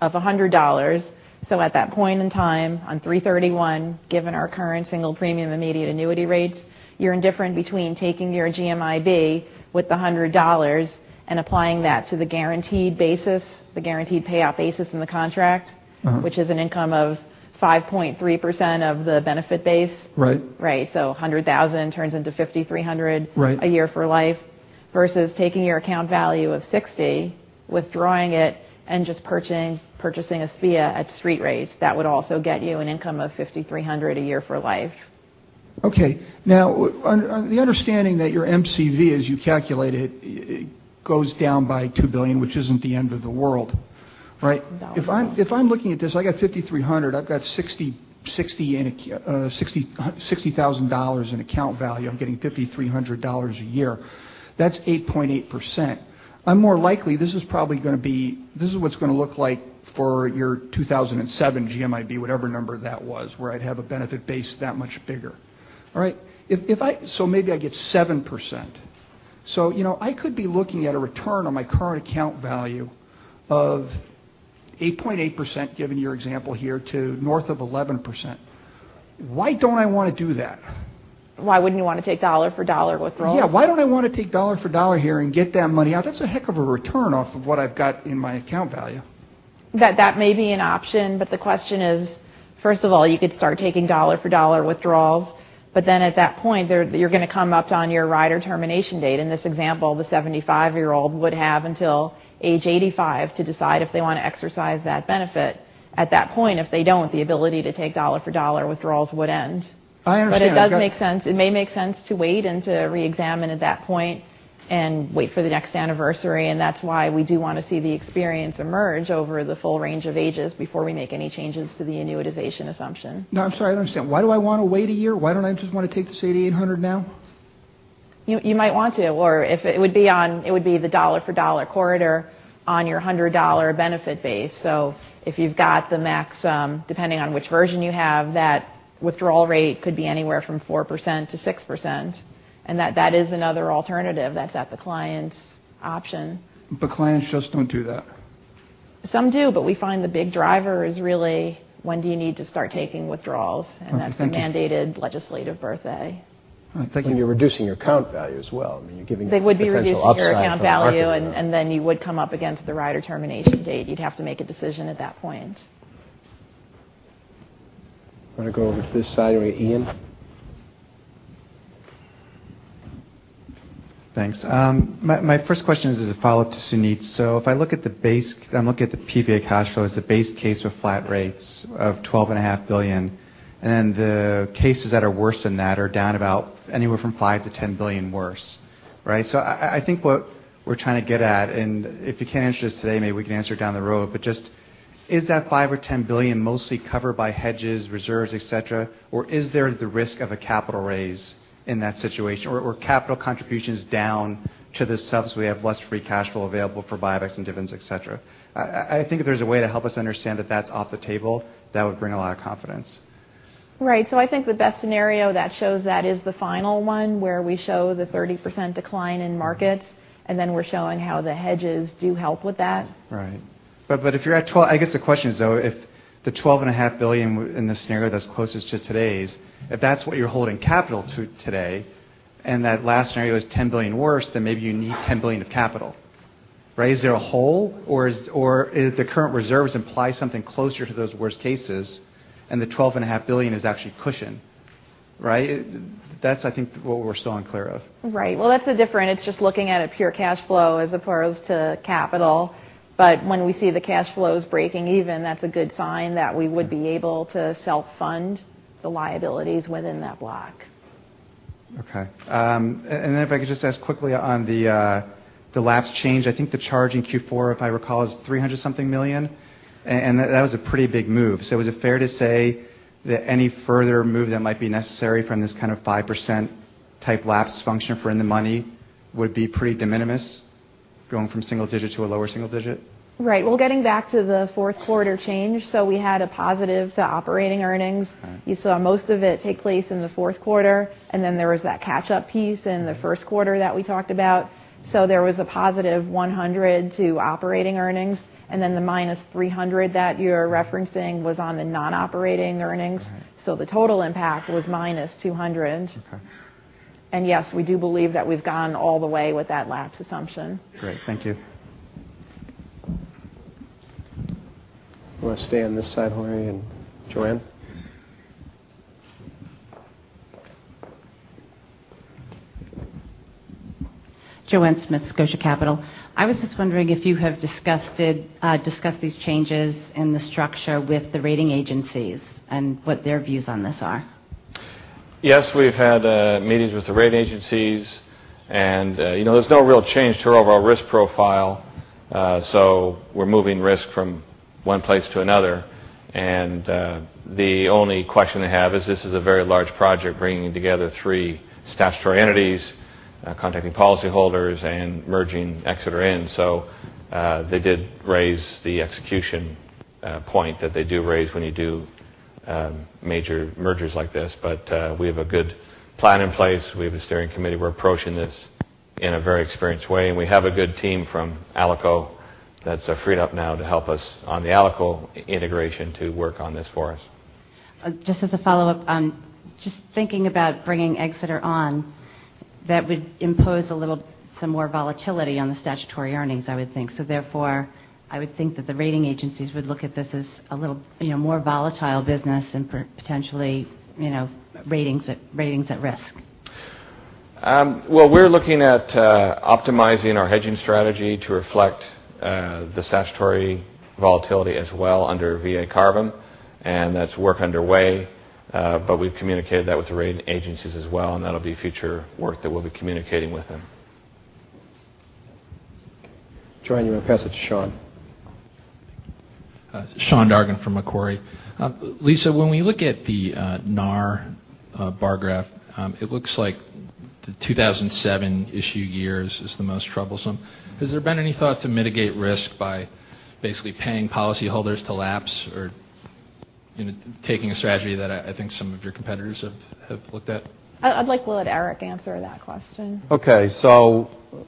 Speaker 5: of $100, at that point in time, on three thirty-one, given our current Single Premium Immediate Annuity rates, you're indifferent between taking your GMIB with the $100 and applying that to the guaranteed basis, the guaranteed payoff basis in the contract- which is an income of 5.3% of the benefit base.
Speaker 14: Right.
Speaker 5: Right. $100,000 turns into $5,300-
Speaker 14: Right
Speaker 5: a year for life, versus taking your account value of 60, withdrawing it, and just purchasing a SPIA at street rates. That would also get you an income of $5,300 a year for life.
Speaker 14: Okay. the understanding that your MCV, as you calculate it, goes down by $2 billion, which isn't the end of the world, right?
Speaker 5: No.
Speaker 14: If I'm looking at this, I got 5,300, I've got $60,000 in account value. I'm getting $5,300 a year. That's 8.8%. I'm more likely this is what it's going to look like for your 2007 GMIB, whatever number that was, where I'd have a benefit base that much bigger. All right? Maybe I get 7%. I could be looking at a return on my current account value of 8.8%, given your example here, to north of 11%. Why don't I want to do that?
Speaker 5: Why wouldn't you want to take dollar-for-dollar withdrawal?
Speaker 14: Yeah. Why don't I want to take dollar-for-dollar here and get that money out? That's a heck of a return off of what I've got in my account value.
Speaker 5: That may be an option, but the question is, first of all, you could start taking dollar-for-dollar withdrawals, but then at that point, you're going to come up on your rider termination date. In this example, the 75-year-old would have until age 85 to decide if they want to exercise that benefit. At that point, if they don't, the ability to take dollar-for-dollar withdrawals would end.
Speaker 14: I understand.
Speaker 5: It does make sense. It may make sense to wait and to reexamine at that point and wait for the next anniversary, and that's why we do want to see the experience emerge over the full range of ages before we make any changes to the annuitization assumption.
Speaker 14: I'm sorry, I don't understand. Why do I want to wait a year? Why don't I just want to take the $8,800 now?
Speaker 5: You might want to, or it would be the dollar-for-dollar corridor on your $100 benefit base. If you've got the Max, depending on which version you have, that withdrawal rate could be anywhere from 4% to 6%, and that is another alternative that's at the client's option.
Speaker 14: Clients just don't do that.
Speaker 5: Some do. We find the big driver is really when do you need to start taking withdrawals, and that's a mandated legislative birthday.
Speaker 14: I think you're reducing your account value as well. I mean, you're giving up potential upside from the market.
Speaker 5: It would reduce your account value. You would come up again to the rider termination date. You'd have to make a decision at that point.
Speaker 1: Want to go over to this side, Ian?
Speaker 15: Thanks. My first question is a follow-up to Suneet. If I look at the PVA cash flow as the base case with flat rates of $12.5 billion, and the cases that are worse than that are down about anywhere from $5 billion-$10 billion worse. Right? I think what we're trying to get at, and if you can't answer this today, maybe we can answer it down the road, but just is that $5 billion or $10 billion mostly covered by hedges, reserves, et cetera, or is there the risk of a capital raise in that situation, or capital contributions down to the subs, we have less free cash flow available for buybacks and dividends, et cetera? I think if there's a way to help us understand that that's off the table, that would bring a lot of confidence.
Speaker 5: Right. I think the best scenario that shows that is the final one, where we show the 30% decline in markets, and then we're showing how the hedges do help with that.
Speaker 15: Right. I guess the question is, though, if the $12.5 billion in the scenario that's closest to today's, if that's what you're holding capital to today, and that last scenario is $10 billion worse, then maybe you need $10 billion of capital. Right? Is there a hole, or the current reserves imply something closer to those worst cases and the $12.5 billion is actually cushion. Right? That's, I think, what we're still unclear of.
Speaker 5: Well, it's just looking at a pure cash flow as opposed to capital. When we see the cash flows breaking even, that's a good sign that we would be able to self-fund the liabilities within that block.
Speaker 15: Then if I could just ask quickly on the lapse change. I think the charge in Q4, if I recall, is $300 something million, that was a pretty big move. Is it fair to say that any further move that might be necessary from this kind of 5% type lapse function for in the money would be pretty de minimis, going from single digit to a lower single digit?
Speaker 5: Well, getting back to the fourth quarter change, we had a positive to operating earnings.
Speaker 15: Right.
Speaker 5: You saw most of it take place in the fourth quarter. Then there was that catch-up piece in the first quarter that we talked about. There was a positive $100 to operating earnings. Then the minus $300 that you're referencing was on the non-operating earnings.
Speaker 15: Right.
Speaker 5: The total impact was -$200.
Speaker 15: Okay.
Speaker 5: Yes, we do believe that we've gone all the way with that lapse assumption.
Speaker 15: Great. Thank you.
Speaker 3: We're going to stay on this side, Jorge and Joanne.
Speaker 16: Joanne Smith, Scotia Capital. I was just wondering if you have discussed these changes in the structure with the rating agencies and what their views on this are.
Speaker 3: Yes, we've had meetings with the rating agencies, there's no real change to our overall risk profile. We're moving risk from one place to another. The only question they have is this is a very large project, bringing together three statutory entities, contacting policyholders, and merging Exeter in. They did raise the execution point that they do raise when you do major mergers like this. We have a good plan in place. We have a steering committee. We're approaching this in a very experienced way, and we have a good team from Alico that's freed up now to help us on the Alico integration to work on this for us.
Speaker 16: Just as a follow-up, just thinking about bringing Exeter on, that would impose some more volatility on the statutory earnings, I would think. Therefore, I would think that the rating agencies would look at this as a little more volatile business and potentially ratings at risk.
Speaker 3: We're looking at optimizing our hedging strategy to reflect the statutory volatility as well under VA CARVM, that's work underway. We've communicated that with the rating agencies as well, that'll be future work that we'll be communicating with them. Joanne, you want to pass it to Sean?
Speaker 1: Sean Dargan from Macquarie. Lisa, when we look at the NAR bar graph, it looks like the 2007 issue years is the most troublesome. Has there been any thought to mitigate risk by basically paying policyholders to lapse or taking a strategy that I think some of your competitors have looked at?
Speaker 5: I'd like to let Eric answer that question.
Speaker 6: Okay.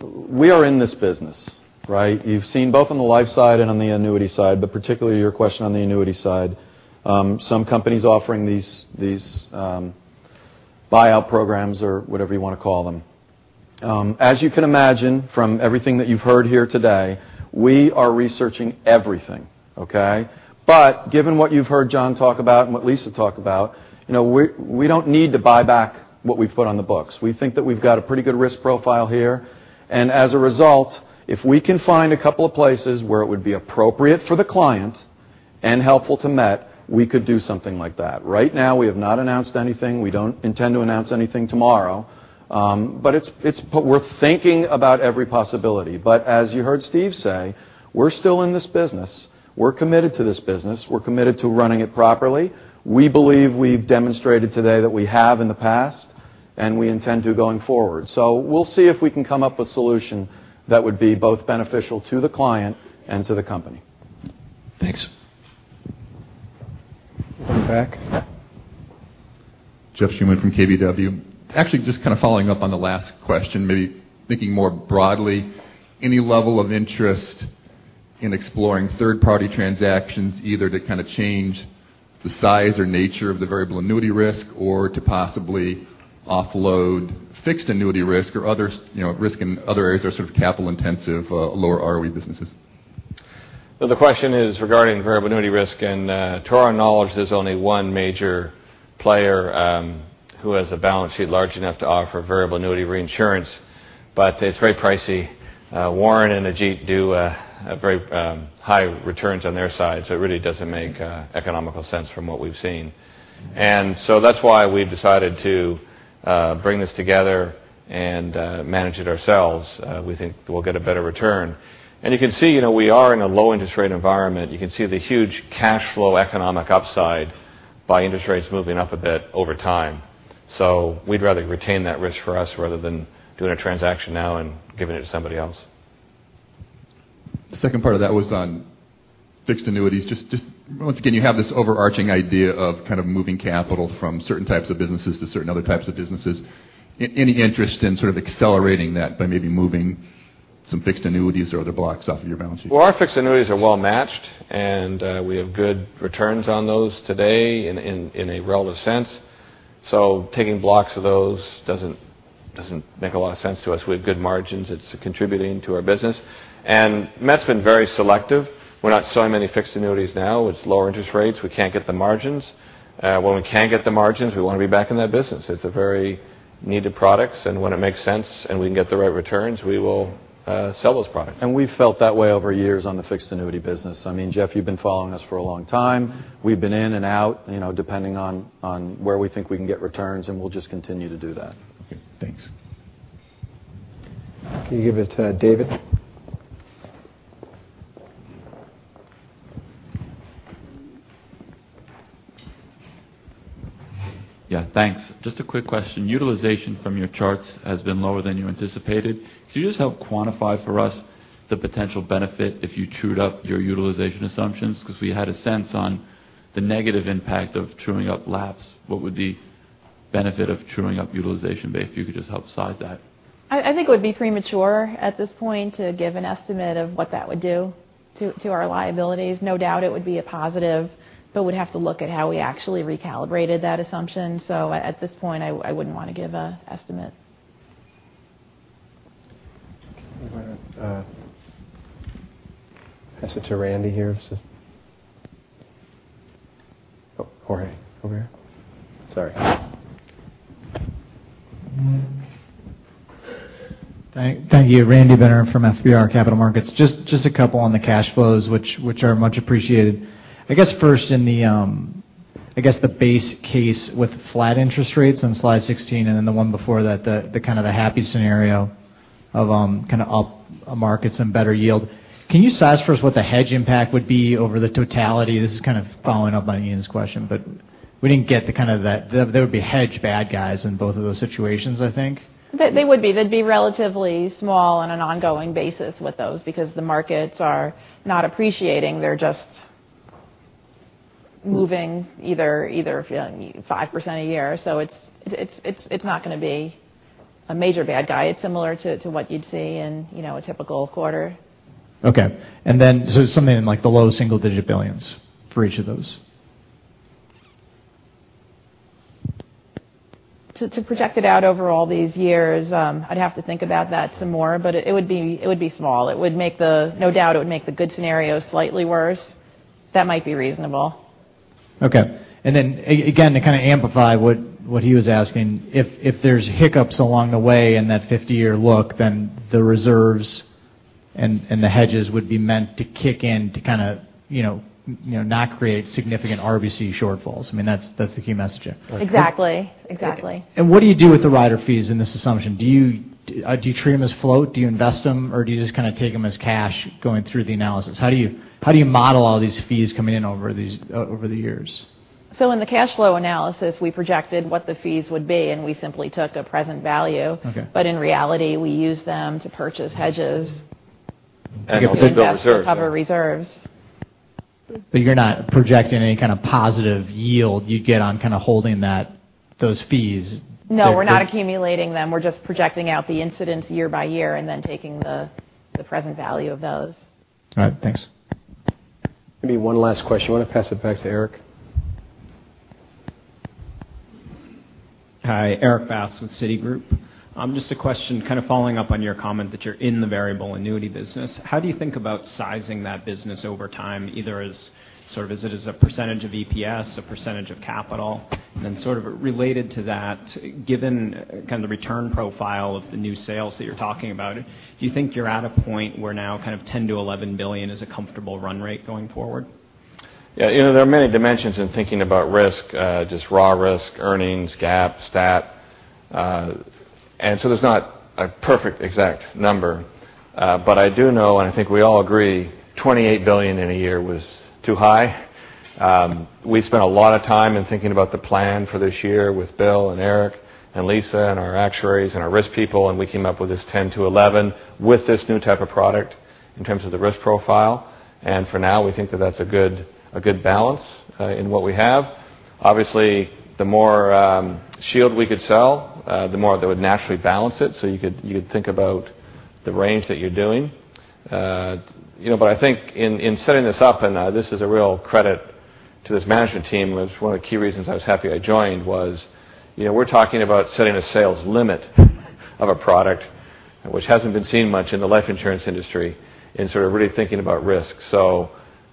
Speaker 6: We are in this business, right? You've seen both on the life side and on the annuity side, but particularly your question on the annuity side, some companies offering these buyout programs or whatever you want to call them. As you can imagine from everything that you've heard here today, we are researching everything, okay? Given what you've heard John talk about and what Lisa talked about, we don't need to buy back what we've put on the books. We think that we've got a pretty good risk profile here, and as a result, if we can find a couple of places where it would be appropriate for the client and helpful to Met, we could do something like that. Right now, we have not announced anything. We don't intend to announce anything tomorrow. We're thinking about every possibility. As you heard Steve say, we're still in this business. We're committed to this business. We're committed to running it properly. We believe we've demonstrated today that we have in the past, and we intend to going forward. We'll see if we can come up with a solution that would be both beneficial to the client and to the company.
Speaker 15: Thanks.
Speaker 1: In the back.
Speaker 17: Jeff Schuman from KBW. Actually, just kind of following up on the last question, maybe thinking more broadly, any level of interest in exploring third-party transactions, either to kind of change the size or nature of the variable annuity risk, or to possibly offload fixed annuity risk or risk in other areas that are sort of capital intensive, lower ROE businesses?
Speaker 3: Well, the question is regarding variable annuity risk, and to our knowledge, there's only one major player who has a balance sheet large enough to offer variable annuity reinsurance. It's very pricey. Warren and Ajit do very high returns on their side, so it really doesn't make economical sense from what we've seen. That's why we've decided to bring this together and manage it ourselves. We think we'll get a better return. You can see, we are in a low interest rate environment. You can see the huge cash flow economic upside by interest rates moving up a bit over time. We'd rather retain that risk for us rather than doing a transaction now and giving it to somebody else.
Speaker 17: The second part of that was on fixed annuities. Just once again, you have this overarching idea of kind of moving capital from certain types of businesses to certain other types of businesses. Any interest in sort of accelerating that by maybe moving some fixed annuities or other blocks off of your balance sheet?
Speaker 3: Well, our fixed annuities are well-matched. We have good returns on those today in a relative sense. Taking blocks of those doesn't make a lot of sense to us. We have good margins. It's contributing to our business. Met's been very selective. We're not selling many fixed annuities now. With lower interest rates, we can't get the margins. When we can get the margins, we want to be back in that business. It's a very needed product. When it makes sense and we can get the right returns, we will sell those products.
Speaker 6: We've felt that way over years on the fixed annuity business. I mean, Jeff, you've been following us for a long time. We've been in and out, depending on where we think we can get returns. We'll just continue to do that.
Speaker 17: Okay. Thanks.
Speaker 1: Can you give it to David?
Speaker 18: Yeah. Thanks. Just a quick question. Utilization from your charts has been lower than you anticipated. Could you just help quantify for us the potential benefit if you trued up your utilization assumptions? Because we had a sense on the negative impact of truing up lapse. What would the benefit of truing up utilization be? If you could just help size that.
Speaker 5: I think it would be premature at this point to give an estimate of what that would do to our liabilities. No doubt it would be a positive, we'd have to look at how we actually recalibrated that assumption. At this point, I wouldn't want to give an estimate.
Speaker 1: Okay. I'm going to pass it to Randy here. Oh, Jorge, over here. Sorry.
Speaker 19: Thank you. Randy Binner from FBR Capital Markets. Just a couple on the cash flows, which are much appreciated. I guess first in the base case with flat interest rates on slide 16, then the one before that, the kind of the happy scenario of kind of up markets and better yield. Can you size for us what the hedge impact would be over the totality? This is kind of following up on Ian's question, we didn't get the kind of that there would be hedge bad guys in both of those situations, I think.
Speaker 5: They would be. They'd be relatively small on an ongoing basis with those because the markets are not appreciating. They're just moving either 5% a year. It's not going to be a major bad guy. It's similar to what you'd see in a typical quarter.
Speaker 19: Okay. Something in like the low single-digit billions for each of those.
Speaker 5: To project it out over all these years, I'd have to think about that some more, it would be small. No doubt it would make the good scenario slightly worse. That might be reasonable.
Speaker 19: Okay. Again, to kind of amplify what he was asking, if there's hiccups along the way in that 50-year look, then the reserves and the hedges would be meant to kick in to kind of not create significant RBC shortfalls. I mean, that's the key message.
Speaker 5: Exactly.
Speaker 19: What do you do with the rider fees in this assumption? Do you treat them as float? Do you invest them, or do you just kind of take them as cash going through the analysis? How do you model all these fees coming in over the years?
Speaker 5: In the cash flow analysis, we projected what the fees would be, and we simply took a present value.
Speaker 19: Okay.
Speaker 5: In reality, we use them to purchase hedges.
Speaker 3: Build the reserves.
Speaker 5: To cover reserves.
Speaker 19: You're not projecting any kind of positive yield you'd get on kind of holding those fees.
Speaker 5: No, we're not accumulating them. We're just projecting out the incidents year by year and then taking the present value of those.
Speaker 19: All right. Thanks.
Speaker 1: Maybe one last question. You want to pass it back to Eric?
Speaker 20: Hi, Erik Bass with Citigroup. Just a question, kind of following up on your comment that you're in the variable annuity business. How do you think about sizing that business over time, either as sort of as it is a % of EPS, a % of capital? Sort of related to that, given kind of the return profile of the new sales that you're talking about, do you think you're at a point where now kind of $10 billion-$11 billion is a comfortable run rate going forward?
Speaker 3: Yeah. There are many dimensions in thinking about risk, just raw risk, earnings, GAAP, STAT. There's not a perfect exact number. I do know, and I think we all agree, $28 billion in a year was too high. We spent a lot of time in thinking about the plan for this year with Bill and Eric and Lisa and our actuaries and our risk people, we came up with this $10-$11 with this new type of product in terms of the risk profile. For now, we think that that's a good balance in what we have. Obviously, the more Shield we could sell, the more that would naturally balance it. You could think about the range that you're doing. I think in setting this up, this is a real credit to this management team was one of the key reasons I was happy I joined was, we're talking about setting a sales limit of a product, which hasn't been seen much in the life insurance industry, sort of really thinking about risk.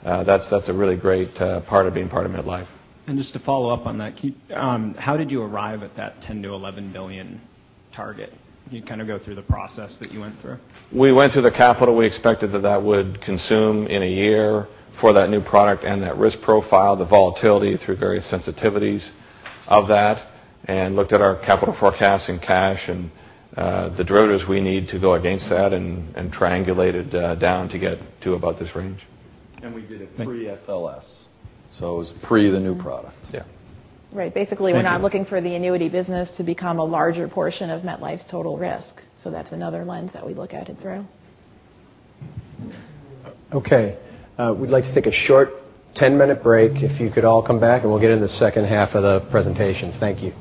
Speaker 3: That's a really great part of being part of MetLife.
Speaker 20: Just to follow up on that, how did you arrive at that $10 billion-$11 billion target? Can you kind of go through the process that you went through?
Speaker 3: We went through the capital we expected that would consume in a year for that new product and that risk profile, the volatility through various sensitivities of that, and looked at our capital forecast in cash and the derivatives we need to go against that and triangulated down to get to about this range.
Speaker 6: We did it pre-SLS.
Speaker 3: It was pre the new product.
Speaker 6: Yeah.
Speaker 5: Right. Basically, we're not looking for the annuity business to become a larger portion of MetLife's total risk. That's another lens that we look at it through.
Speaker 1: Okay. We'd like to take a short 10-minute break. If you could all come back, and we'll get into the second half of the presentation. Thank you.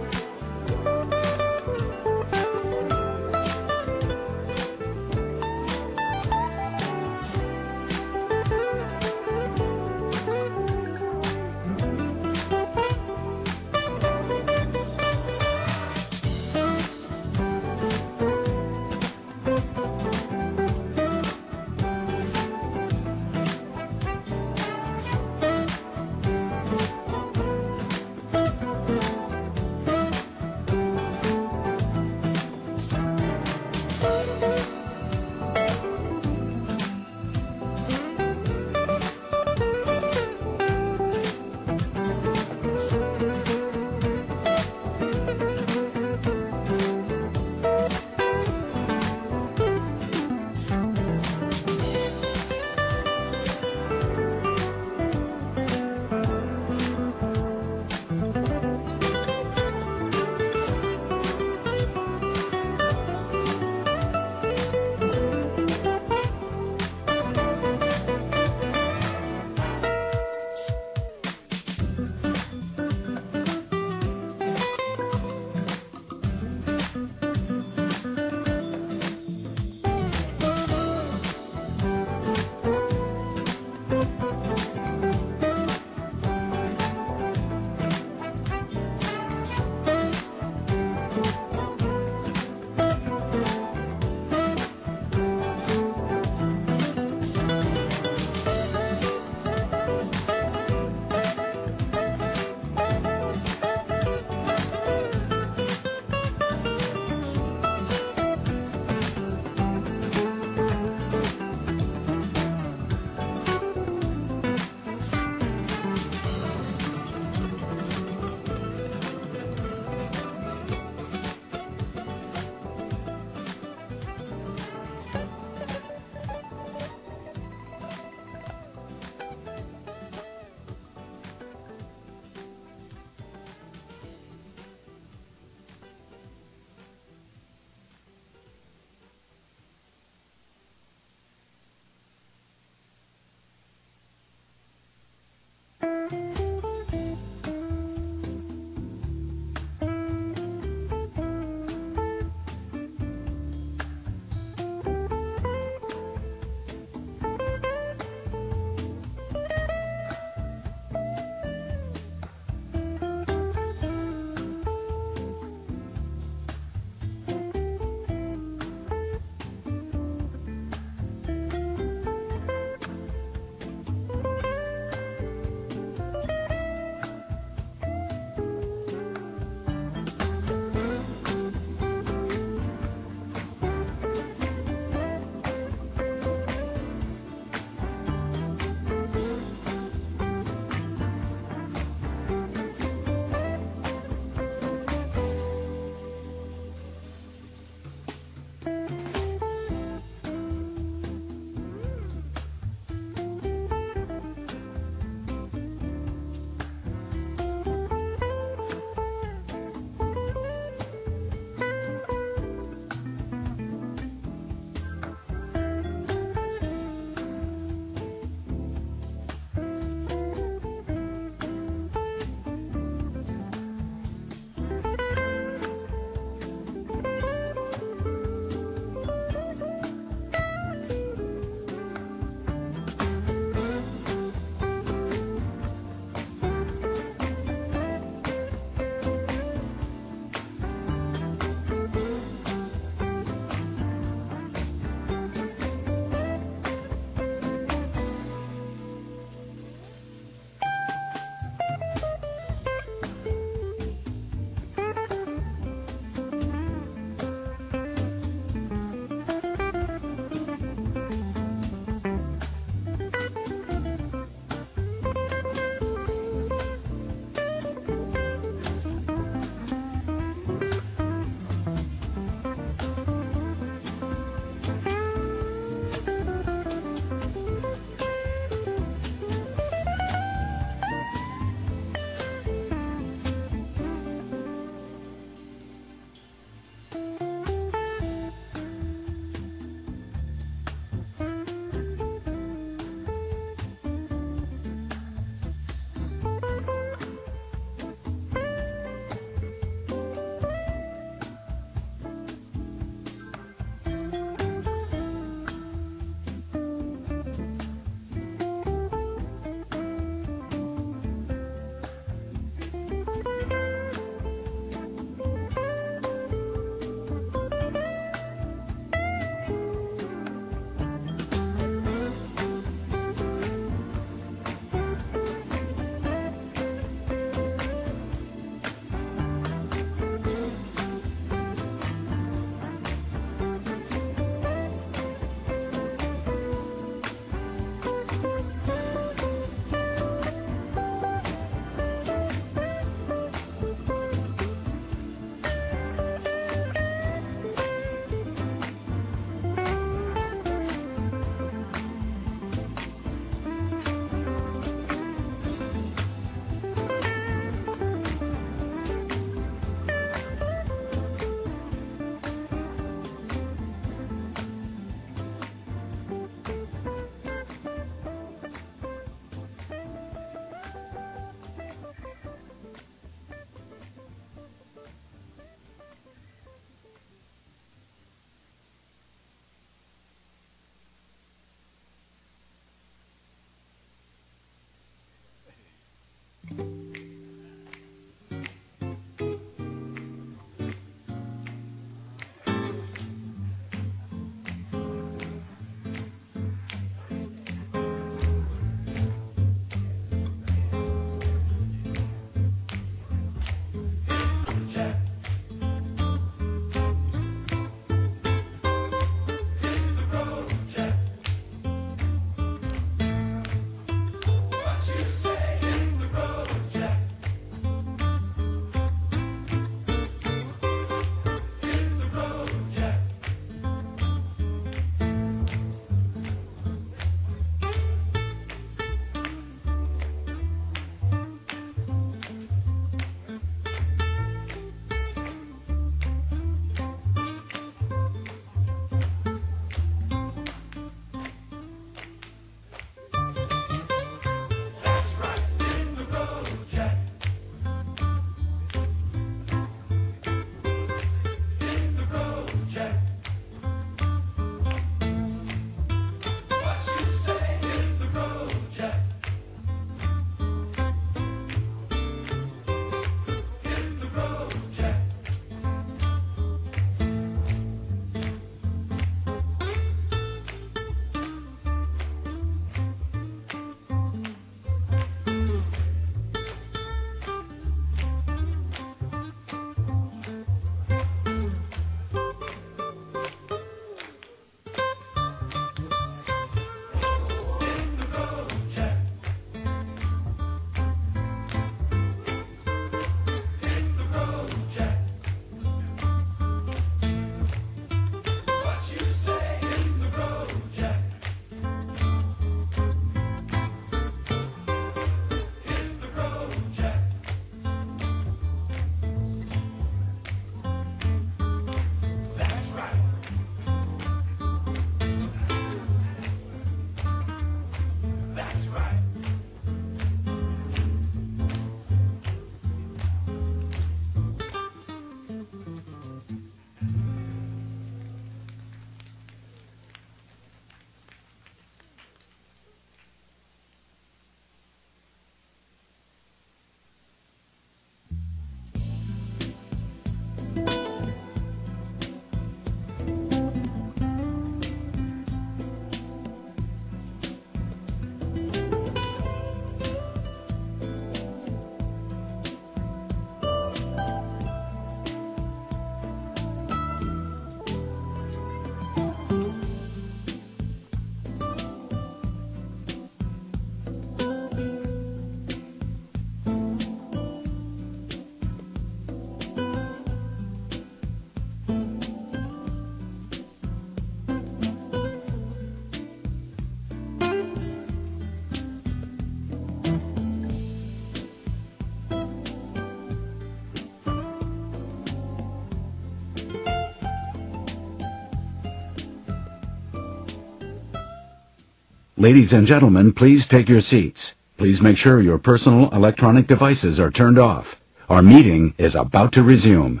Speaker 6: That's right. Hit the road, Jack. Hit the road, Jack. What you say? Hit the road, Jack. Hit the road, Jack. Hit the road, Jack. Hit the road, Jack. What you say? Hit the road, Jack. Hit the road, Jack. That's right. That's right.
Speaker 21: Ladies and gentlemen, please take your seats. Please make sure your personal electronic devices are turned off. Our meeting is about to resume.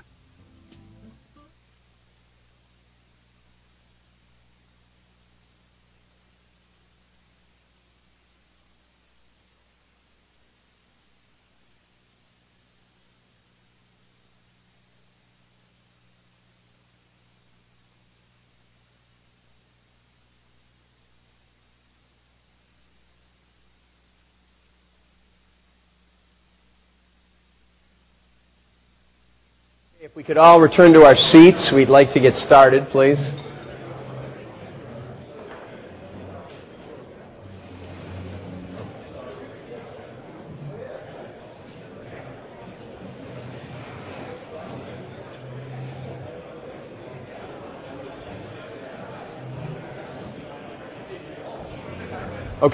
Speaker 1: If we could all return to our seats, we'd like to get started, please.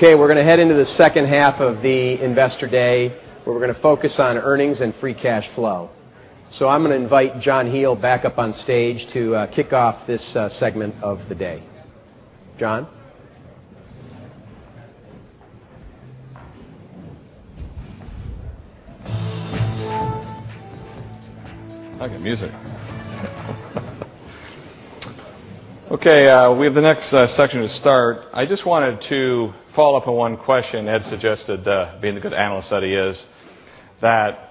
Speaker 1: We're going to head into the second half of the Investor Day, where we're going to focus on earnings and free cash flow. I'm going to invite John Hele back up on stage to kick off this segment of the day. John?
Speaker 3: I like the music. We have the next section to start. I just wanted to follow up on one question Ed suggested, being the good analyst that he is. That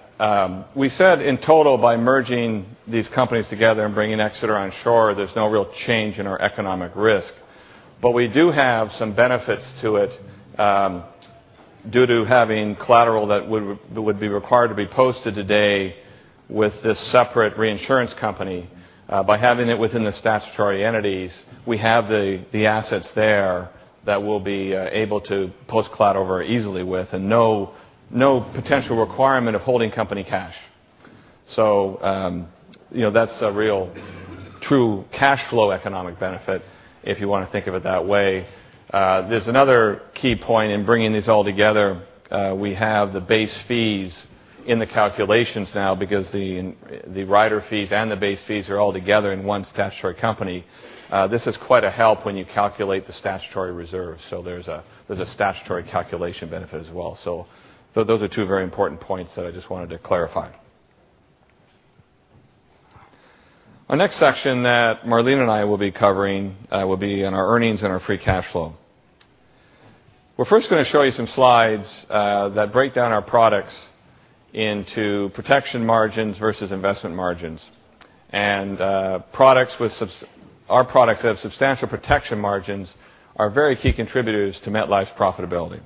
Speaker 3: we said in total, by merging these companies together and bringing Exeter on shore, there's no real change in our economic risk. We do have some benefits to it, due to having collateral that would be required to be posted today with this separate reinsurance company. By having it within the statutory entities, we have the assets there that we'll be able to post collateral very easily with, and no potential requirement of holding company cash. That's a real true cash flow economic benefit if you want to think of it that way. There's another key point in bringing these all together. We have the base fees in the calculations now because the rider fees and the base fees are all together in one statutory company. This is quite a help when you calculate the statutory reserve. There's a statutory calculation benefit as well. Those are two very important points that I just wanted to clarify. Our next section that Marlene and I will be covering will be on our earnings and our free cash flow. We're first going to show you some slides that break down our products into protection margins versus investment margins. Our products that have substantial protection margins are very key contributors to MetLife's profitability.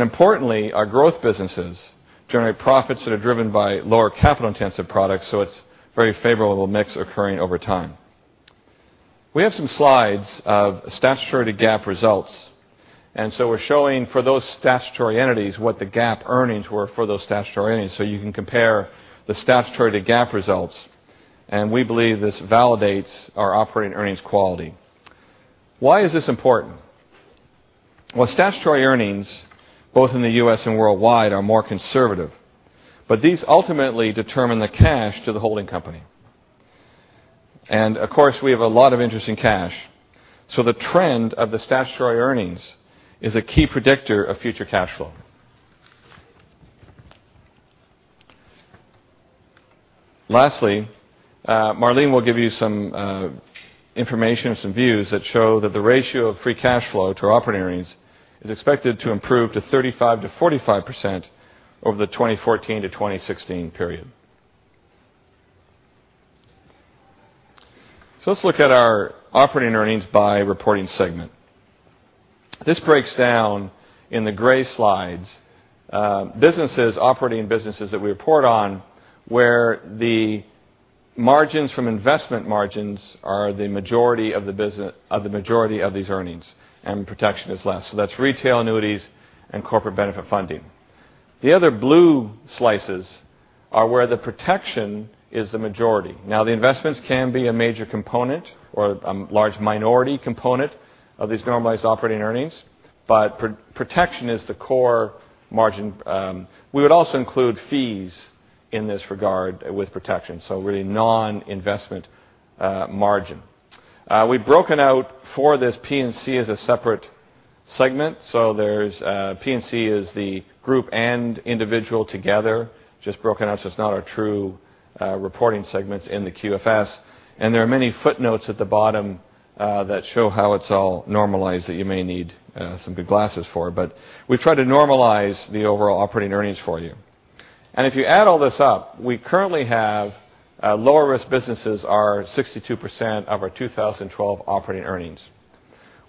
Speaker 3: Importantly, our growth businesses generate profits that are driven by lower capital-intensive products, so it's very favorable mix occurring over time. We have some slides of statutory GAAP results. We're showing for those statutory entities what the GAAP earnings were for those statutory entities, so you can compare the statutory to GAAP results. We believe this validates our operating earnings quality. Why is this important? Well, statutory earnings, both in the U.S. and worldwide, are more conservative. These ultimately determine the cash to the holding company. Of course, we have a lot of interest in cash. The trend of the statutory earnings is a key predictor of future cash flow. Lastly, Marlene will give you some information and some views that show that the ratio of free cash flow to our operating earnings is expected to improve to 35%-45% over the 2014-2016 period. Let's look at our operating earnings by reporting segment. This breaks down in the gray slides, businesses, operating businesses that we report on, where the margins from investment margins are the majority of these earnings, and protection is less. That's retail annuities and corporate benefit funding. The other blue slices are where the protection is the majority. The investments can be a major component or a large minority component of these normalized operating earnings. Protection is the core margin. We would also include fees in this regard with protection, really non-investment margin. We've broken out for this P&C as a separate segment. There's P&C is the group and individual together, just broken out, it's not our true reporting segments in the QFS. There are many footnotes at the bottom that show how it's all normalized that you may need some good glasses for. We've tried to normalize the overall operating earnings for you. If you add all this up, we currently have lower risk businesses are 62% of our 2012 operating earnings.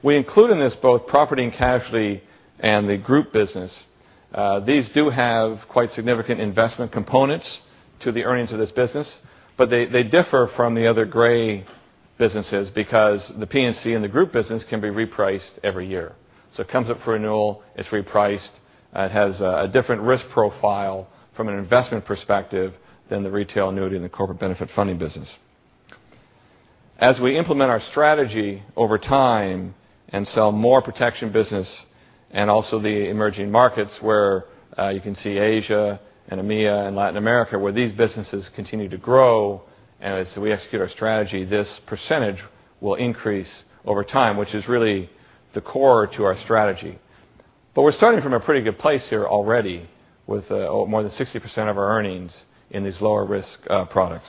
Speaker 3: We include in this both property and casualty and the group business. These do have quite significant investment components to the earnings of this business, but they differ from the other gray businesses because the P&C and the group business can be repriced every year. It comes up for renewal, it's repriced. It has a different risk profile from an investment perspective than the retail annuity and the corporate benefit funding business. As we implement our strategy over time and sell more protection business, also the emerging markets where you can see Asia and EMEA and Latin America, where these businesses continue to grow, we execute our strategy, this percentage will increase over time, which is really the core to our strategy. We're starting from a pretty good place here already with more than 60% of our earnings in these lower risk products.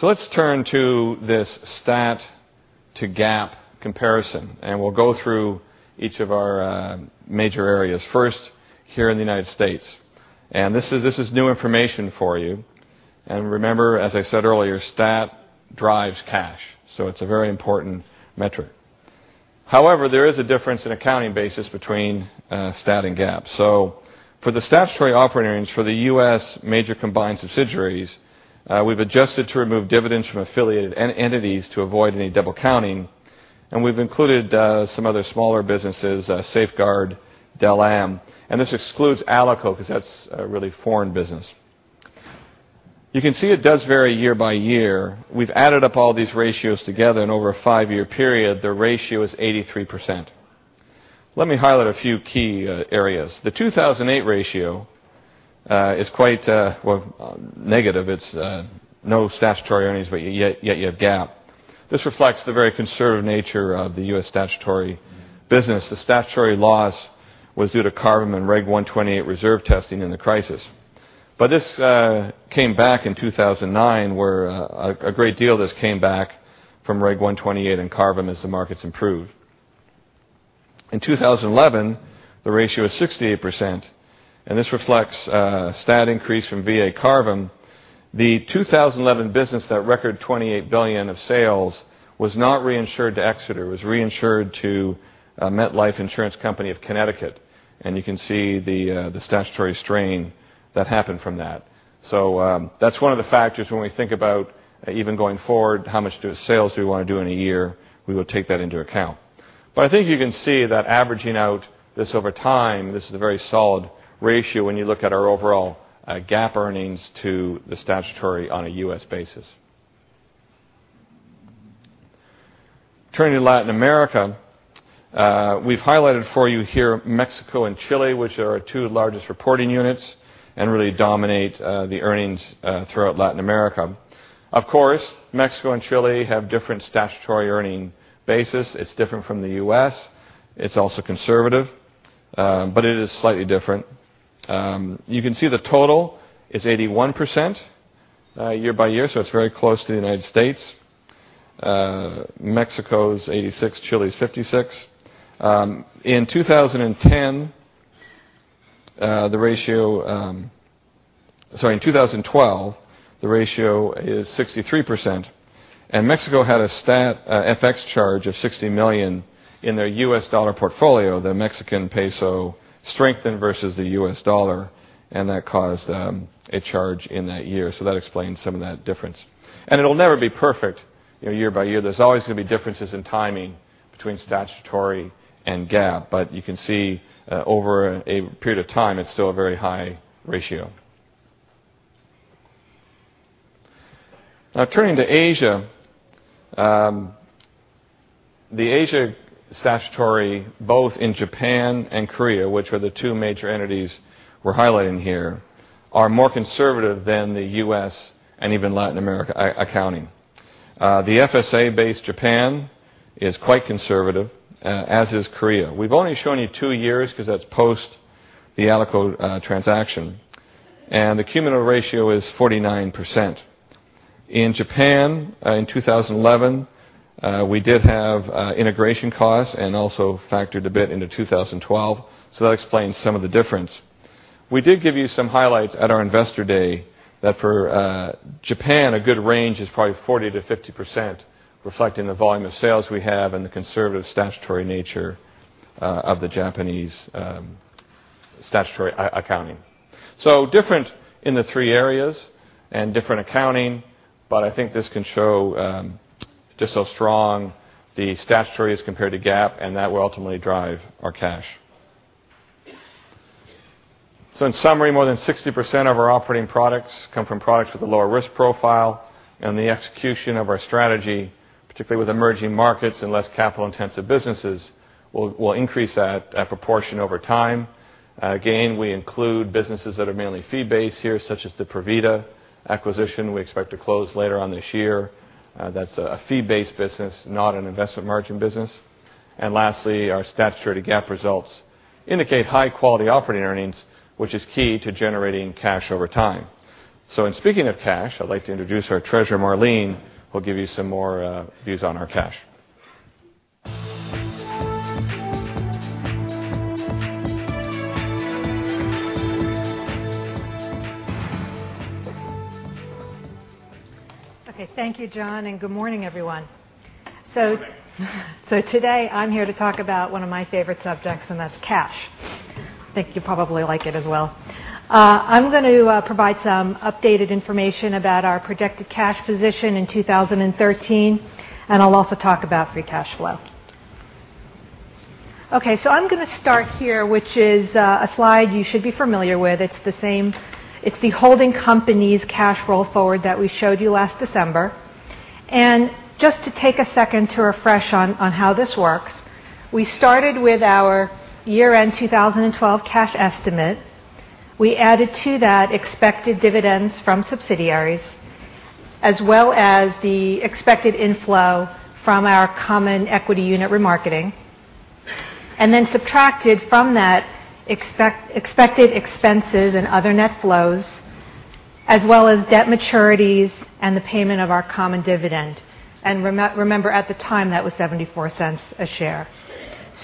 Speaker 3: Let's turn to this stat to GAAP comparison. We'll go through each of our major areas, first here in the U.S. This is new information for you. Remember, as I said earlier, stat drives cash, it's a very important metric. However, there is a difference in accounting basis between stat and GAAP. For the statutory operating earnings for the U.S. major combined subsidiaries, we've adjusted to remove dividends from affiliated entities to avoid any double counting. We've included some other smaller businesses, Safeguard, Del Am. This excludes ALICO because that's a really foreign business. You can see it does vary year by year. We've added up all these ratios together in over a five-year period. The ratio is 83%. Let me highlight a few key areas. The 2008 ratio is quite negative. It's no statutory earnings, yet you have GAAP. This reflects the very conservative nature of the U.S. statutory business. The statutory loss was due to CARVM and Reg 128 reserve testing in the crisis. This came back in 2009 where a great deal of this came back from Reg 128 and CARVM as the markets improved. In 2011, the ratio is 68%. This reflects stat increase from VA CARVM. The 2011 business, that record $28 billion of sales, was not reinsured to Exeter. It was reinsured to MetLife Insurance Company of Connecticut. You can see the statutory strain that happened from that. That's one of the factors when we think about even going forward, how much sales do we want to do in a year? We will take that into account. I think you can see that averaging out this over time, this is a very solid ratio when you look at our overall GAAP earnings to the statutory on a U.S. basis. Turning to Latin America, we've highlighted for you here Mexico and Chile, which are our two largest reporting units and really dominate the earnings throughout Latin America. Of course, Mexico and Chile have different statutory earning basis. It's different from the U.S. It's also conservative. It is slightly different. You can see the total is 81% year by year, so it's very close to the United States. Mexico's 86%, Chile's 56%. In 2010, the ratio. Sorry, in 2012, the ratio is 63%. Mexico had a stat FX charge of $60 million in their U.S. dollar portfolio, the Mexican peso strengthened versus the U.S. dollar. That caused a charge in that year. That explains some of that difference. It'll never be perfect year by year. There's always going to be differences in timing between statutory and GAAP. You can see over a period of time, it's still a very high ratio. Turning to Asia. The Asia statutory, both in Japan and Korea, which are the two major entities we're highlighting here, are more conservative than the U.S. and even Latin America accounting. The FSA-based Japan is quite conservative, as is Korea. We've only shown you two years because that's post the Alico transaction. The cumulative ratio is 49%. In Japan, in 2011, we did have integration costs and also factored a bit into 2012. That explains some of the difference. We did give you some highlights at our investor day that for Japan, a good range is probably 40%-50%, reflecting the volume of sales we have and the conservative statutory nature of the Japanese statutory accounting. Different in the three areas and different accounting. I think this can show just how strong the statutory is compared to GAAP, and that will ultimately drive our cash. In summary, more than 60% of our operating products come from products with a lower risk profile. The execution of our strategy, particularly with emerging markets and less capital-intensive businesses, will increase that proportion over time. Again, we include businesses that are mainly fee-based here, such as the Provida acquisition we expect to close later on this year. That's a fee-based business, not an investment margin business. Lastly, our statutory GAAP results indicate high-quality operating earnings, which is key to generating cash over time. In speaking of cash, I'd like to introduce our treasurer, Marlene, who will give you some more views on our cash.
Speaker 22: Okay. Thank you, John, good morning, everyone.
Speaker 3: Good morning.
Speaker 22: Today, I'm here to talk about one of my favorite subjects, that's cash. I think you probably like it as well. I'm going to provide some updated information about our projected cash position in 2013, I'll also talk about free cash flow. Okay. I'm going to start here, which is a slide you should be familiar with. It's the holding company's cash roll forward that we showed you last December. Just to take a second to refresh on how this works, we started with our year-end 2012 cash estimate. We added to that expected dividends from subsidiaries, as well as the expected inflow from our common equity unit remarketing, subtracted from that expected expenses and other net flows, as well as debt maturities and the payment of our common dividend. Remember, at the time, that was $0.74 a share.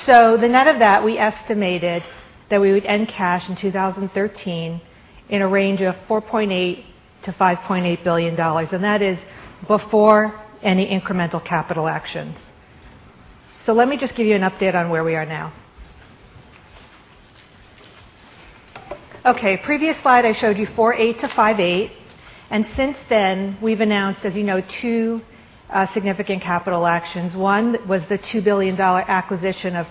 Speaker 22: The net of that, we estimated that we would end cash in 2013 in a range of $4.8 billion-$5.8 billion, that is before any incremental capital actions. Let me just give you an update on where we are now. Okay. Previous slide, I showed you $4.8 billion-$5.8 billion. Since then, we've announced, as you know, two significant capital actions. One was the $2 billion acquisition of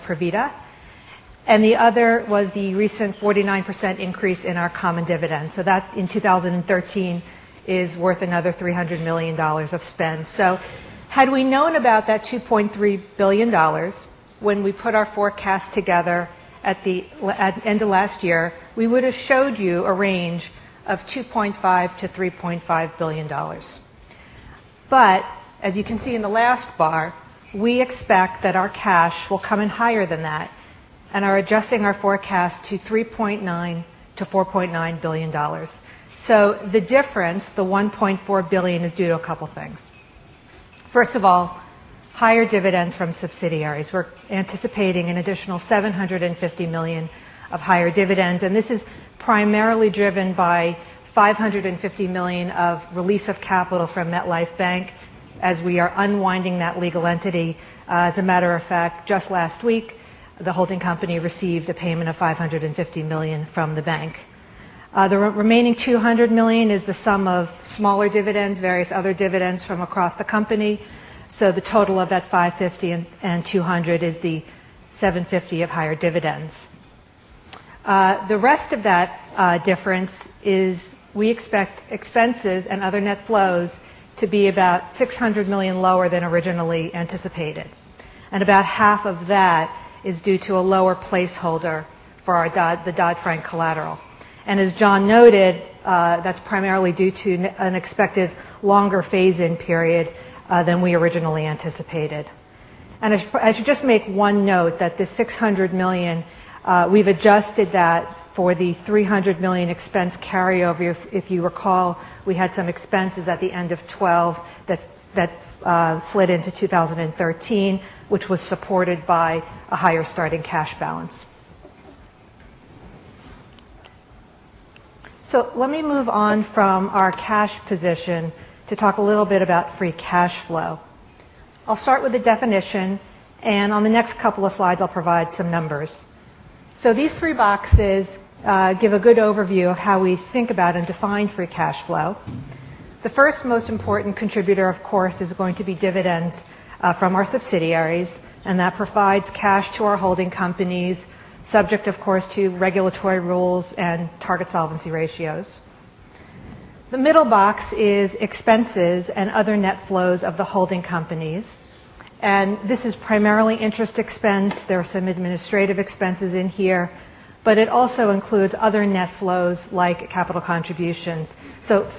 Speaker 22: Provida, the other was the recent 49% increase in our common dividend. That in 2013 is worth another $300 million of spend. Had we known about that $2.3 billion when we put our forecast together at end of last year, we would have showed you a range of $2.5 billion-$3.5 billion. As you can see in the last bar, we expect that our cash will come in higher than that and are adjusting our forecast to $3.9 billion-$4.9 billion. The difference, the $1.4 billion, is due to a couple things. First of all, higher dividends from subsidiaries. We're anticipating an additional $750 million of higher dividends, and this is primarily driven by $550 million of release of capital from MetLife Bank as we are unwinding that legal entity. As a matter of fact, just last week, the holding company received a payment of $550 million from the bank. The remaining $200 million is the sum of smaller dividends, various other dividends from across the company. The total of that $550 and $200 is the $750 of higher dividends. The rest of that difference is we expect expenses and other net flows to be about $600 million lower than originally anticipated, and about half of that is due to a lower placeholder for the Dodd-Frank collateral. As John noted, that's primarily due to an expected longer phase-in period than we originally anticipated. I should just make one note, that the $600 million, we've adjusted that for the $300 million expense carryover. If you recall, we had some expenses at the end of 2012 that slid into 2013, which was supported by a higher starting cash balance. Let me move on from our cash position to talk a little bit about free cash flow. I'll start with the definition, and on the next couple of slides, I'll provide some numbers. These three boxes give a good overview of how we think about and define free cash flow. The first most important contributor, of course, is going to be dividends from our subsidiaries, and that provides cash to our holding companies, subject, of course, to regulatory rules and target solvency ratios. The middle box is expenses and other net flows of the holding companies, and this is primarily interest expense. There are some administrative expenses in here, but it also includes other net flows like capital contributions.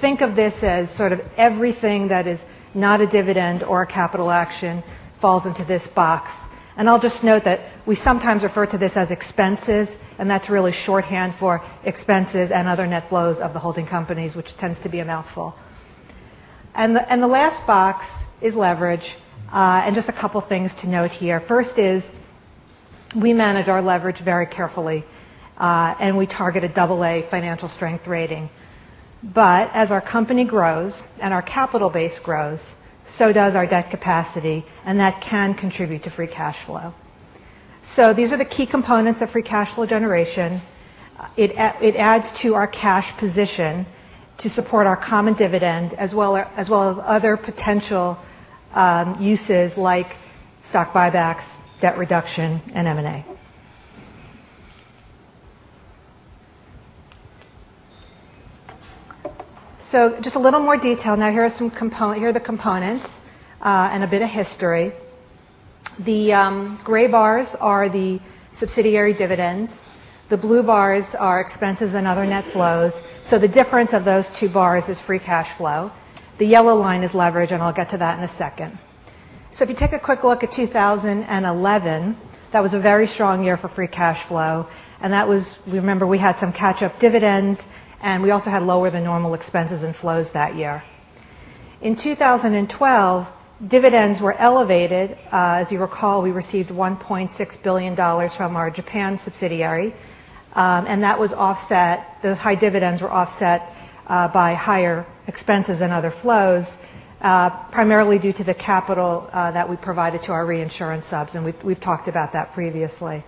Speaker 22: Think of this as sort of everything that is not a dividend or a capital action falls into this box. I'll just note that we sometimes refer to this as expenses, and that's really shorthand for expenses and other net flows of the holding companies, which tends to be a mouthful. The last box is leverage. Just a couple things to note here. First is we manage our leverage very carefully, and we target a double A financial strength rating. As our company grows and our capital base grows, so does our debt capacity, and that can contribute to free cash flow. These are the key components of free cash flow generation. It adds to our cash position to support our common dividend as well as other potential uses like stock buybacks, debt reduction, and M&A. Just a little more detail. Now here are the components, and a bit of history. The gray bars are the subsidiary dividends. The blue bars are expenses and other net flows. The difference of those two bars is free cash flow. The yellow line is leverage, and I'll get to that in a second. If you take a quick look at 2011, that was a very strong year for free cash flow, and that was, remember, we had some catch-up dividends, and we also had lower than normal expenses and flows that year. In 2012, dividends were elevated. As you recall, we received $1.6 billion from our Japan subsidiary, and those high dividends were offset by higher expenses and other flows, primarily due to the capital that we provided to our reinsurance subs, and we've talked about that previously.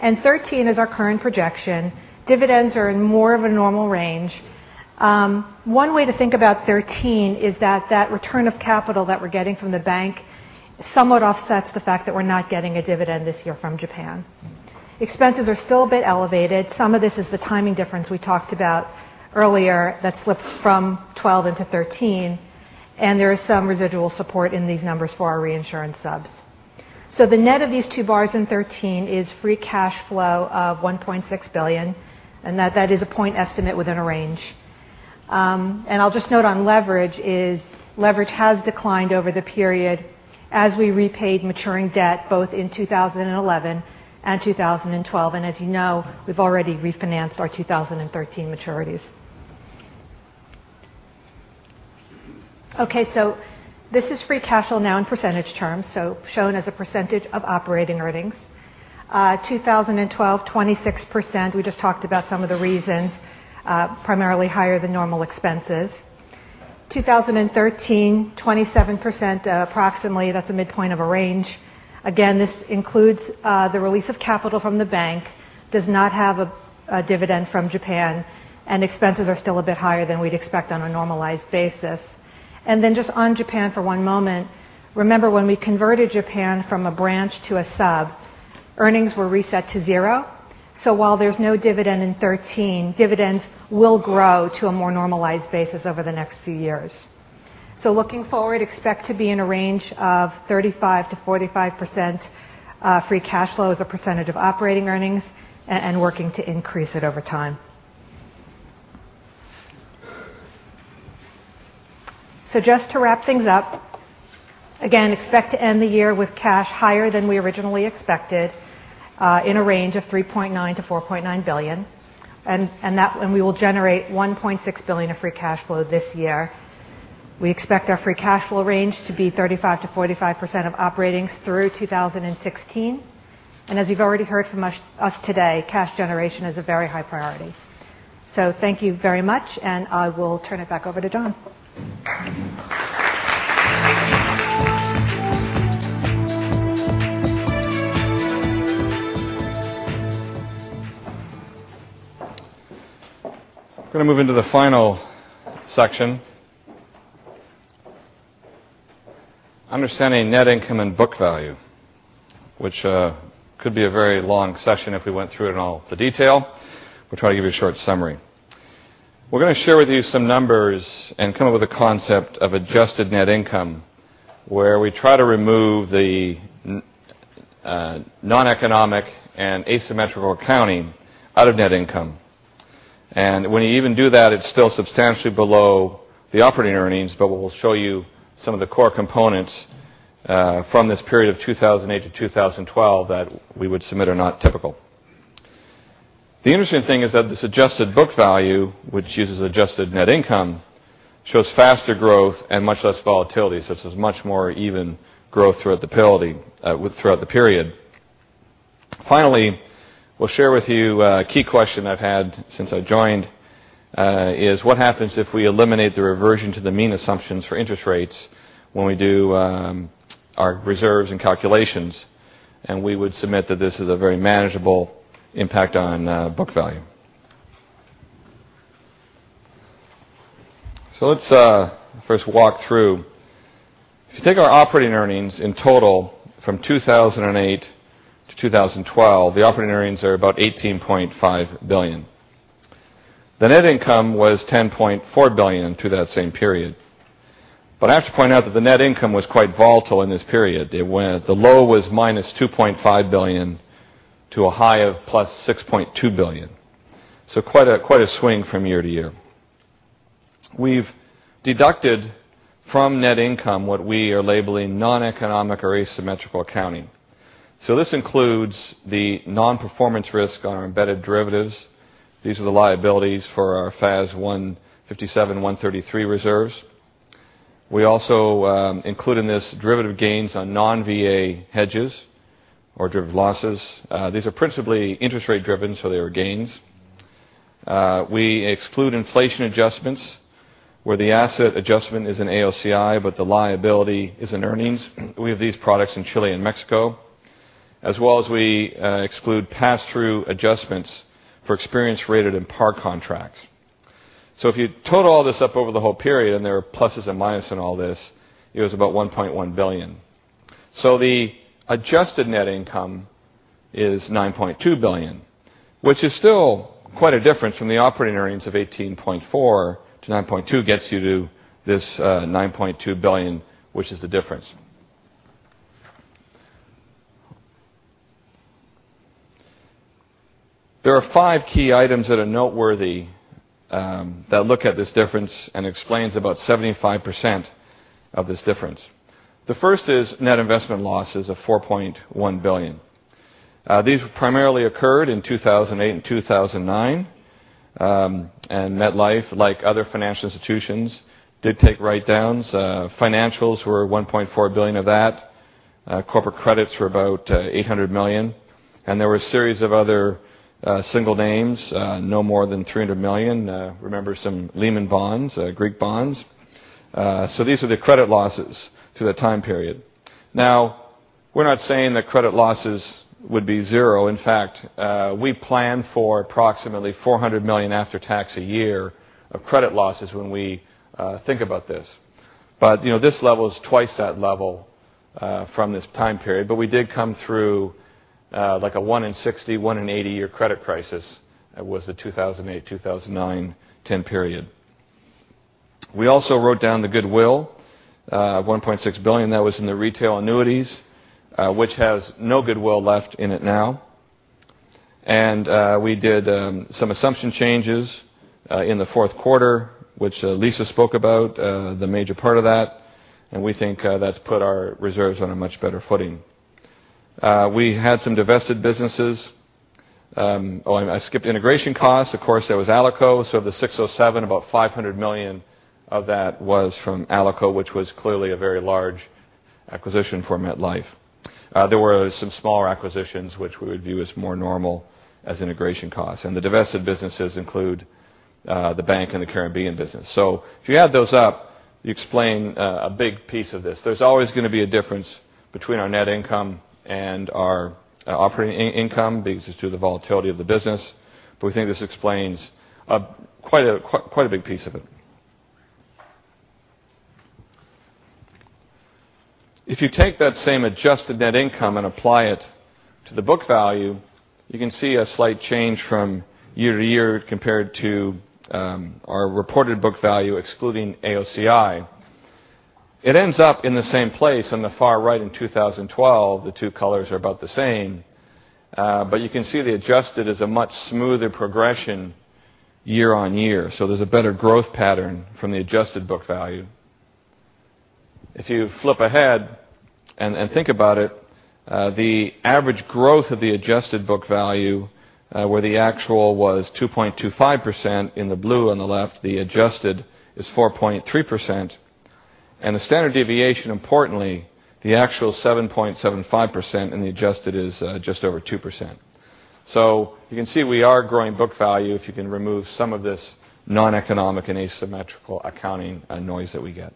Speaker 22: 2013 is our current projection. Dividends are in more of a normal range. One way to think about 2013 is that that return of capital that we're getting from the bank somewhat offsets the fact that we're not getting a dividend this year from Japan. Expenses are still a bit elevated. Some of this is the timing difference we talked about earlier that slips from 2012 into 2013, and there is some residual support in these numbers for our reinsurance subs. The net of these two bars in 2013 is free cash flow of $1.6 billion, and that is a point estimate within a range. I'll just note on leverage is leverage has declined over the period as we repaid maturing debt both in 2011 and 2012. As you know, we've already refinanced our 2013 maturities. Okay. This is free cash flow now in percentage terms, so shown as a percentage of operating earnings. 2012, 26%. We just talked about some of the reasons, primarily higher than normal expenses. 2013, 27%, approximately. That's a midpoint of a range. This includes the release of capital from the bank, does not have a dividend from Japan, and expenses are still a bit higher than we'd expect on a normalized basis. Just on Japan for one moment, remember when we converted Japan from a branch to a sub, earnings were reset to zero. While there's no dividend in 2013, dividends will grow to a more normalized basis over the next few years. Looking forward, expect to be in a range of 35%-45% free cash flow as a percentage of operating earnings and working to increase it over time. Just to wrap things up, again, expect to end the year with cash higher than we originally expected in a range of $3.9 billion-$4.9 billion. We will generate $1.6 billion of free cash flow this year. We expect our free cash flow range to be 35%-45% of operating through 2016. As you've already heard from us today, cash generation is a very high priority. Thank you very much, and I will turn it back over to John.
Speaker 3: I'm going to move into the final section, understanding net income and book value, which could be a very long session if we went through it in all the detail. We'll try to give you a short summary. We're going to share with you some numbers and come up with a concept of adjusted net income, where we try to remove the non-economic and asymmetrical accounting out of net income. When you even do that, it's still substantially below the operating earnings, but we'll show you some of the core components from this period of 2008 to 2012 that we would submit are not typical. The interesting thing is that this adjusted book value, which uses adjusted net income, shows faster growth and much less volatility, such as much more even growth throughout the period. Finally, we'll share with you a key question I've had since I joined, is what happens if we eliminate the reversion to the mean assumptions for interest rates when we do our reserves and calculations. We would submit that this is a very manageable impact on book value. Let's first walk through. If you take our operating earnings in total from 2008 to 2012, the operating earnings are about $18.5 billion. The net income was $10.4 billion through that same period. I have to point out that the net income was quite volatile in this period. The low was -$2.5 billion to a high of +$6.2 billion. Quite a swing from year to year. We've deducted from net income what we are labeling non-economic or asymmetrical accounting. This includes the non-performance risk on our embedded derivatives. These are the liabilities for our FAS 157 and FAS 133 reserves. We also include in this derivative gains on non-VA hedges or derivative losses. These are principally interest rate driven, they are gains. We exclude inflation adjustments where the asset adjustment is in AOCI, but the liability is in earnings. We have these products in Chile and Mexico. As well as we exclude pass-through adjustments for experience rated and par contracts. If you total all this up over the whole period, and there are pluses and minus in all this, it was about $1.1 billion. The adjusted net income is $9.2 billion, which is still quite a difference from the operating earnings of $18.4 billion to $9.2 billion gets you to this $9.2 billion, which is the difference. There are five key items that are noteworthy, that look at this difference and explains about 75% of this difference. The first is net investment losses of $4.1 billion. These primarily occurred in 2008 and 2009. MetLife, like other financial institutions, did take write-downs. Financials were $1.4 billion of that. Corporate credits were about $800 million. There were a series of other single names, no more than $300 million. Remember some Lehman bonds, Greek bonds. These are the credit losses through that time period. Now, we're not saying that credit losses would be zero. In fact, we plan for approximately $400 million after tax a year of credit losses when we think about this. This level is twice that level from this time period. We did come through like a one in 60, one in 80 year credit crisis. That was the 2008, 2009, 2010 period. We also wrote down the goodwill, $1.6 billion that was in the retail annuities, which has no goodwill left in it now. We did some assumption changes in the fourth quarter, which Lisa spoke about, the major part of that. We think that's put our reserves on a much better footing. We had some divested businesses. I skipped integration costs. Of course, there was Alico. Of the $607, about $500 million of that was from Alico, which was clearly a very large acquisition for MetLife. There were some smaller acquisitions which we would view as more normal as integration costs. The divested businesses include the bank and the Caribbean business. If you add those up, you explain a big piece of this. There's always going to be a difference between our net income and our operating income because it's due to the volatility of the business. We think this explains quite a big piece of it. If you take that same adjusted net income and apply it to the book value, you can see a slight change from year to year compared to our reported book value excluding AOCI. It ends up in the same place on the far right in 2012. The two colors are about the same. You can see the adjusted is a much smoother progression year on year. There's a better growth pattern from the adjusted book value. If you flip ahead and think about it, the average growth of the adjusted book value, where the actual was 2.25% in the blue on the left, the adjusted is 4.3%. The standard deviation, importantly, the actual 7.75%, and the adjusted is just over 2%. You can see we are growing book value if you can remove some of this non-economic and asymmetrical accounting noise that we get.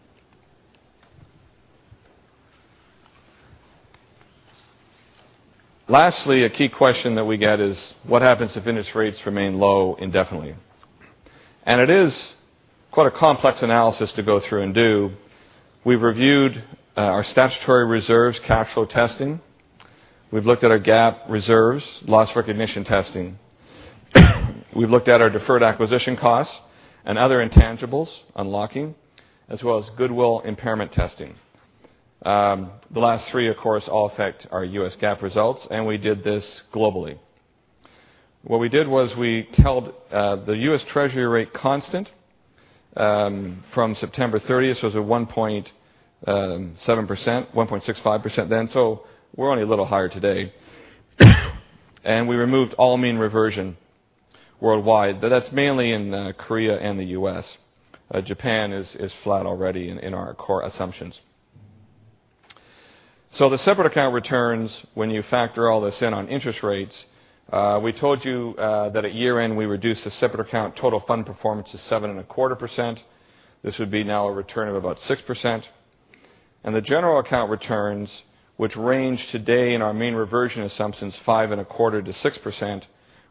Speaker 3: Lastly, a key question that we get is, what happens if interest rates remain low indefinitely? It is quite a complex analysis to go through and do. We've reviewed our statutory reserves cash flow testing. We've looked at our GAAP reserves loss recognition testing. We've looked at our deferred acquisition costs and other intangibles unlocking, as well as goodwill impairment testing. The last three, of course, all affect our U.S. GAAP results. We did this globally. What we did was we held the U.S. Treasury rate constant from September 30th. It was at 1.7%, 1.65% then. We're only a little higher today. We removed all mean reversion worldwide, but that's mainly in Korea and the U.S. Japan is flat already in our core assumptions. The separate account returns, when you factor all this in on interest rates, we told you that at year-end, we reduced the separate account total fund performance to 7.25%. This would be now a return of about 6%. The general account returns, which range today in our mean reversion assumptions 5.25%-6%,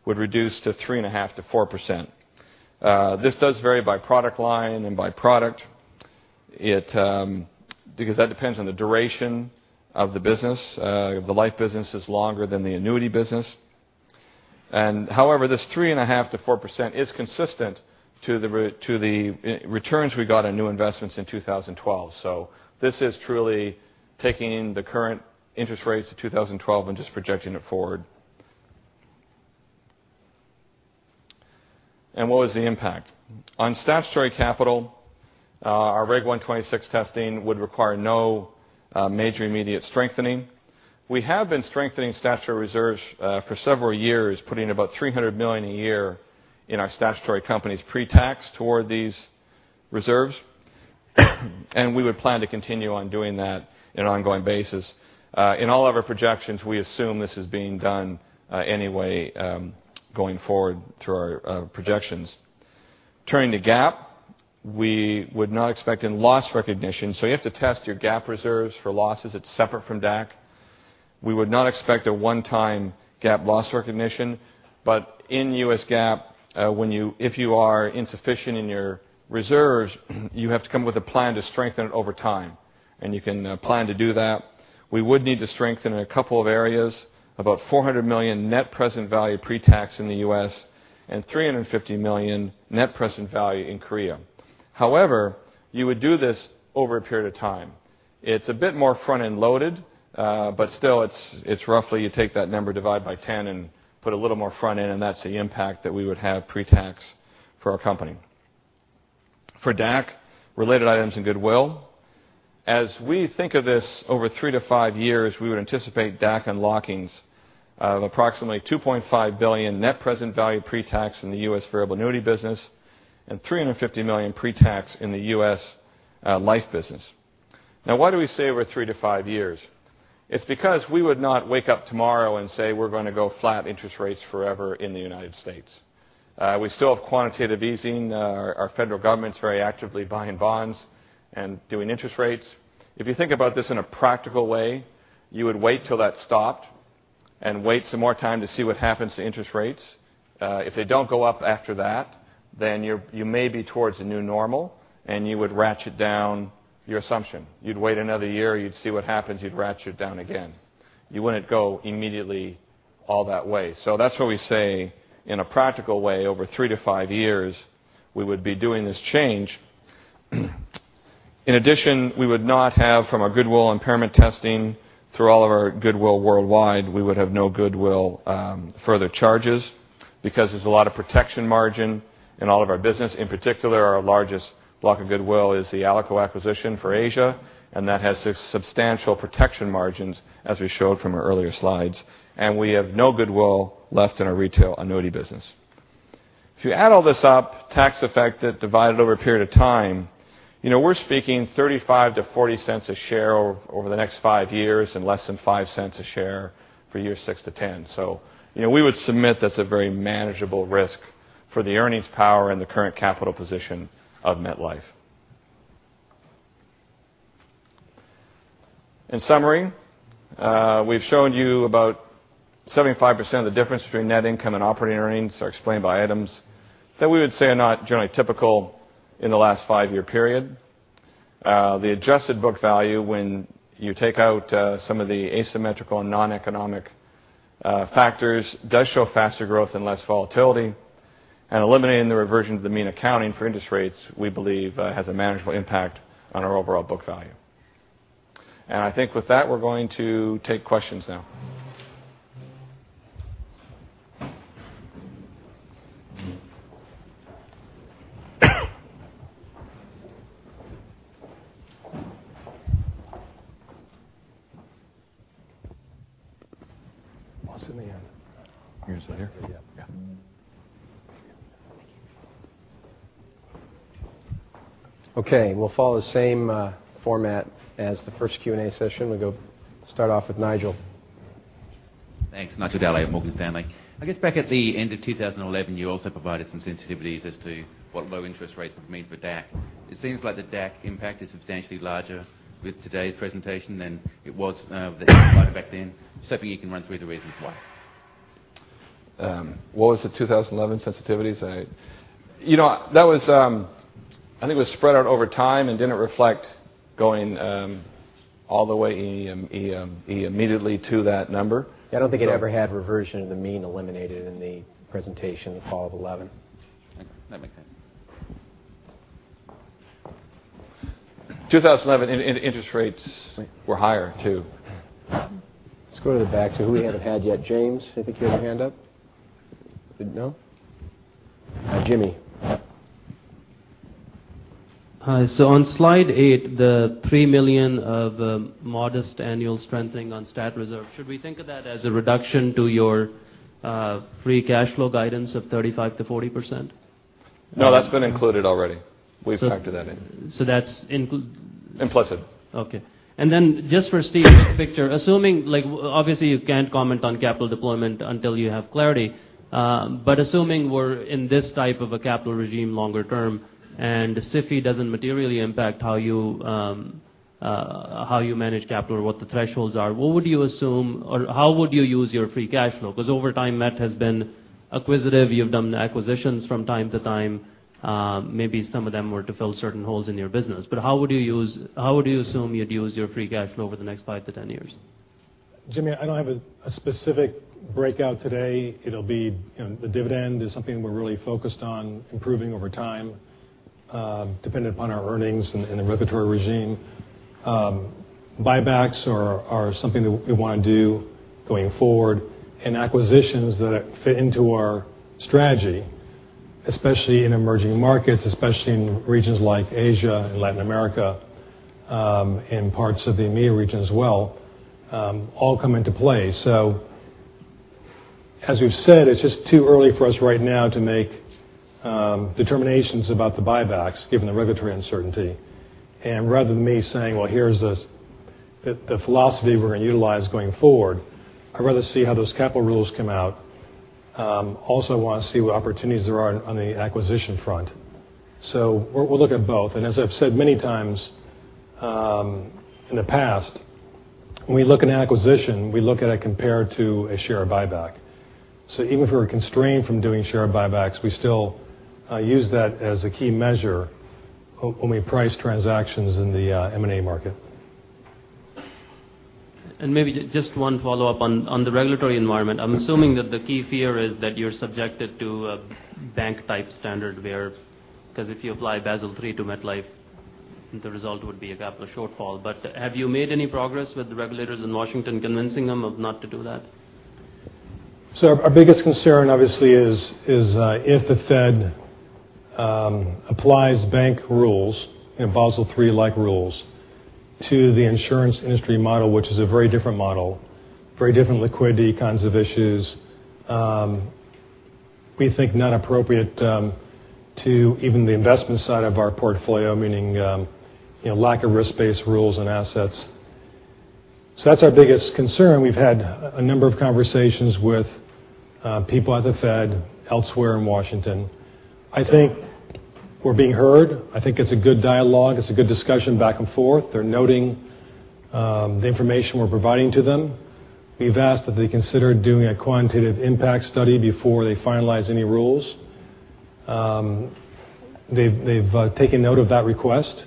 Speaker 3: would reduce to 3.5%-4%. This does vary by product line and by product because that depends on the duration of the business. The life business is longer than the annuity business. This 3.5%-4% is consistent to the returns we got on new investments in 2012. This is truly taking in the current interest rates of 2012 and just projecting it forward. What was the impact? On statutory capital, our Reg 126 testing would require no major immediate strengthening. We have been strengthening statutory reserves for several years, putting about $300 million a year in our statutory company's pre-tax toward these reserves. We would plan to continue on doing that in an ongoing basis. In all of our projections, we assume this is being done anyway going forward through our projections. Turning to GAAP, we would not expect any loss recognition. You have to test your GAAP reserves for losses. It's separate from DAC. We would not expect a one-time GAAP loss recognition. In U.S. GAAP, if you are insufficient in your reserves, you have to come with a plan to strengthen it over time, and you can plan to do that. We would need to strengthen in a couple of areas, about $400 million net present value pre-tax in the U.S. and $350 million net present value in Korea. You would do this over a period of time. It's a bit more front-end loaded. Still, it's roughly you take that number, divide by 10 and put a little more front-end, and that's the impact that we would have pre-tax for our company. For DAC, related items in goodwill, as we think of this over three to five years, we would anticipate DAC unlockings of approximately $2.5 billion net present value pre-tax in the U.S. variable annuity business and $350 million pre-tax in the U.S. life business. Why do we say over three to five years? It's because we would not wake up tomorrow and say we're going to go flat interest rates forever in the United States. We still have quantitative easing. Our Federal government's very actively buying bonds and doing interest rates. If you think about this in a practical way, you would wait till that stopped and wait some more time to see what happens to interest rates. If they don't go up after that, then you may be towards a new normal and you would ratchet down your assumption. You'd wait another year. You'd see what happens. You'd ratchet down again. You wouldn't go immediately all that way. That's why we say, in a practical way, over three to five years we would be doing this change. In addition, we would not have from our goodwill impairment testing through all of our goodwill worldwide, we would have no goodwill further charges because there's a lot of protection margin in all of our business. In particular, our largest block of goodwill is the Alico acquisition for Asia, and that has substantial protection margins, as we showed from our earlier slides. We have no goodwill left in our retail annuity business. If you add all this up, tax effect divided over a period of time, we're speaking $0.35-$0.40 a share over the next five years and less than $0.05 a share for year six to 10. We would submit that's a very manageable risk for the earnings power and the current capital position of MetLife. In summary, we've shown you about 75% of the difference between net income and operating earnings are explained by items that we would say are not generally typical in the last five-year period. The adjusted book value when you take out some of the asymmetrical and noneconomic factors does show faster growth and less volatility. Eliminating the reversion to the mean accounting for interest rates, we believe has a manageable impact on our overall book value. I think with that, we're going to take questions now.
Speaker 1: Oh, it's in the end.
Speaker 3: Yours right here? Yeah.
Speaker 1: Yeah. Okay, we'll follow the same format as the first Q&A session. We'll start off with Nigel.
Speaker 23: Thanks. Nigel Dally at Morgan Stanley. I guess back at the end of 2011, you also provided some sensitivities as to what low interest rates would mean for DAC. It seems like the DAC impact is substantially larger with today's presentation than it was with the slide back then. Just hoping you can run through the reasons why.
Speaker 3: What was the 2011 sensitivities? I think it was spread out over time and didn't reflect going all the way immediately to that number.
Speaker 1: Yeah, I don't think it ever had reversion of the mean eliminated in the presentation in the fall of 2011.
Speaker 23: Okay. That makes sense.
Speaker 3: 2011 interest rates were higher, too.
Speaker 1: Let's go to the back to who we haven't had yet. James, I think you had your hand up. No? Jimmy.
Speaker 24: On slide eight, the $3 million of modest annual strengthening on stat reserve, should we think of that as a reduction to your free cash flow guidance of 35%-40%?
Speaker 3: No, that's been included already. We've factored that in.
Speaker 24: That's.
Speaker 3: Implicit.
Speaker 24: Okay. Then just for Steve's picture, assuming, obviously, you can't comment on capital deployment until you have clarity. Assuming we're in this type of a capital regime longer term, and SIFI doesn't materially impact how you manage capital or what the thresholds are, what would you assume, or how would you use your free cash flow? Over time, Met has been acquisitive. You've done acquisitions from time to time. Maybe some of them were to fill certain holes in your business. How would you assume you'd use your free cash flow over the next 5-10 years?
Speaker 2: Jimmy, I don't have a specific breakout today. The dividend is something we're really focused on improving over time, dependent upon our earnings and the regulatory regime. Buybacks are something that we want to do going forward, and acquisitions that fit into our strategy, especially in emerging markets, especially in regions like Asia and Latin America, and parts of the EMEA region as well, all come into play. As we've said, it's just too early for us right now to make determinations about the buybacks, given the regulatory uncertainty. Rather than me saying, "Well, here's the philosophy we're going to utilize going forward," I'd rather see how those capital rules come out. Also want to see what opportunities there are on the acquisition front. We'll look at both. As I've said many times in the past, when we look at an acquisition, we look at it compared to a share buyback. Even if we're constrained from doing share buybacks, we still use that as a key measure when we price transactions in the M&A market.
Speaker 24: Maybe just one follow-up on the regulatory environment. I'm assuming that the key fear is that you're subjected to a bank-type standard where because if you apply Basel III to MetLife, the result would be a capital shortfall. Have you made any progress with the regulators in Washington convincing them of not to do that?
Speaker 2: Our biggest concern obviously is if the Fed applies bank rules, Basel III-like rules, to the insurance industry model, which is a very different model, very different liquidity kinds of issues, we think not appropriate to even the investment side of our portfolio, meaning lack of risk-based rules and assets. That's our biggest concern. We've had a number of conversations with people at the Fed, elsewhere in Washington. I think we're being heard. I think it's a good dialogue. It's a good discussion back and forth. They're noting the information we're providing to them. We've asked that they consider doing a quantitative impact study before they finalize any rules. They've taken note of that request.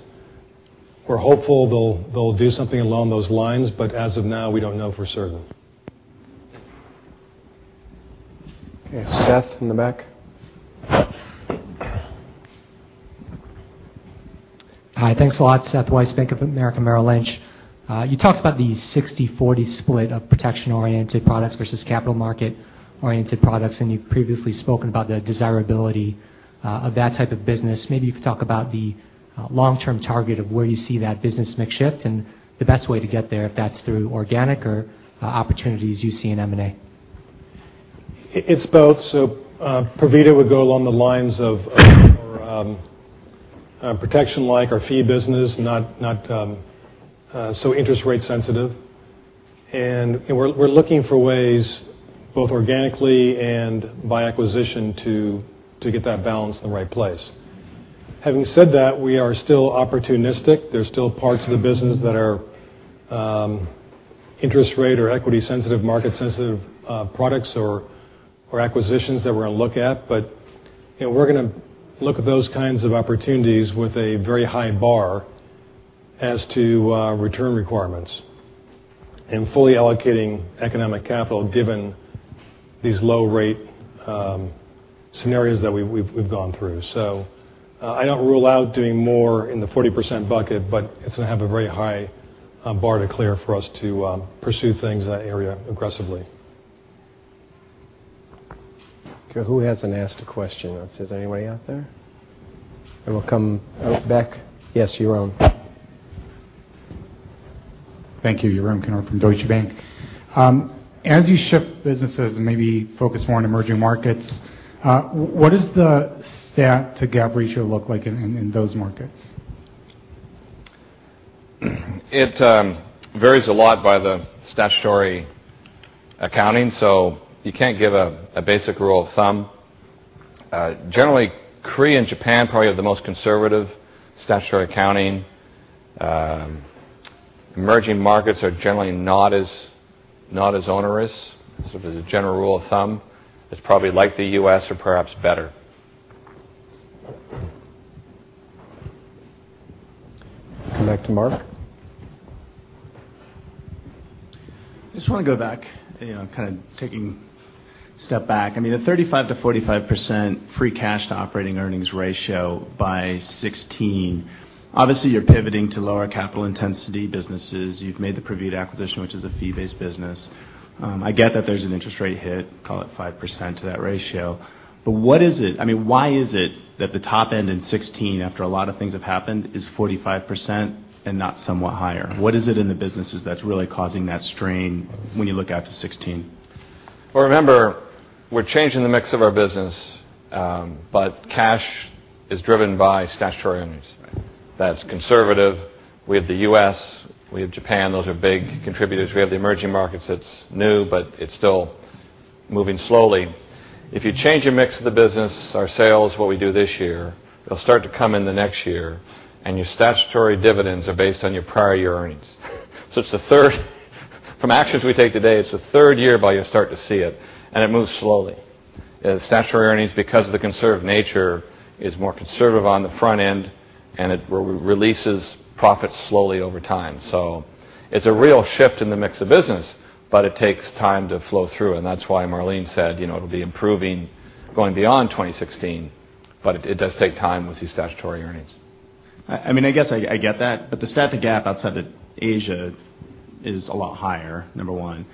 Speaker 2: We're hopeful they'll do something along those lines, as of now, we don't know for certain.
Speaker 1: Okay. Seth in the back.
Speaker 25: Hi. Thanks a lot. Seth Weiss, Bank of America Merrill Lynch. You talked about the 60/40 split of protection-oriented products versus capital market-oriented products. You've previously spoken about the desirability of that type of business. You could talk about the long-term target of where you see that business mix shift and the best way to get there, if that's through organic or opportunities you see in M&A.
Speaker 2: It's both. Praveen would go along the lines of our protection like our fee business, not so interest rate sensitive. We're looking for ways, both organically and by acquisition, to get that balance in the right place. Having said that, we are still opportunistic. There's still parts of the business that are interest rate or equity sensitive, market sensitive products or acquisitions that we're going to look at. We're going to look at those kinds of opportunities with a very high bar as to return requirements and fully allocating economic capital, given these low rate scenarios that we've gone through. I don't rule out doing more in the 40% bucket, but it's going to have a very high bar to clear for us to pursue things in that area aggressively.
Speaker 1: Okay. Who hasn't asked a question? Is anybody out there? We'll come back. Yes, Yaron.
Speaker 26: Thank you. Yaron Kinar from Deutsche Bank. As you shift businesses and maybe focus more on emerging markets, what does the stat to GAAP ratio look like in those markets?
Speaker 3: It varies a lot by the statutory accounting, you can't give a basic rule of thumb. Generally, Korea and Japan probably have the most conservative statutory accounting. Emerging markets are generally not as onerous, sort of as a general rule of thumb. It's probably like the U.S. or perhaps better.
Speaker 1: Come back to Mark.
Speaker 8: I just want to go back, I mean, a 35%-45% free cash to operating earnings ratio by 2016, obviously, you're pivoting to lower capital intensity businesses. You've made the Provida acquisition, which is a fee-based business. I get that there's an interest rate hit, call it 5% to that ratio. What is it? Why is it that the top end in 2016, after a lot of things have happened, is 45% and not somewhat higher? What is it in the businesses that's really causing that strain when you look out to 2016?
Speaker 3: Well, remember, we're changing the mix of our business. Cash is driven by statutory earnings.
Speaker 8: Right.
Speaker 3: That's conservative. We have the U.S., we have Japan. Those are big contributors. We have the emerging markets. It's new, but it's still moving slowly. If you change your mix of the business, our sales, what we do this year, it'll start to come in the next year, Your statutory dividends are based on your prior year earnings. From actions we take today, it's the third year by you'll start to see it, It moves slowly. Statutory earnings, because of the conservative nature, is more conservative on the front end, and it releases profits slowly over time. It's a real shift in the mix of business, but it takes time to flow through. That's why Marlene said it'll be improving going beyond 2016. It does take time with these statutory earnings.
Speaker 8: I guess I get that, the stat to GAAP outside of Asia is a lot higher, number one.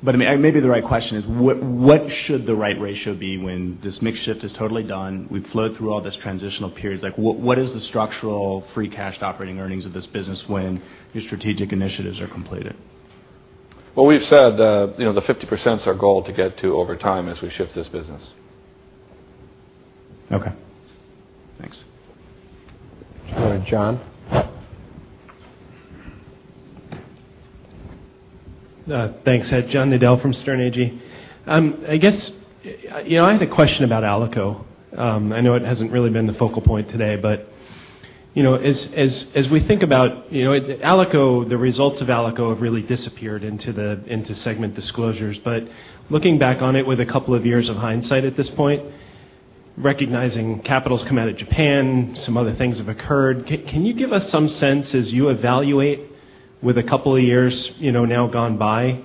Speaker 8: Maybe the right question is, what should the right ratio be when this mix shift is totally done, we've flowed through all these transitional periods? What is the structural free cash to operating earnings of this business when your strategic initiatives are completed?
Speaker 3: Well, we've said the 50%'s our goal to get to over time as we shift this business.
Speaker 8: Okay. Thanks.
Speaker 1: Go to John.
Speaker 7: Thanks. John Nadel from Sterne Agee. I guess I had a question about Alico. I know it hasn't really been the focal point today, but as we think about Alico, the results of Alico have really disappeared into segment disclosures. Looking back on it with a couple of years of hindsight at this point, recognizing capital's come out of Japan, some other things have occurred, can you give us some sense as you evaluate with a couple of years now gone by,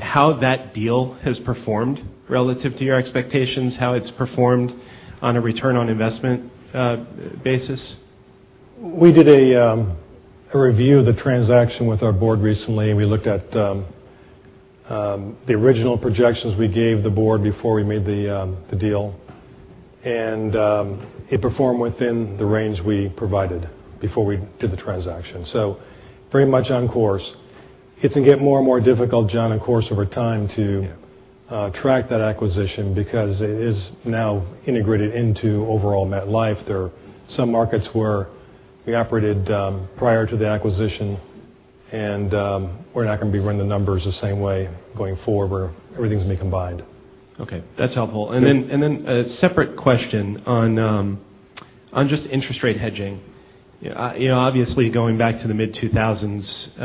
Speaker 7: how that deal has performed relative to your expectations, how it's performed on a return on investment basis?
Speaker 3: We did a review of the transaction with our board recently, we looked at the original projections we gave the board before we made the deal. It performed within the range we provided before we did the transaction. Pretty much on course. It's going to get more and more difficult, John, of course, over time.
Speaker 7: Yeah
Speaker 3: track that acquisition because it is now integrated into overall MetLife. There are some markets where we operated prior to the acquisition, we're not going to be running the numbers the same way going forward, where everything's going to be combined.
Speaker 7: Okay, that's helpful. Then a separate question on just interest rate hedging. Obviously, going back to the mid-2000s,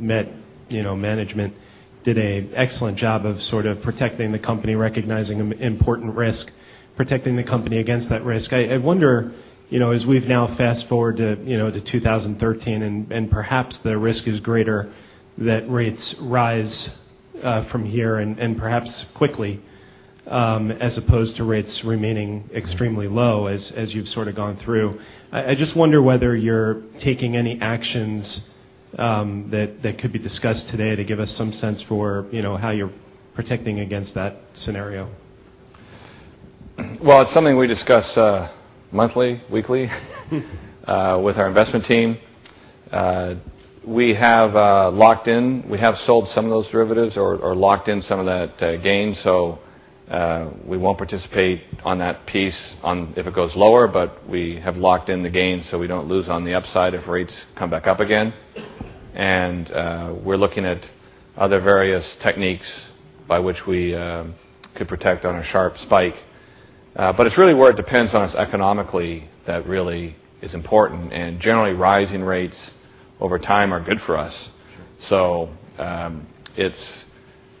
Speaker 7: Met management did a excellent job of sort of protecting the company, recognizing important risk, protecting the company against that risk. I wonder, as we've now fast-forwarded to 2013 and perhaps the risk is greater that rates rise from here and perhaps quickly, as opposed to rates remaining extremely low as you've sort of gone through. I just wonder whether you're taking any actions that could be discussed today to give us some sense for how you're protecting against that scenario.
Speaker 3: It's something we discuss monthly, weekly with our investment team. We have sold some of those derivatives or locked in some of that gain. We won't participate on that piece if it goes lower, but we have locked in the gain so we don't lose on the upside if rates come back up again. We're looking at other various techniques by which we could protect on a sharp spike. It's really where it depends on us economically that really is important. Generally, rising rates over time are good for us.
Speaker 7: Sure.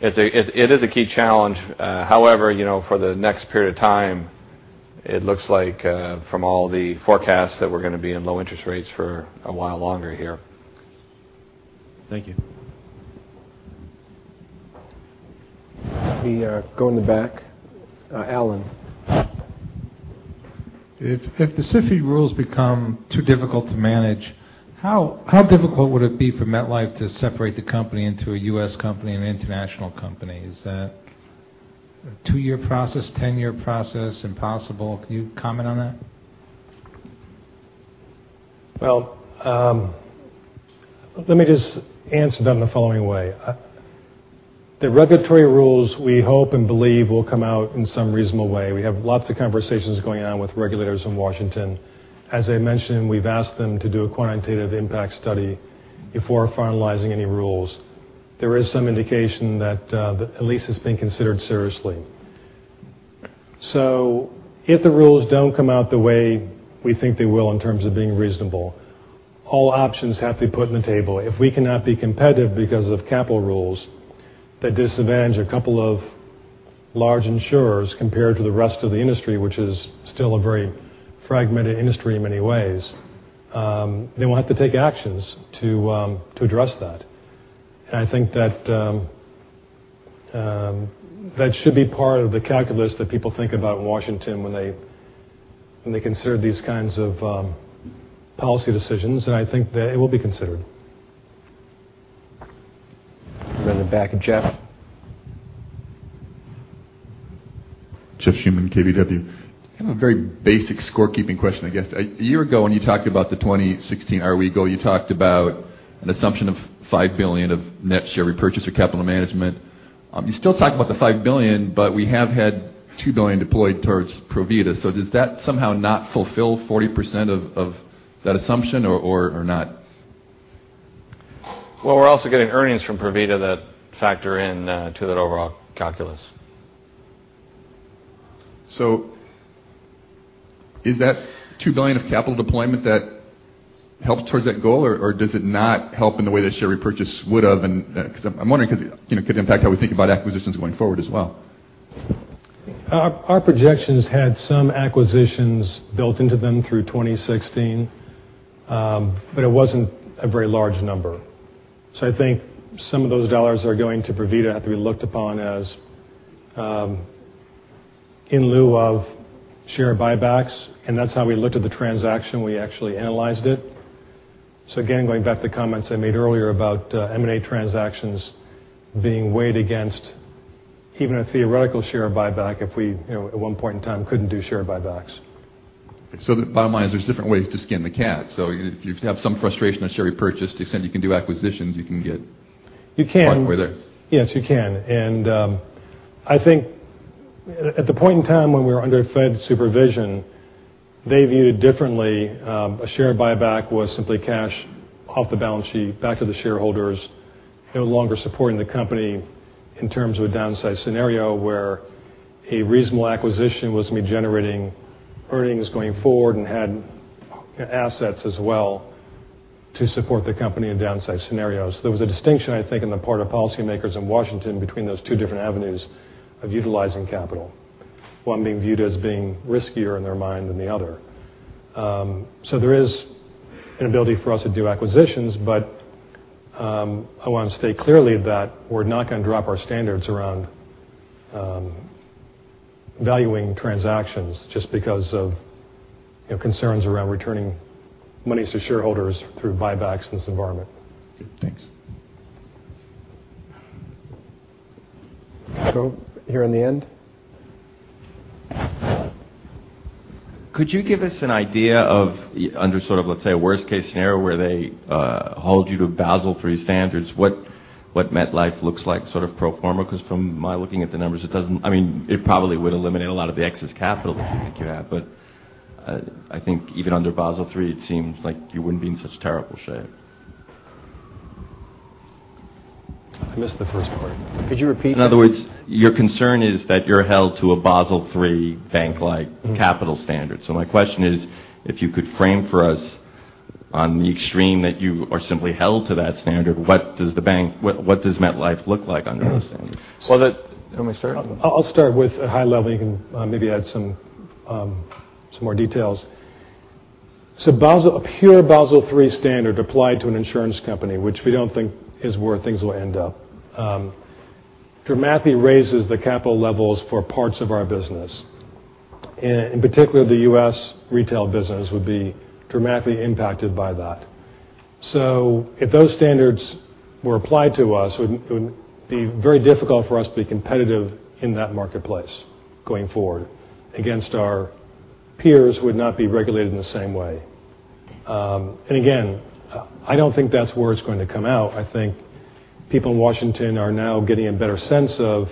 Speaker 3: It is a key challenge. However, for the next period of time, it looks like from all the forecasts that we're going to be in low interest rates for a while longer here.
Speaker 7: Thank you.
Speaker 1: We go in the back. Alan.
Speaker 15: If the SIFI rules become too difficult to manage, how difficult would it be for MetLife to separate the company into a U.S. company and an international company? Is that a two-year process, 10-year process, impossible? Can you comment on that?
Speaker 3: Well, let me just answer that in the following way. The regulatory rules, we hope and believe will come out in some reasonable way. We have lots of conversations going on with regulators in Washington. As I mentioned, we've asked them to do a quantitative impact study before finalizing any rules. There is some indication that at least it's being considered seriously. If the rules don't come out the way we think they will in terms of being reasonable, all options have to be put on the table. If we cannot be competitive because of capital rules that disadvantage a couple of large insurers compared to the rest of the industry, which is still a very fragmented industry in many ways, we'll have to take actions to address that. I think that
Speaker 2: That should be part of the calculus that people think about in Washington when they consider these kinds of policy decisions. I think that it will be considered.
Speaker 1: In the back, Jeff?
Speaker 17: Jeff Schuman, KBW. I have a very basic score keeping question, I guess. A year ago, when you talked about the 2016 IR week goal, you talked about an assumption of $5 billion of net share repurchase or capital management. You still talk about the $5 billion, but we have had $2 billion deployed towards Provida. Does that somehow not fulfill 40% of that assumption or not?
Speaker 3: Well, we're also getting earnings from Provida that factor in to that overall calculus.
Speaker 17: Is that $2 billion of capital deployment that helps towards that goal? Or does it not help in the way that share repurchase would've? Because I'm wondering, because it could impact how we think about acquisitions going forward as well.
Speaker 2: Our projections had some acquisitions built into them through 2016. It wasn't a very large number. I think some of those dollars that are going to Provida have to be looked upon as in lieu of share buybacks, and that's how we looked at the transaction. We actually analyzed it. Again, going back to the comments I made earlier about M&A transactions being weighed against even a theoretical share buyback if we, at one point in time, couldn't do share buybacks.
Speaker 17: The bottom line is there's different ways to skin the cat. If you have some frustration with share repurchase, to the extent you can do acquisitions, you can
Speaker 2: You can
Speaker 17: part way there.
Speaker 2: Yes, you can. I think at the point in time when we were under Fed supervision, they viewed it differently. A share buyback was simply cash off the balance sheet back to the shareholders, no longer supporting the company in terms of a downside scenario where a reasonable acquisition was it generating earnings going forward and had assets as well to support the company in downside scenarios. There was a distinction, I think, on the part of policymakers in Washington between those two different avenues of utilizing capital, one being viewed as being riskier in their mind than the other. There is an ability for us to do acquisitions, but I want to state clearly that we're not going to drop our standards around valuing transactions just because of concerns around returning monies to shareholders through buybacks in this environment.
Speaker 17: Thanks.
Speaker 1: Here in the end.
Speaker 15: Could you give us an idea of under, let's say, a worst case scenario where they hold you to Basel III standards, what MetLife looks like pro forma? From my looking at the numbers, it probably would eliminate a lot of the excess capital that I think you have, but I think even under Basel III, it seems like you wouldn't be in such terrible shape.
Speaker 2: I missed the first part. Could you repeat that?
Speaker 15: In other words, your concern is that you're held to a Basel III bank-like capital standard. My question is, if you could frame for us on the extreme that you are simply held to that standard, what does MetLife look like under those standards?
Speaker 3: Well, you want me to start?
Speaker 2: I'll start with a high level. You can maybe add some more details. A pure Basel III standard applied to an insurance company, which we don't think is where things will end up, dramatically raises the capital levels for parts of our business. In particular, the U.S. retail business would be dramatically impacted by that. If those standards were applied to us, it would be very difficult for us to be competitive in that marketplace going forward against our peers who would not be regulated in the same way. Again, I don't think that's where it's going to come out. I think people in Washington are now getting a better sense of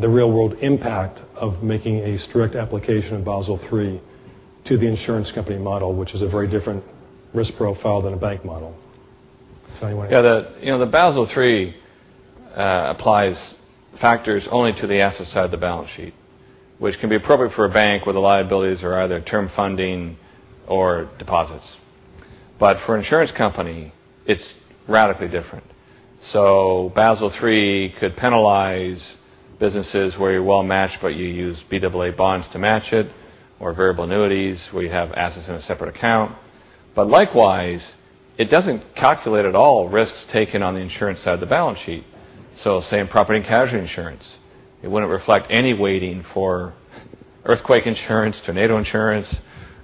Speaker 2: the real-world impact of making a strict application of Basel III to the insurance company model, which is a very different risk profile than a bank model. Anyway.
Speaker 3: Yeah, the Basel III applies factors only to the asset side of the balance sheet, which can be appropriate for a bank where the liabilities are either term funding or deposits. For insurance company, it's radically different. Basel III could penalize businesses where you're well matched, but you use PAA bonds to match it, or variable annuities where you have assets in a separate account. Likewise, it doesn't calculate at all risks taken on the insurance side of the balance sheet. Same property and casualty insurance. It wouldn't reflect any waiting for earthquake insurance, tornado insurance,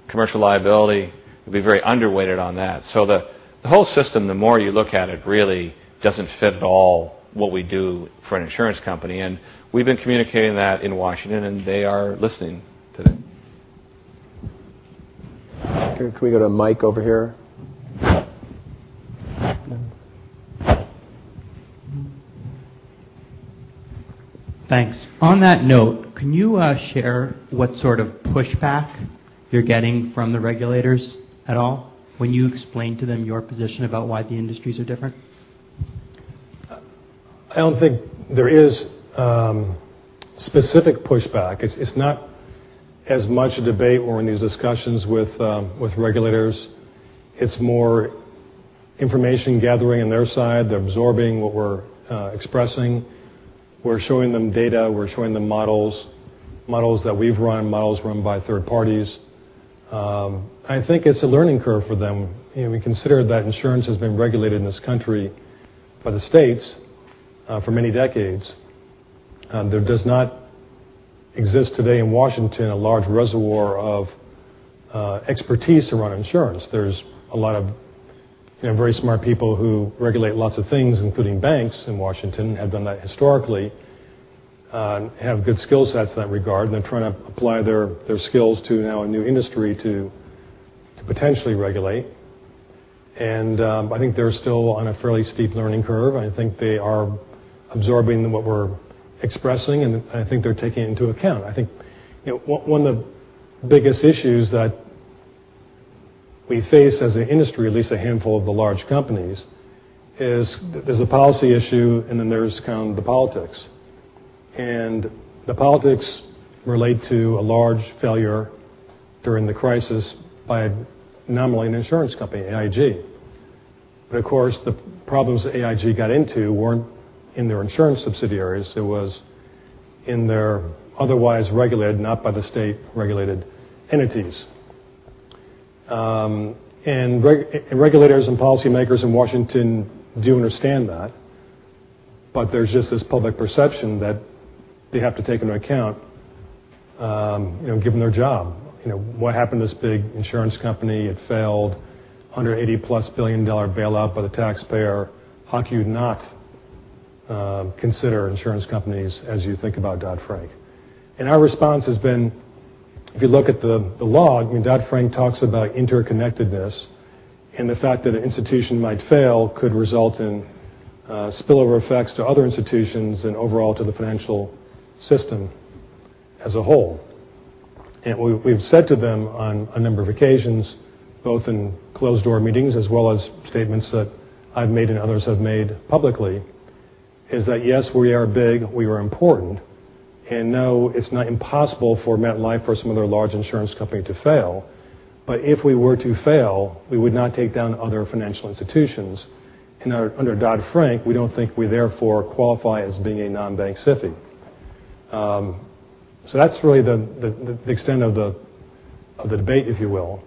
Speaker 3: commercial liability. It'd be very underweighted on that. The whole system, the more you look at it, really doesn't fit at all what we do for an insurance company. We've been communicating that in Washington, and they are listening to that.
Speaker 1: Can we go to Mike over here? Yeah.
Speaker 15: Thanks. On that note, can you share what sort of pushback you're getting from the regulators at all when you explain to them your position about why the industries are different?
Speaker 2: I don't think there is specific pushback. It's not as much a debate or in these discussions with regulators. It's more information gathering on their side. They're absorbing what we're expressing. We're showing them data. We're showing them models that we've run, models run by third parties. I think it's a learning curve for them. We consider that insurance has been regulated in this country by the states for many decades. There does not exist today in Washington, a large reservoir of expertise around insurance. There's a lot of very smart people who regulate lots of things, including banks in Washington, have done that historically, have good skill sets in that regard, and they're trying to apply their skills to now a new industry to potentially regulate. I think they're still on a fairly steep learning curve. I think they are absorbing what we're expressing, and I think they're taking it into account. I think one of the biggest issues that we face as an industry, at least a handful of the large companies, is there's a policy issue, and then there's kind of the politics. The politics relate to a large failure during the crisis by nominally an insurance company, AIG. Of course, the problems AIG got into weren't in their insurance subsidiaries. It was in their otherwise regulated, not by the state-regulated entities. Regulators and policymakers in Washington do understand that. There's just this public perception that they have to take into account, given their job. What happened to this big insurance company? It failed. A $180-plus billion bailout by the taxpayer. How could you not consider insurance companies as you think about Dodd-Frank? Our response has been, if you look at the log, Dodd-Frank talks about interconnectedness and the fact that an institution might fail could result in spillover effects to other institutions and overall to the financial system as a whole. We've said to them on a number of occasions, both in closed-door meetings as well as statements that I've made and others have made publicly, is that, yes, we are big, we are important, and no, it's not impossible for MetLife or some other large insurance company to fail. If we were to fail, we would not take down other financial institutions. Under Dodd-Frank, we don't think we therefore qualify as being a non-bank SIFI. That's really the extent of the debate, if you will.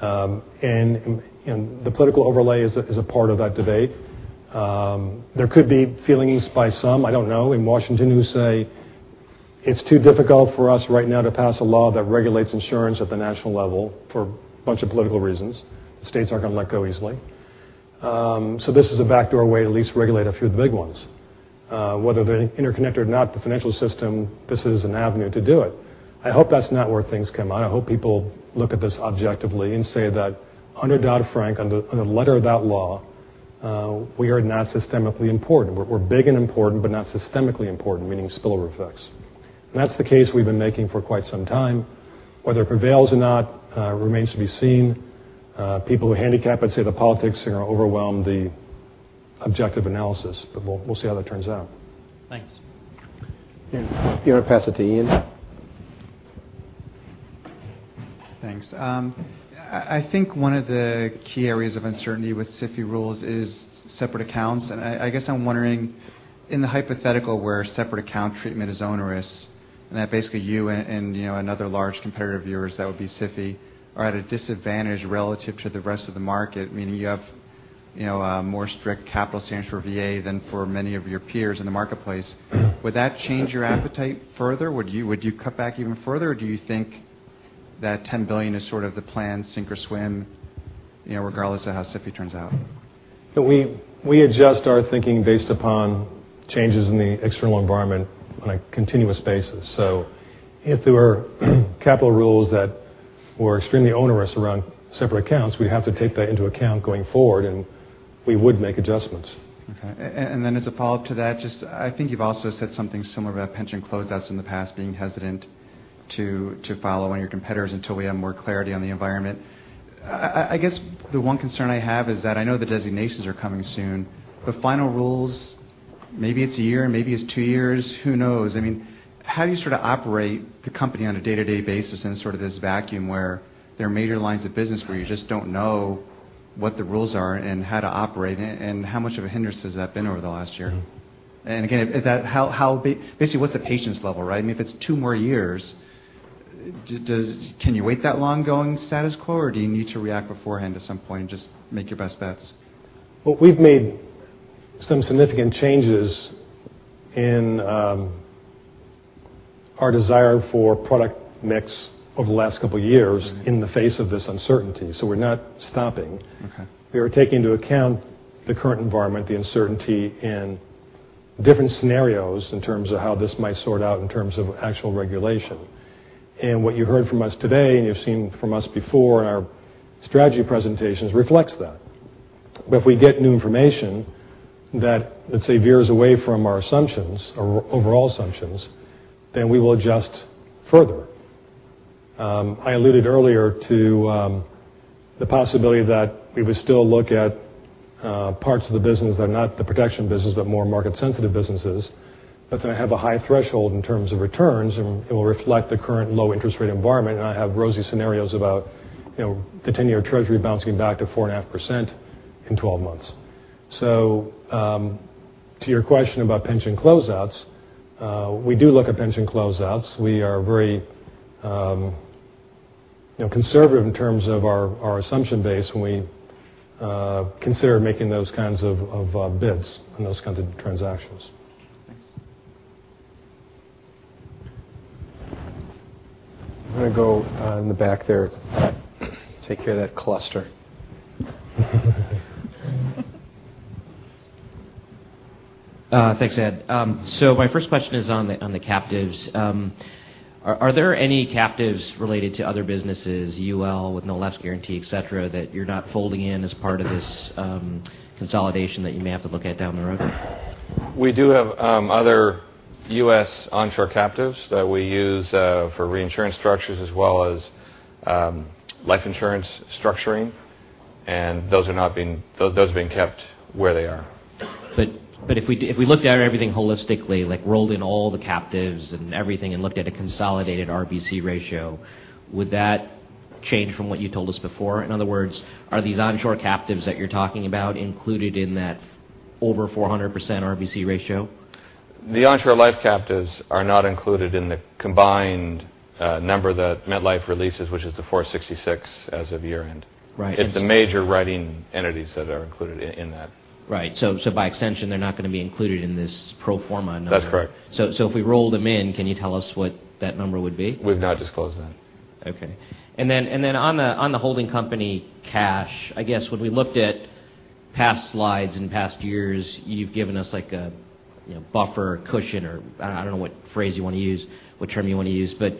Speaker 2: The political overlay is a part of that debate. There could be feelings by some, I don't know, in Washington who say it's too difficult for us right now to pass a law that regulates insurance at the national level for a bunch of political reasons. The states aren't going to let go easily. This is a backdoor way to at least regulate a few of the big ones. Whether they're interconnected or not, the financial system, this is an avenue to do it. I hope that's not where things come out. I hope people look at this objectively and say that under Dodd-Frank, under the letter of that law, we are not systemically important. We're big and important, but not systemically important, meaning spillover effects. That's the case we've been making for quite some time. Whether it prevails or not remains to be seen. People who handicap it say the politics are going to overwhelm the objective analysis. We'll see how that turns out.
Speaker 15: Thanks.
Speaker 1: Ian. Do you want to pass it to Ian?
Speaker 15: Thanks. I think one of the key areas of uncertainty with SIFI rules is separate accounts. I guess I'm wondering, in the hypothetical where separate account treatment is onerous and that basically you and another large competitor of yours that would be SIFI are at a disadvantage relative to the rest of the market, meaning you have a more strict capital standard for VA than for many of your peers in the marketplace. Would that change your appetite further? Would you cut back even further, or do you think that $10 billion is sort of the plan, sink or swim, regardless of how SIFI turns out?
Speaker 2: We adjust our thinking based upon changes in the external environment on a continuous basis. If there were capital rules that were extremely onerous around separate accounts, we'd have to take that into account going forward and we would make adjustments.
Speaker 15: Okay. As a follow-up to that, just I think you've also said something similar about pension closeouts in the past, being hesitant to follow on your competitors until we have more clarity on the environment. I guess the one concern I have is that I know the designations are coming soon, final rules, maybe it's a year, maybe it's two years, who knows? I mean, how do you sort of operate the company on a day-to-day basis in sort of this vacuum where there are major lines of business where you just don't know what the rules are and how to operate in it? How much of a hindrance has that been over the last year? Again, basically, what's the patience level, right? I mean, if it's two more years, can you wait that long going status quo, do you need to react beforehand at some point and just make your best bets?
Speaker 2: Well, we've made some significant changes in our desire for product mix over the last couple of years in the face of this uncertainty. We're not stopping.
Speaker 15: Okay.
Speaker 2: We are taking into account the current environment, the uncertainty, and different scenarios in terms of how this might sort out in terms of actual regulation. What you heard from us today, and you've seen from us before in our strategy presentations, reflects that. If we get new information that, let's say, veers away from our assumptions, our overall assumptions, then we will adjust further. I alluded earlier to the possibility that we would still look at parts of the business that are not the protection business, but more market-sensitive businesses. That's going to have a high threshold in terms of returns, and it will reflect the current low interest rate environment. I have rosy scenarios about the 10-year Treasury bouncing back to 4.5% in 12 months. To your question about pension closeouts, we do look at pension closeouts. We are very conservative in terms of our assumption base when we consider making those kinds of bids on those kinds of transactions.
Speaker 1: Thanks. I'm going to go in the back there. Take care of that cluster.
Speaker 11: Thanks, Ed. My first question is on the captives. Are there any captives related to other businesses, Universal Life with Secondary Guarantee, et cetera, that you're not folding in as part of this consolidation that you may have to look at down the road?
Speaker 3: We do have other U.S. onshore captives that we use for reinsurance structures as well as life insurance structuring, those are being kept where they are.
Speaker 11: If we looked at everything holistically, like rolled in all the captives and everything, and looked at a consolidated RBC ratio, would that change from what you told us before? In other words, are these onshore captives that you're talking about included in that over 400% RBC ratio?
Speaker 3: The onshore life captives are not included in the combined number that MetLife releases, which is the 466 as of year-end.
Speaker 11: Right.
Speaker 3: It's the major writing entities that are included in that.
Speaker 11: Right. By extension, they're not going to be included in this pro forma number.
Speaker 3: That's correct.
Speaker 11: If we roll them in, can you tell us what that number would be?
Speaker 3: We've not disclosed that.
Speaker 11: Okay. On the holding company cash, I guess when we looked at past slides in past years, you've given us like a buffer cushion or I don't know what phrase you want to use, what term you want to use, but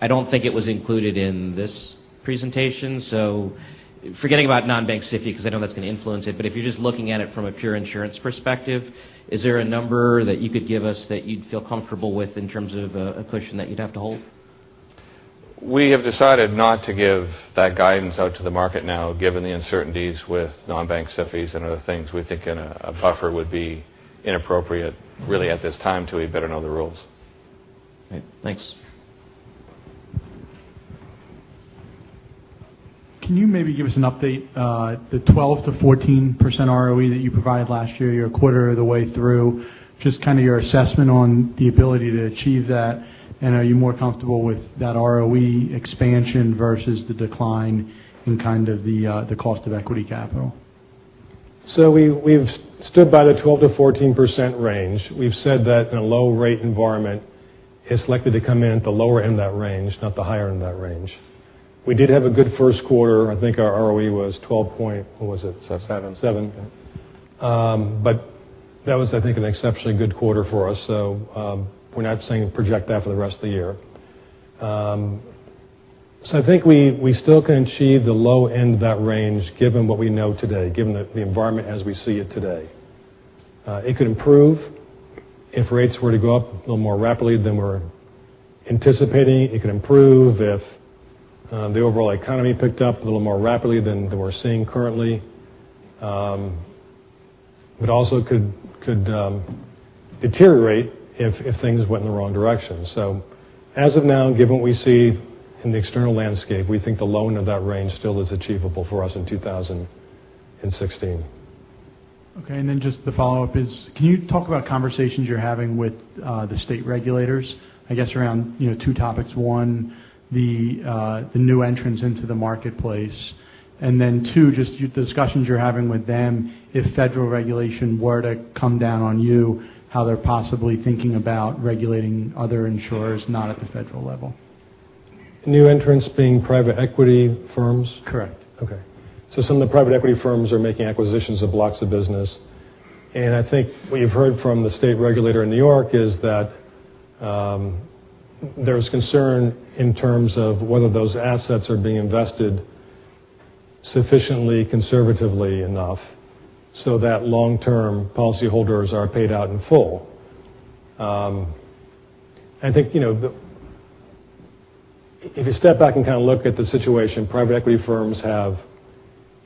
Speaker 11: I don't think it was included in this presentation. Forgetting about non-bank SIFI, because I know that's going to influence it, but if you're just looking at it from a pure insurance perspective, is there a number that you could give us that you'd feel comfortable with in terms of a cushion that you'd have to hold?
Speaker 3: We have decided not to give that guidance out to the market now, given the uncertainties with non-bank SIFIs and other things. We think a buffer would be inappropriate really at this time till we better know the rules.
Speaker 11: Okay. Thanks.
Speaker 10: Can you maybe give us an update, the 12%-14% ROE that you provided last year, you're a quarter of the way through, just your assessment on the ability to achieve that, are you more comfortable with that ROE expansion versus the decline in the cost of equity capital?
Speaker 2: We've stood by the 12%-14% range. We've said that in a low rate environment, it's likely to come in at the lower end of that range, not the higher end of that range. We did have a good first quarter. I think our ROE was 12. What was it?
Speaker 3: Seven.
Speaker 2: Seven. That was, I think, an exceptionally good quarter for us. We're not saying project that for the rest of the year. I think we still can achieve the low end of that range given what we know today, given the environment as we see it today. It could improve if rates were to go up a little more rapidly than we're anticipating. It could improve if the overall economy picked up a little more rapidly than we're seeing currently. Also could deteriorate if things went in the wrong direction. As of now, given what we see in the external landscape, we think the low end of that range still is achievable for us in 2016.
Speaker 10: Okay. Just the follow-up is, can you talk about conversations you're having with the state regulators, I guess around two topics, one, the new entrants into the marketplace, and two, just the discussions you're having with them if federal regulation were to come down on you, how they're possibly thinking about regulating other insurers not at the federal level.
Speaker 2: New entrants being private equity firms?
Speaker 10: Correct.
Speaker 2: Okay. Some of the private equity firms are making acquisitions of blocks of business. I think what you've heard from the state regulator in New York is that there's concern in terms of whether those assets are being invested sufficiently conservatively enough so that long-term policyholders are paid out in full. I think if you step back and look at the situation, private equity firms have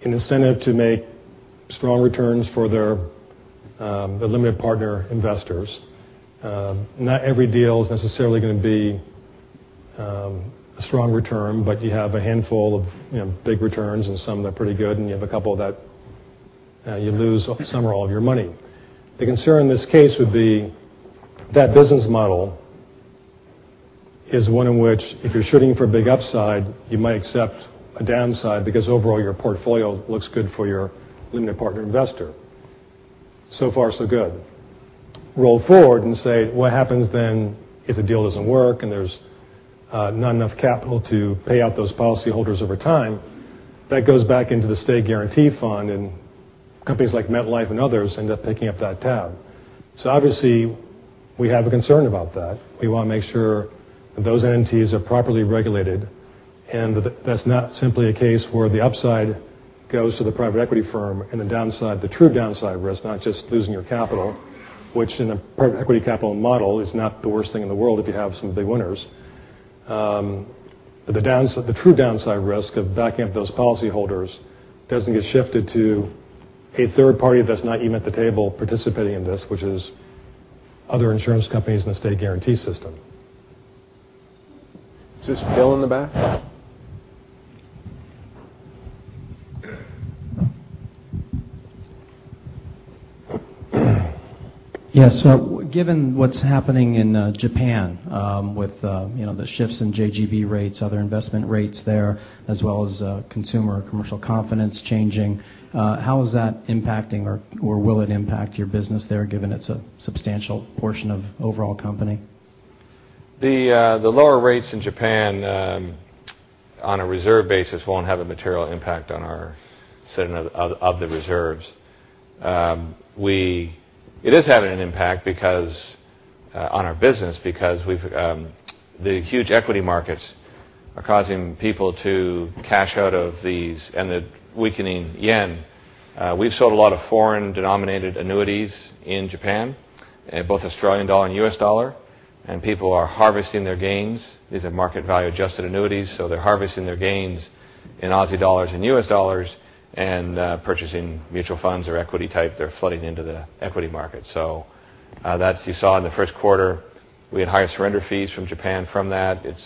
Speaker 2: an incentive to make strong returns for their limited partner investors. Not every deal is necessarily going to be a strong return, but you have a handful of big returns, and some that are pretty good, and you have a couple that you lose, some or all of your money. The concern in this case would be that business model is one in which if you're shooting for a big upside, you might accept a downside because overall your portfolio looks good for your limited partner investor. So far so good. Roll forward and say, what happens then if the deal doesn't work and there's not enough capital to pay out those policyholders over time, that goes back into the state guarantee fund and companies like MetLife and others end up picking up that tab. Obviously, we have a concern about that. We want to make sure that those entities are properly regulated, and that that's not simply a case where the upside goes to the private equity firm and the downside, the true downside risk, not just losing your capital, which in a private equity capital model is not the worst thing in the world if you have some big winners. The true downside risk of backing up those policyholders doesn't get shifted to a third party that's not even at the table participating in this, which is.
Speaker 3: Other insurance companies in the state guarantee system.
Speaker 1: Is this Bill in the back?
Speaker 15: Yeah, given what's happening in Japan with the shifts in JGB rates, other investment rates there, as well as consumer commercial confidence changing, how is that impacting or will it impact your business there, given it's a substantial portion of overall company?
Speaker 3: The lower rates in Japan on a reserve basis won't have a material impact on our setting of the reserves. It is having an impact on our business because the huge equity markets are causing people to cash out of these and the weakening yen. We've sold a lot of foreign-denominated annuities in Japan, in both AUD and USD, and people are harvesting their gains. These are market value adjusted annuities, so they're harvesting their gains in AUD and USD and purchasing mutual funds or equity type. They're flooding into the equity market. That you saw in the first quarter. We had higher surrender fees from Japan from that. It's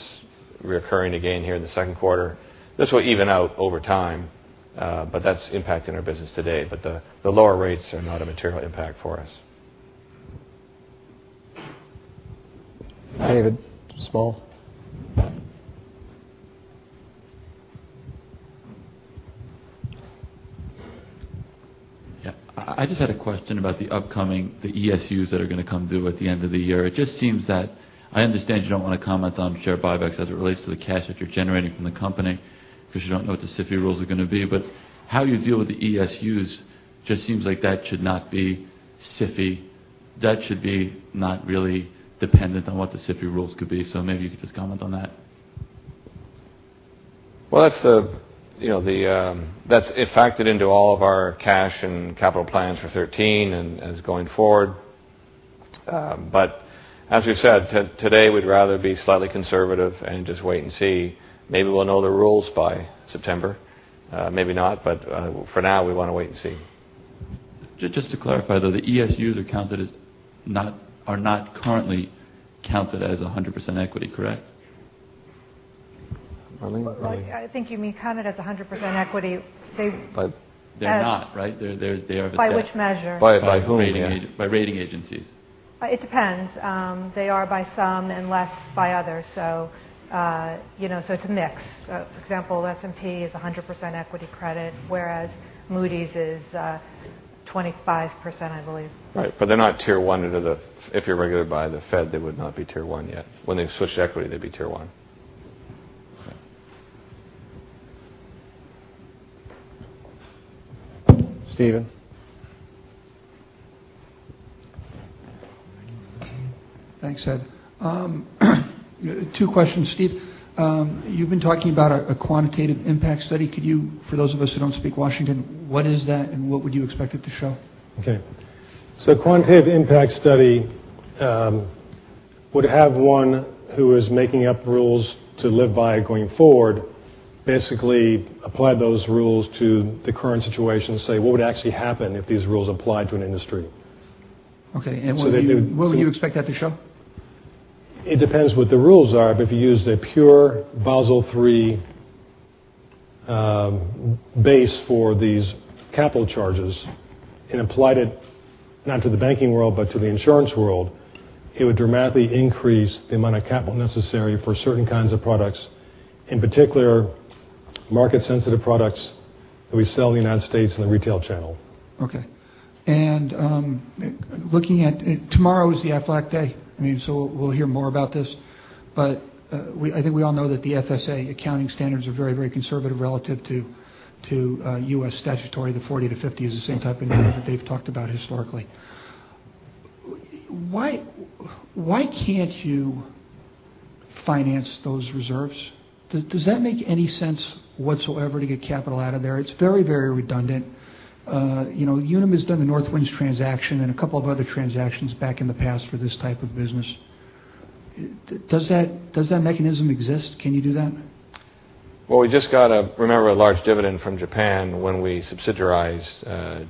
Speaker 3: reoccurring again here in the second quarter. This will even out over time. That's impacting our business today. The lower rates are not a material impact for us.
Speaker 1: David Small.
Speaker 18: Yeah. I just had a question about the upcoming ESUs that are going to come due at the end of the year. It just seems that I understand you don't want to comment on share buybacks as it relates to the cash that you're generating from the company because you don't know what the SIFI rules are going to be. How you deal with the ESUs just seems like that should not be SIFI. That should be not really dependent on what the SIFI rules could be. Maybe you could just comment on that.
Speaker 3: Well, that's factored into all of our cash and capital plans for 2013 and as going forward. As we've said, today, we'd rather be slightly conservative and just wait and see. Maybe we'll know the rules by September. Maybe not. For now, we want to wait and see.
Speaker 18: Just to clarify, though, the ESUs are not currently counted as 100% equity, correct?
Speaker 1: Marlene?
Speaker 22: I think you mean counted as 100% equity. They-
Speaker 18: They're not, right?
Speaker 22: By which measure?
Speaker 1: By whom? Yeah.
Speaker 18: By rating agencies.
Speaker 22: It depends. They are by some and less by others. It's a mix. For example, S&P is 100% equity credit, whereas Moody's is 25%, I believe.
Speaker 3: Right. They're not Tier 1. If you're regulated by the Fed, they would not be Tier 1 yet. When they switch to equity, they'd be Tier 1.
Speaker 1: Steven.
Speaker 14: Thanks, Ed. Two questions. Steve, you've been talking about a quantitative impact study. Could you, for those of us who don't speak Washington, what is that and what would you expect it to show?
Speaker 2: Quantitative impact study would have one who is making up rules to live by going forward, basically apply those rules to the current situation and say, what would actually happen if these rules applied to an industry?
Speaker 14: Okay. What would you expect that to show?
Speaker 2: It depends what the rules are. If you used a pure Basel III base for these capital charges and applied it, not to the banking world, but to the insurance world, it would dramatically increase the amount of capital necessary for certain kinds of products. In particular, market sensitive products that we sell in the U.S. in the retail channel.
Speaker 14: Okay. Looking at tomorrow is the Aflac day, we'll hear more about this. I think we all know that the FSA accounting standards are very, very conservative relative to U.S. statutory. The 40 to 50 is the same type of number that they've talked about historically. Why can't you finance those reserves? Does that make any sense whatsoever to get capital out of there? It's very, very redundant. Unum has done the Northwind transaction and a couple of other transactions back in the past for this type of business. Does that mechanism exist? Can you do that?
Speaker 3: We just got a, remember, a large dividend from Japan when we subsidized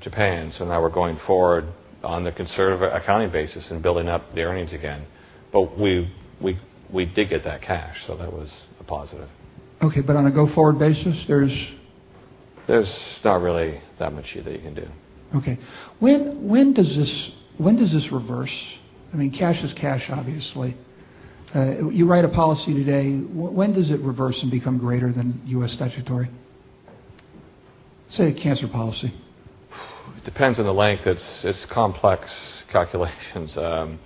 Speaker 3: Japan, now we're going forward on the conservative accounting basis and building up the earnings again. We did get that cash, that was a positive.
Speaker 14: Okay. On a go forward basis, there's.
Speaker 3: There's not really that much there you can do.
Speaker 14: Okay. When does this reverse? I mean, cash is cash, obviously. You write a policy today. When does it reverse and become greater than U.S. statutory? Say, a cancer policy.
Speaker 3: It depends on the length. It's complex calculations. In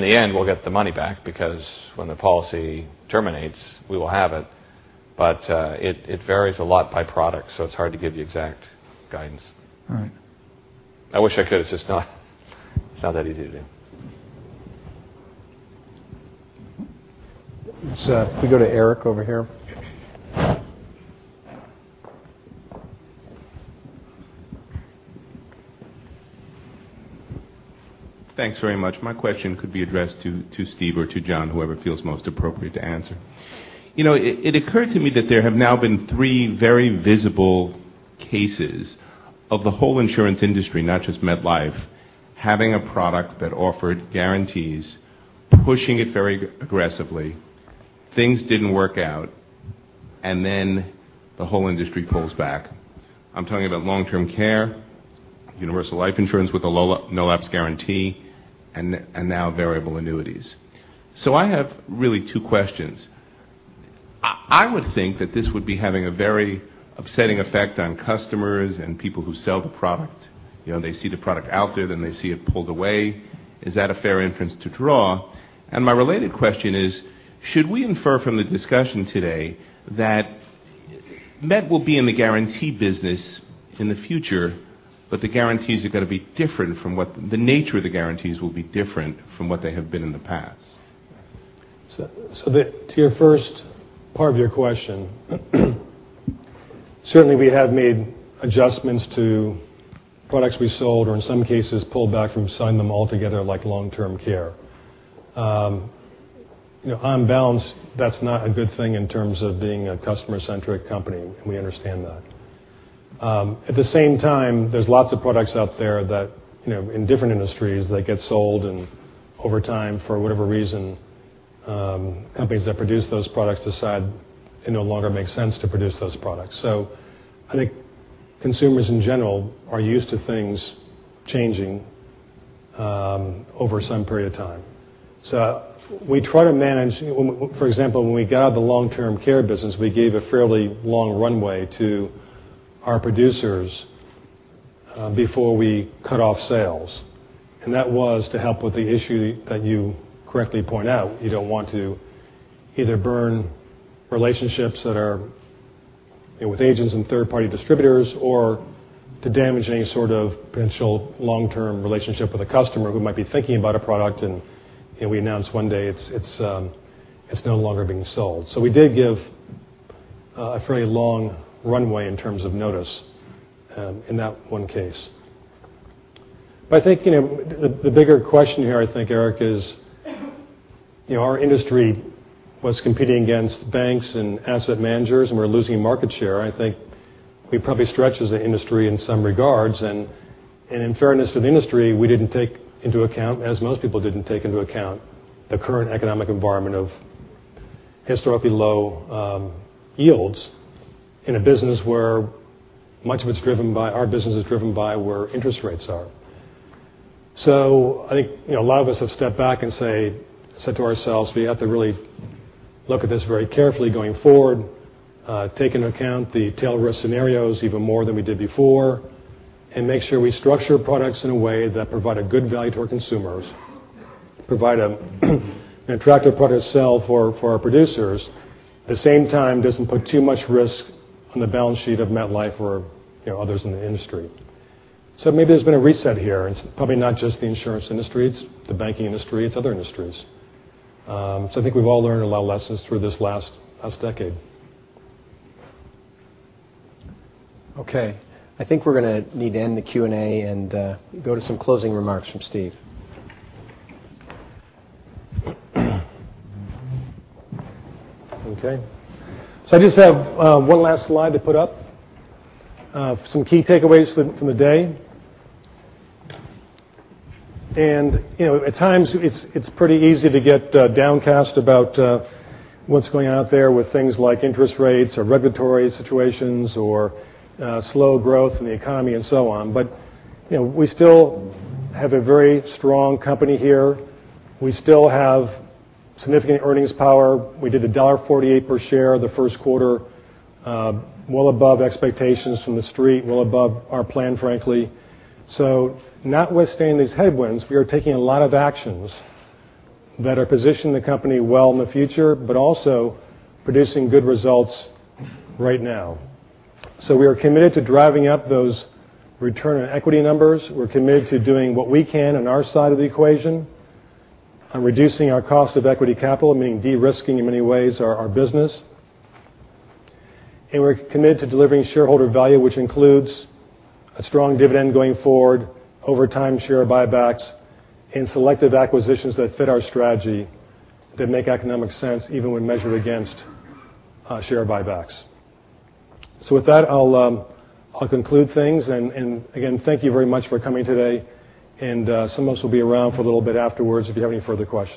Speaker 3: the end, we'll get the money back because when the policy terminates, we will have it. It varies a lot by product, so it's hard to give the exact guidance.
Speaker 14: All right.
Speaker 3: I wish I could. It's just not that easy to do.
Speaker 1: Let's go to Eric over here.
Speaker 9: Thanks very much. My question could be addressed to Steve or to John, whoever feels most appropriate to answer. It occurred to me that there have now been three very visible cases of the whole insurance industry, not just MetLife, having a product that offered guarantees, pushing it very aggressively, things didn't work out, and then the whole industry pulls back. I'm talking about long-term care, universal life insurance with a no-lapse guarantee, and now variable annuities. I have really two questions. I would think that this would be having a very upsetting effect on customers and people who sell the product. They see the product out there, then they see it pulled away. Is that a fair inference to draw? My related question is, should we infer from the discussion today that Met will be in the guarantee business in the future, but the guarantees are going to be different from what the nature of the guarantees will be different from what they have been in the past?
Speaker 2: To your first part of your question, certainly we have made adjustments to products we sold or in some cases pulled back from selling them altogether, like long-term care. On balance, that's not a good thing in terms of being a customer-centric company, and we understand that. At the same time, there's lots of products out there that, in different industries, that get sold, and over time, for whatever reason, companies that produce those products decide it no longer makes sense to produce those products. I think consumers in general are used to things changing over some period of time. We try to manage. For example, when we got out of the long-term care business, we gave a fairly long runway to our producers before we cut off sales. That was to help with the issue that you correctly point out. You don't want to either burn relationships that are with agents and third-party distributors or to damage any sort of potential long-term relationship with a customer who might be thinking about a product, and we announce one day it's no longer being sold. We did give a fairly long runway in terms of notice in that one case. I think the bigger question here, I think, Eric, is our industry was competing against banks and asset managers, and we're losing market share. I think we probably stretched as an industry in some regards. In fairness to the industry, we didn't take into account, as most people didn't take into account, the current economic environment of historically low yields in a business where much of it's driven by our business is driven by where interest rates are. I think a lot of us have stepped back and said to ourselves, we have to really look at this very carefully going forward, take into account the tail risk scenarios even more than we did before, and make sure we structure products in a way that provide a good value to our consumers, provide an attractive product to sell for our producers. At the same time, doesn't put too much risk on the balance sheet of MetLife or others in the industry. Maybe there's been a reset here. It's probably not just the insurance industry, it's the banking industry, it's other industries. I think we've all learned a lot of lessons through this last decade.
Speaker 1: I think we're going to need to end the Q&A and go to some closing remarks from Steve.
Speaker 2: I just have one last slide to put up. Some key takeaways from the day. At times it's pretty easy to get downcast about what's going out there with things like interest rates or regulatory situations or slow growth in the economy and so on. We still have a very strong company here. We still have significant earnings power. We did $1.48 per share the first quarter, well above expectations from the Street, well above our plan, frankly. Notwithstanding these headwinds, we are taking a lot of actions that are positioning the company well in the future, but also producing good results right now. We are committed to driving up those return on equity numbers. We're committed to doing what we can on our side of the equation on reducing our cost of equity capital, meaning de-risking, in many ways, our business. We're committed to delivering shareholder value, which includes a strong dividend going forward over time, share buybacks, and selective acquisitions that fit our strategy that make economic sense even when measured against share buybacks. With that, I'll conclude things. Again, thank you very much for coming today, and some of us will be around for a little bit afterwards if you have any further questions.